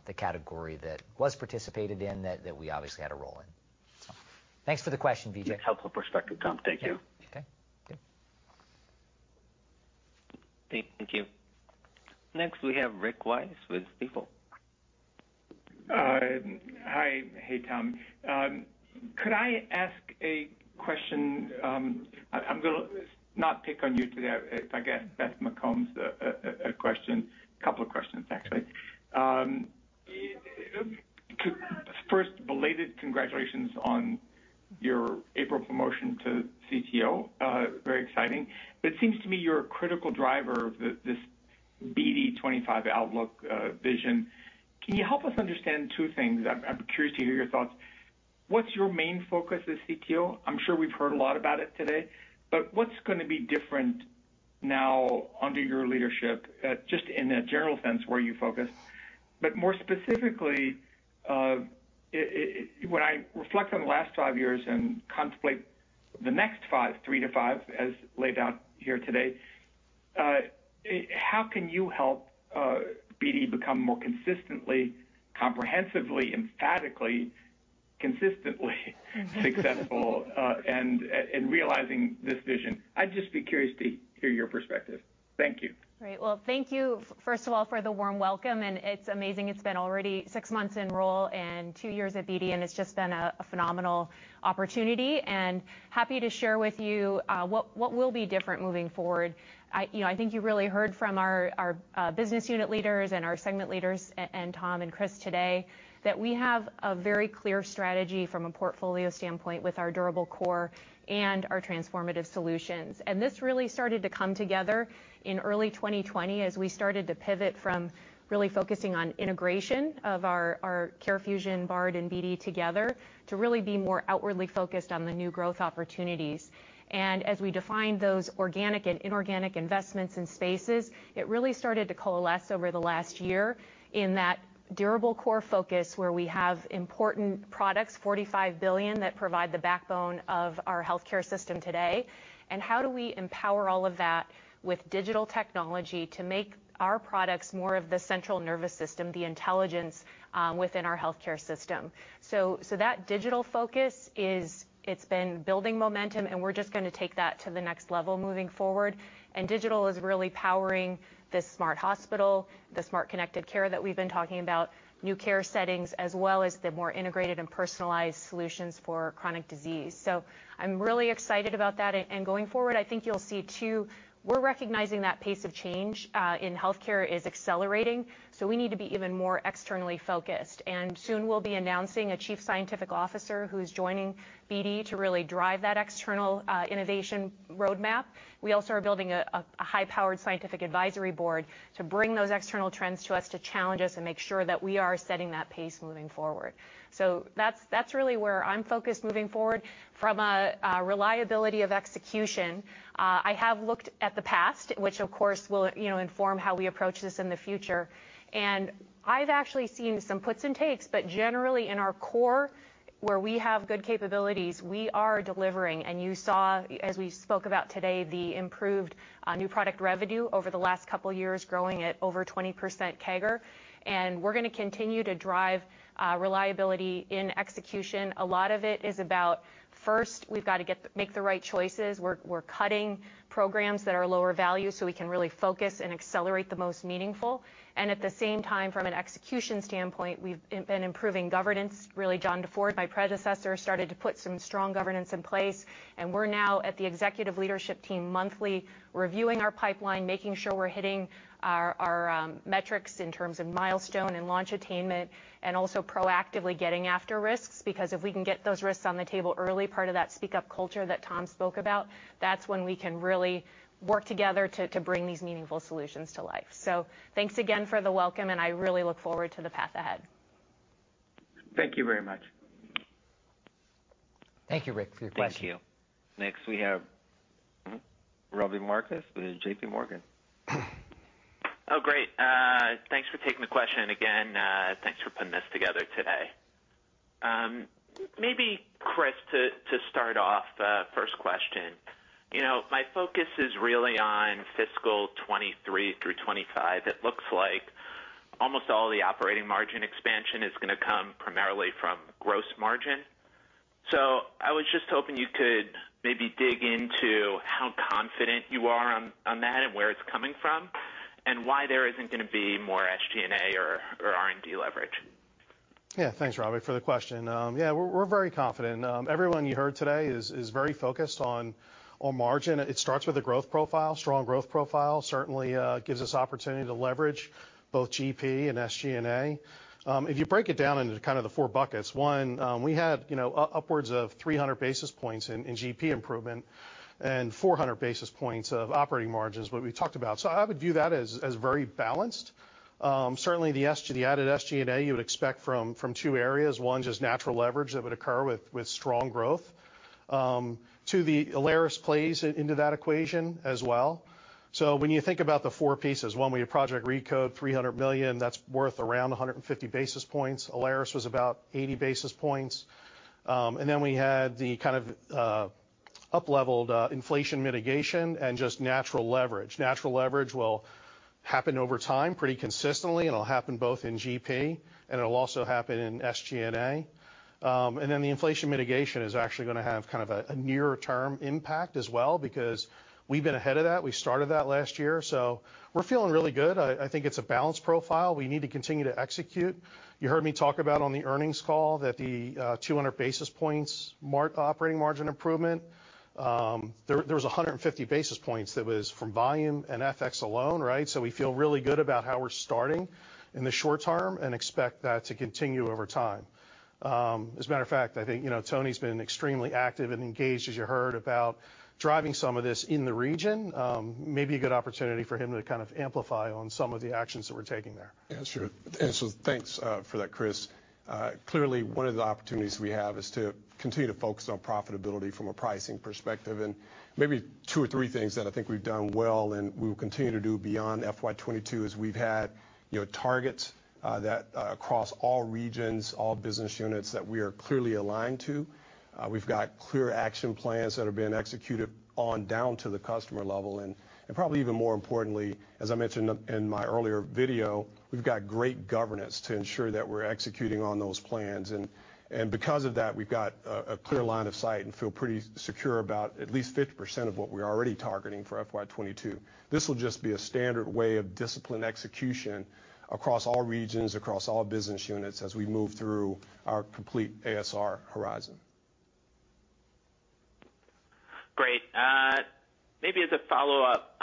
the category that was participated in that we obviously had a role in. Thanks for the question, Vijay. Helpful perspective, Tom. Thank you. Yeah. Okay. Okay. Thank you. Next, we have Rick Wise with Stifel. Hi. Hey, Tom. Could I ask a question? I'm gonna not pick on you today. I'll get Beth McCombs a question, couple of questions actually. First, belated congratulations on your April promotion to CTO. Very exciting. It seems to me you're a critical driver of this BD 2025 outlook vision. Can you help us understand two things? I'm curious to hear your thoughts. What's your main focus as CTO? I'm sure we've heard a lot about it today, but what's gonna be different now under your leadership, just in a general sense, where you focus, but more specifically, when I reflect on the last five years and contemplate the next five, three to five as laid out here today, how can you help BD become more consistently, comprehensively, emphatically successful, and realizing this vision? I'd just be curious to hear your perspective. Thank you. Great. Well, thank you first of all for the warm welcome, and it's amazing it's been already six months in role and two years at BD, and it's just been a phenomenal opportunity, and happy to share with you what will be different moving forward. You know, I think you really heard from our business unit leaders and our segment leaders and Tom and Chris today that we have a very clear strategy from a portfolio standpoint with our durable core and our transformative solutions. This really started to come together in early 2020 as we started to pivot from really focusing on integration of our CareFusion, Bard, and BD together to really be more outwardly focused on the new growth opportunities. As we defined those organic and inorganic investments and spaces, it really started to coalesce over the last year in that durable core focus where we have important products, $45 billion, that provide the backbone of our healthcare system today. How do we empower all of that with digital technology to make our products more of the central nervous system, the intelligence, within our healthcare system? That digital focus is... It's been building momentum, and we're just gonna take that to the next level moving forward. Digital is really powering the smart hospital, the smart connected care that we've been talking about, new care settings, as well as the more integrated and personalized solutions for chronic disease. I'm really excited about that. Going forward, I think you'll see too, we're recognizing that pace of change in healthcare is accelerating, so we need to be even more externally focused. Soon we'll be announcing a Chief Scientific Officer who's joining BD to really drive that external innovation roadmap. We also are building a high-powered scientific advisory board to bring those external trends to us, to challenge us and make sure that we are setting that pace moving forward. That's really where I'm focused moving forward. From a reliability of execution, I have looked at the past, which of course will, you know, inform how we approach this in the future, and I've actually seen some puts and takes, but generally in our core, where we have good capabilities, we are delivering. You saw, as we spoke about today, the improved new product revenue over the last couple years growing at over 20% CAGR. We're gonna continue to drive reliability in execution. A lot of it is about first, we've got to make the right choices. We're cutting programs that are lower value so we can really focus and accelerate the most meaningful. At the same time, from an execution standpoint, we've been improving governance. Really, John DeFord, my predecessor, started to put some strong governance in place, and we're now at the executive leadership team monthly reviewing our pipeline, making sure we're hitting our metrics in terms of milestone and launch attainment, and also proactively getting after risks. Because if we can get those risks on the table early, part of that speak up culture that Tom spoke about, that's when we can really work together to bring these meaningful solutions to life. Thanks again for the welcome, and I really look forward to the path ahead. Thank you very much. Thank you, Rick, for your question. Thank you. Next we have Robbie Marcus with JPMorgan. Oh, great. Thanks for taking the question. Again, thanks for putting this together today. Maybe, Chris, to start off, first question. You know, my focus is really on fiscal 2023 through 2025. It looks like almost all the operating margin expansion is gonna come primarily from gross margin. I was just hoping you could maybe dig into how confident you are on that and where it's coming from, and why there isn't gonna be more SG&A or R&D leverage. Thanks, Robbie, for the question. Yeah, we're very confident. Everyone you heard today is very focused on margin. It starts with the growth profile. Strong growth profile certainly gives us opportunity to leverage both GP and SG&A. If you break it down into kind of the four buckets, one, we had, you know, upwards of 300 basis points in GP improvement and 400 basis points of operating margins, what we talked about. I would view that as very balanced. Certainly the added SG&A you would expect from two areas. One, just natural leverage that would occur with strong growth. Two, the Alaris plays into that equation as well. When you think about the four pieces, one, we have Project RECODE, $300 million. That's worth around 150 basis points. Alaris was about 80 basis points. And then we had the kind of upleveled inflation mitigation and just natural leverage. Natural leverage will happen over time pretty consistently, and it'll happen both in GP, and it'll also happen in SG&A. And then the inflation mitigation is actually gonna have kind of a nearer term impact as well because we've been ahead of that. We started that last year, so we're feeling really good. I think it's a balanced profile. We need to continue to execute. You heard me talk about on the earnings call that the 200 basis points operating margin improvement, there was 150 basis points that was from volume and FX alone, right? We feel really good about how we're starting in the short term and expect that to continue over time. As a matter of fact, I think, you know, Tony's been extremely active and engaged, as you heard, about driving some of this in the region. May be a good opportunity for him to kind of amplify on some of the actions that we're taking there. Yeah, sure. Thanks for that, Chris. Clearly one of the opportunities we have is to continue to focus on profitability from a pricing perspective. Maybe two or three things that I think we've done well and we will continue to do beyond FY 2022 is we've had, you know, targets that across all regions, all business units that we are clearly aligned to. We've got clear action plans that are being executed on down to the customer level. Probably even more importantly, as I mentioned in my earlier video, we've got great governance to ensure that we're executing on those plans. Because of that, we've got a clear line of sight and feel pretty secure about at least 50% of what we're already targeting for FY 2022. This will just be a standard way of disciplined execution across all regions, across all business units as we move through our complete ASR horizon. Great. Maybe as a follow-up,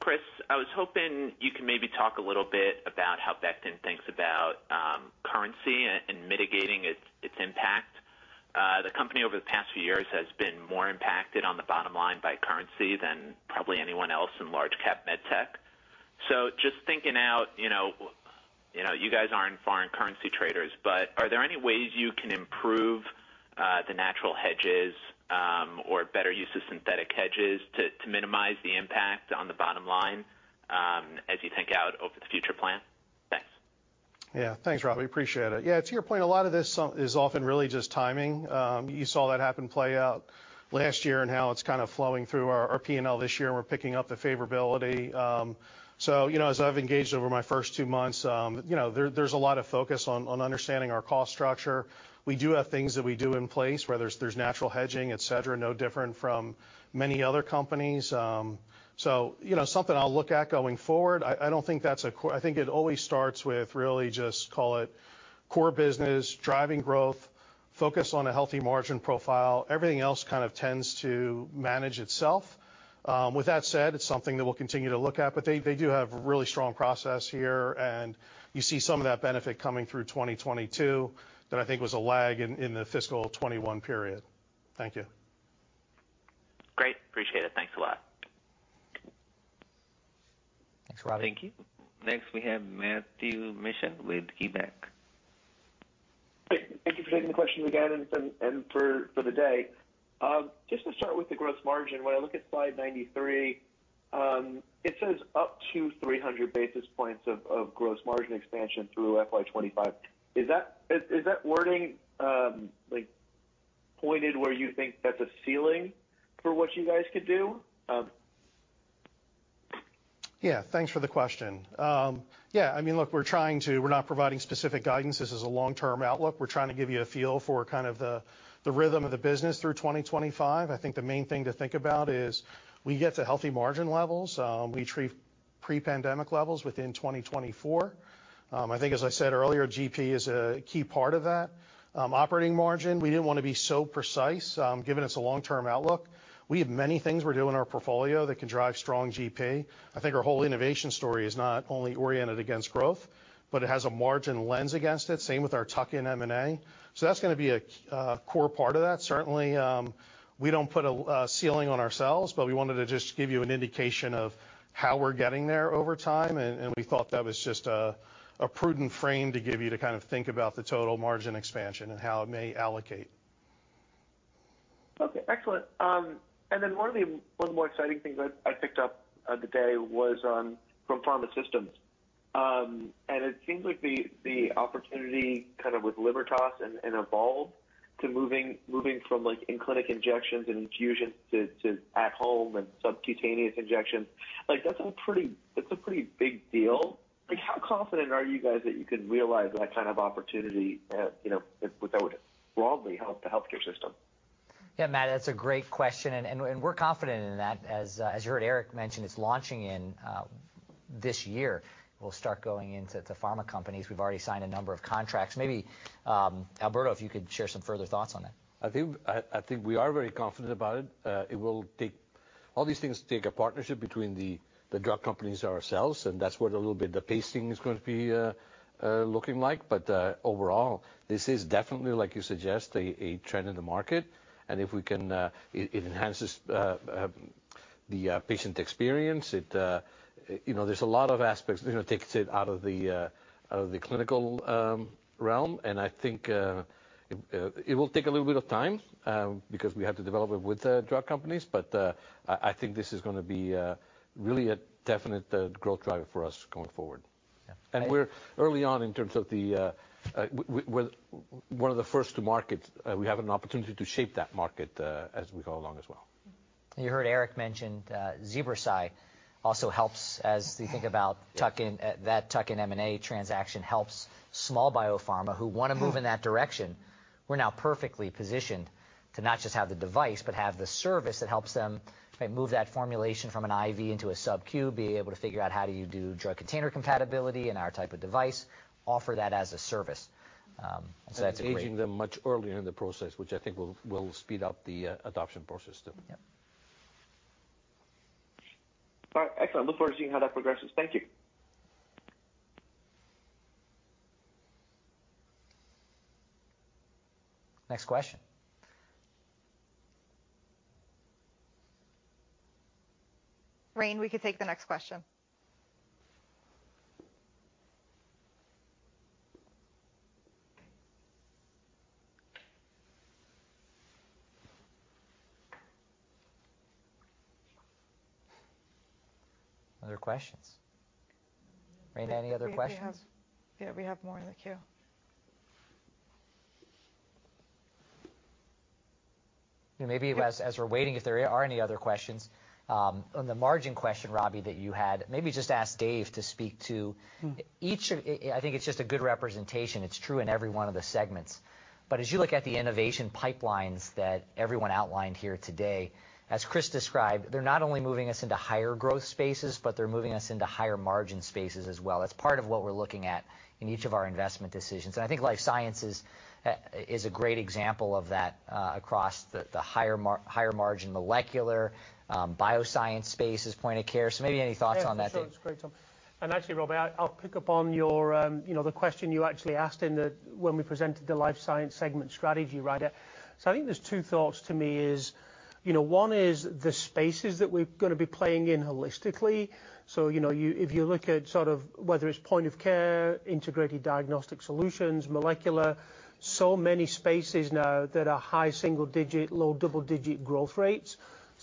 Chris, I was hoping you can maybe talk a little bit about how Becton thinks about currency and mitigating its impact. The company over the past few years has been more impacted on the bottom line by currency than probably anyone else in large cap med tech. Just thinking out, you know, you guys aren't foreign currency traders, but are there any ways you can improve the natural hedges or better use of synthetic hedges to minimize the impact on the bottom line as you think out over the future plan? Thanks. Yeah. Thanks, Robbie. Appreciate it. Yeah, to your point, a lot of this is often really just timing. You saw that happen play out last year and how it's kind of flowing through our P&L this year, and we're picking up the favorability. So, you know, as I've engaged over my first two months, you know, there's a lot of focus on understanding our cost structure. We do have things that we do in place where there's natural hedging, et cetera, no different from many other companies. So, you know, something I'll look at going forward. I don't think that's a core. I think it always starts with really just, call it, core business, driving growth, focus on a healthy margin profile. Everything else kind of tends to manage itself. With that said, it's something that we'll continue to look at, but they do have really strong process here, and you see some of that benefit coming through 2022 that I think was a lag in the fiscal 2021 period. Thank you. Great. Appreciate it. Thanks a lot. Thanks, Robbie. Thank you. Next we have Matthew Mishan with KeyBanc. Thank you for taking the question again and for the day. Just to start with the gross margin, when I look at slide 93, it says up to 300 basis points of gross margin expansion through FY 2025. Is that wording like pointed where you think that's a ceiling for what you guys could do? Yeah. Thanks for the question. Yeah, I mean, look, we're not providing specific guidance. This is a long-term outlook. We're trying to give you a feel for kind of the rhythm of the business through 2025. I think the main thing to think about is we get to healthy margin levels, we reach pre-pandemic levels within 2024. I think as I said earlier, GP is a key part of that. Operating margin, we didn't wanna be so precise, given it's a long-term outlook. We have many things we're doing in our portfolio that can drive strong GP. I think our whole innovation story is not only oriented against growth, but it has a margin lens against it, same with our tuck-in M&A. That's gonna be a core part of that. Certainly, we don't put a ceiling on ourselves, but we wanted to just give you an indication of how we're getting there over time. We thought that was just a prudent frame to give you to kind of think about the total margin expansion and how it may allocate. Okay, excellent. One of the more exciting things I picked up today was from Pharma Systems. It seems like the opportunity kind of with Libertas and Evolve to moving from like in-clinic injections and infusions to at home and subcutaneous injections. Like, that's a pretty big deal. Like, how confident are you guys that you can realize that kind of opportunity, you know, if that would broadly help the healthcare system? Yeah, Matt, that's a great question, and we're confident in that. As you heard Eric mention, it's launching in this year. We'll start going into the pharma companies. We've already signed a number of contracts. Maybe, Alberto, if you could share some further thoughts on that. I think we are very confident about it. It will take a partnership between the drug companies and ourselves, and that's what a little bit of the pacing is gonna be looking like. Overall, this is definitely, like you suggest, a trend in the market. And if we can, it enhances the patient experience. It you know there's a lot of aspects. You know, takes it out of the clinical realm. I think it will take a little bit of time because we have to develop it with the drug companies, but I think this is gonna be really a definite growth driver for us going forward. We're early on in terms of the way we're one of the first to market. We have an opportunity to shape that market, as we go along as well. You heard Eric mention ZebraSci also helps as you think about tuck-in. That tuck-in M&A transaction helps small biopharma who wanna move in that direction. We're now perfectly positioned to not just have the device, but have the service that helps them, maybe move that formulation from an IV into a SubQ, be able to figure out how do you do drug container compatibility in our type of device, offer that as a service. That's a great Engaging them much earlier in the process, which I think will speed up the adoption process too. Yep. All right. Excellent. Look forward to seeing how that progresses. Thank you. Next question. Rayne, we can take the next question. Other questions? Rayne, any other questions? Yeah, we have more in the queue. Maybe as we're waiting, if there are any other questions on the margin question, Robbie, that you had, maybe just ask Dave to speak to each of. I think it's just a good representation. It's true in every one of the segments. As you look at the innovation pipelines that everyone outlined here today, as Chris described, they're not only moving us into higher growth spaces, but they're moving us into higher margin spaces as well. It's part of what we're looking at in each of our investment decisions. I think life sciences is a great example of that, across the higher margin molecular bioscience spaces Point of Care. Maybe any thoughts on that Dave. Yeah, for sure. It's great, Tom. Actually, Robbie, I'll pick up on your, you know, the question you actually asked when we presented the Life Sciences Segment strategy right at. I think there's two thoughts to me is, you know, one is the spaces that we're gonna be playing in holistically. You know, if you look at sort of whether it's Point of Care, Integrated Diagnostic Solutions, molecular, so many spaces now that are high single-digit, low double-digit growth rates.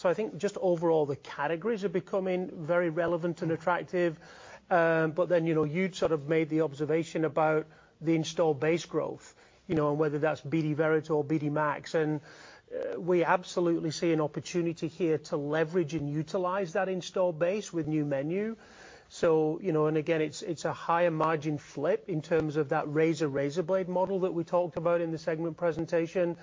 I think just overall the categories are becoming very relevant and attractive. Then, you know, you'd sort of made the observation about the install base growth. You know, whether that's BD Veritor or BD MAX. We absolutely see an opportunity here to leverage and utilize that install base with new menu. You know, again, it's a higher margin flip in terms of that razor blade model that we talked about in the segment presentation.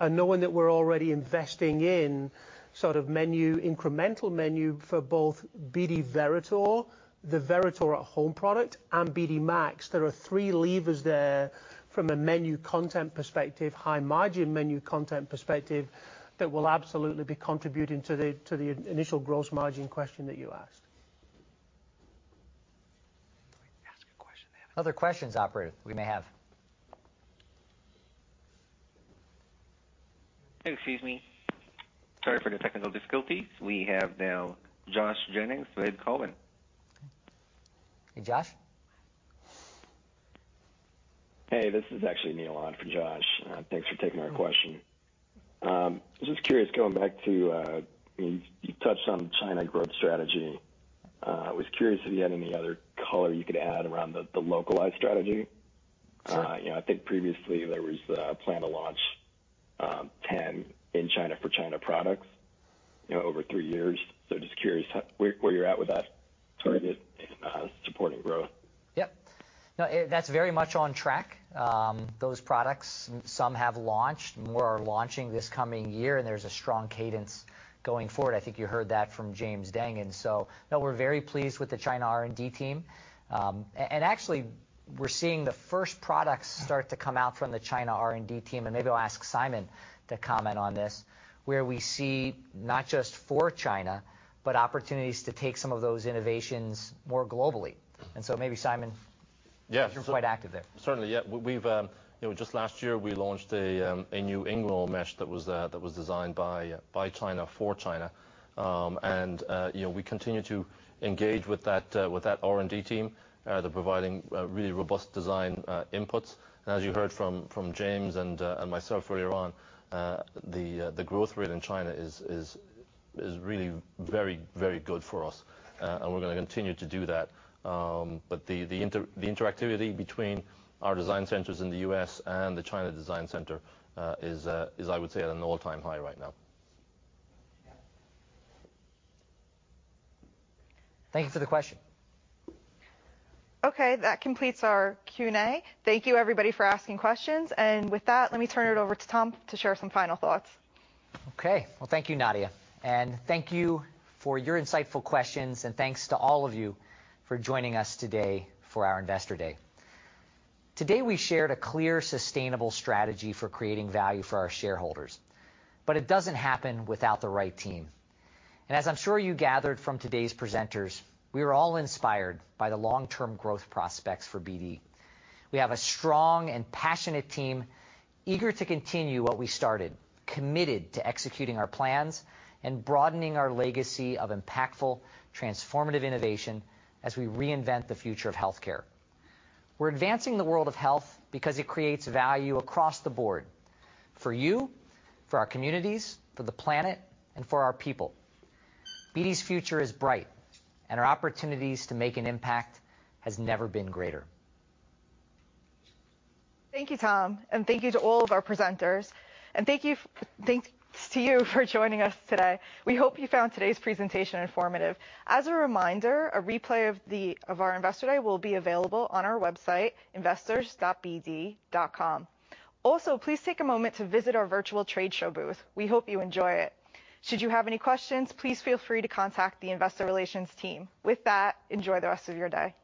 Knowing that we're already investing in sort of menu, incremental menu for both BD Veritor, the Veritor At-Home product and BD MAX, there are three levers there from a menu content perspective, high margin menu content perspective, that will absolutely be contributing to the initial gross margin question that you asked. Other questions, operator, we may have. Excuse me. Sorry for the technical difficulties. We have now Josh Jennings from Cowen. Hey, Josh. Hey, this is actually Neil on for Josh. Thanks for taking our question. Just curious, going back to you touched on China growth strategy. Was curious if you had any other color you could add around the localized strategy. You know, I think previously there was a plan to launch 10 in China for China products, you know, over three years. Just curious where you're at with that target supporting growth? Yep. No, that's very much on track. Those products, some have launched, more are launching this coming year, and there's a strong cadence going forward. I think you heard that from James Deng. No, we're very pleased with the China R&D team. Actually, we're seeing the first products start to come out from the China R&D team, and maybe I'll ask Simon to comment on this, where we see not just for China, but opportunities to take some of those innovations more globally. Maybe Simon. Yes. You're quite active there. Certainly. Yeah. We've, you know, just last year, we launched a new hernia mesh that was designed by China for China. You know, we continue to engage with that R&D team. They're providing really robust design inputs. As you heard from James Deng and myself earlier on, the growth rate in China is really very, very good for us. We're gonna continue to do that. The interactivity between our design centers in the U.S. and the China design center is, I would say, at an all-time high right now. Thank you for the question. Okay. That completes our Q&A. Thank you everybody for asking questions. With that, let me turn it over to Tom to share some final thoughts. Okay. Well, thank you, Nadia. Thank you for your insightful questions, and thanks to all of you for joining us today for our Investor Day. Today, we shared a clear, sustainable strategy for creating value for our shareholders, but it doesn't happen without the right team. As I'm sure you gathered from today's presenters, we are all inspired by the long-term growth prospects for BD. We have a strong and passionate team eager to continue what we started, committed to executing our plans and broadening our legacy of impactful, transformative innovation as we reinvent the future of healthcare. We're advancing the world of health because it creates value across the board, for you, for our communities, for the planet, and for our people. BD's future is bright, and our opportunities to make an impact has never been greater. Thank you, Tom, and thank you to all of our presenters. Thank you, thanks to you for joining us today. We hope you found today's presentation informative. As a reminder, a replay of our Investor Day will be available on our website, investors.bd.com. Also, please take a moment to visit our virtual trade show booth. We hope you enjoy it. Should you have any questions, please feel free to contact the investor relations team. With that, enjoy the rest of your day.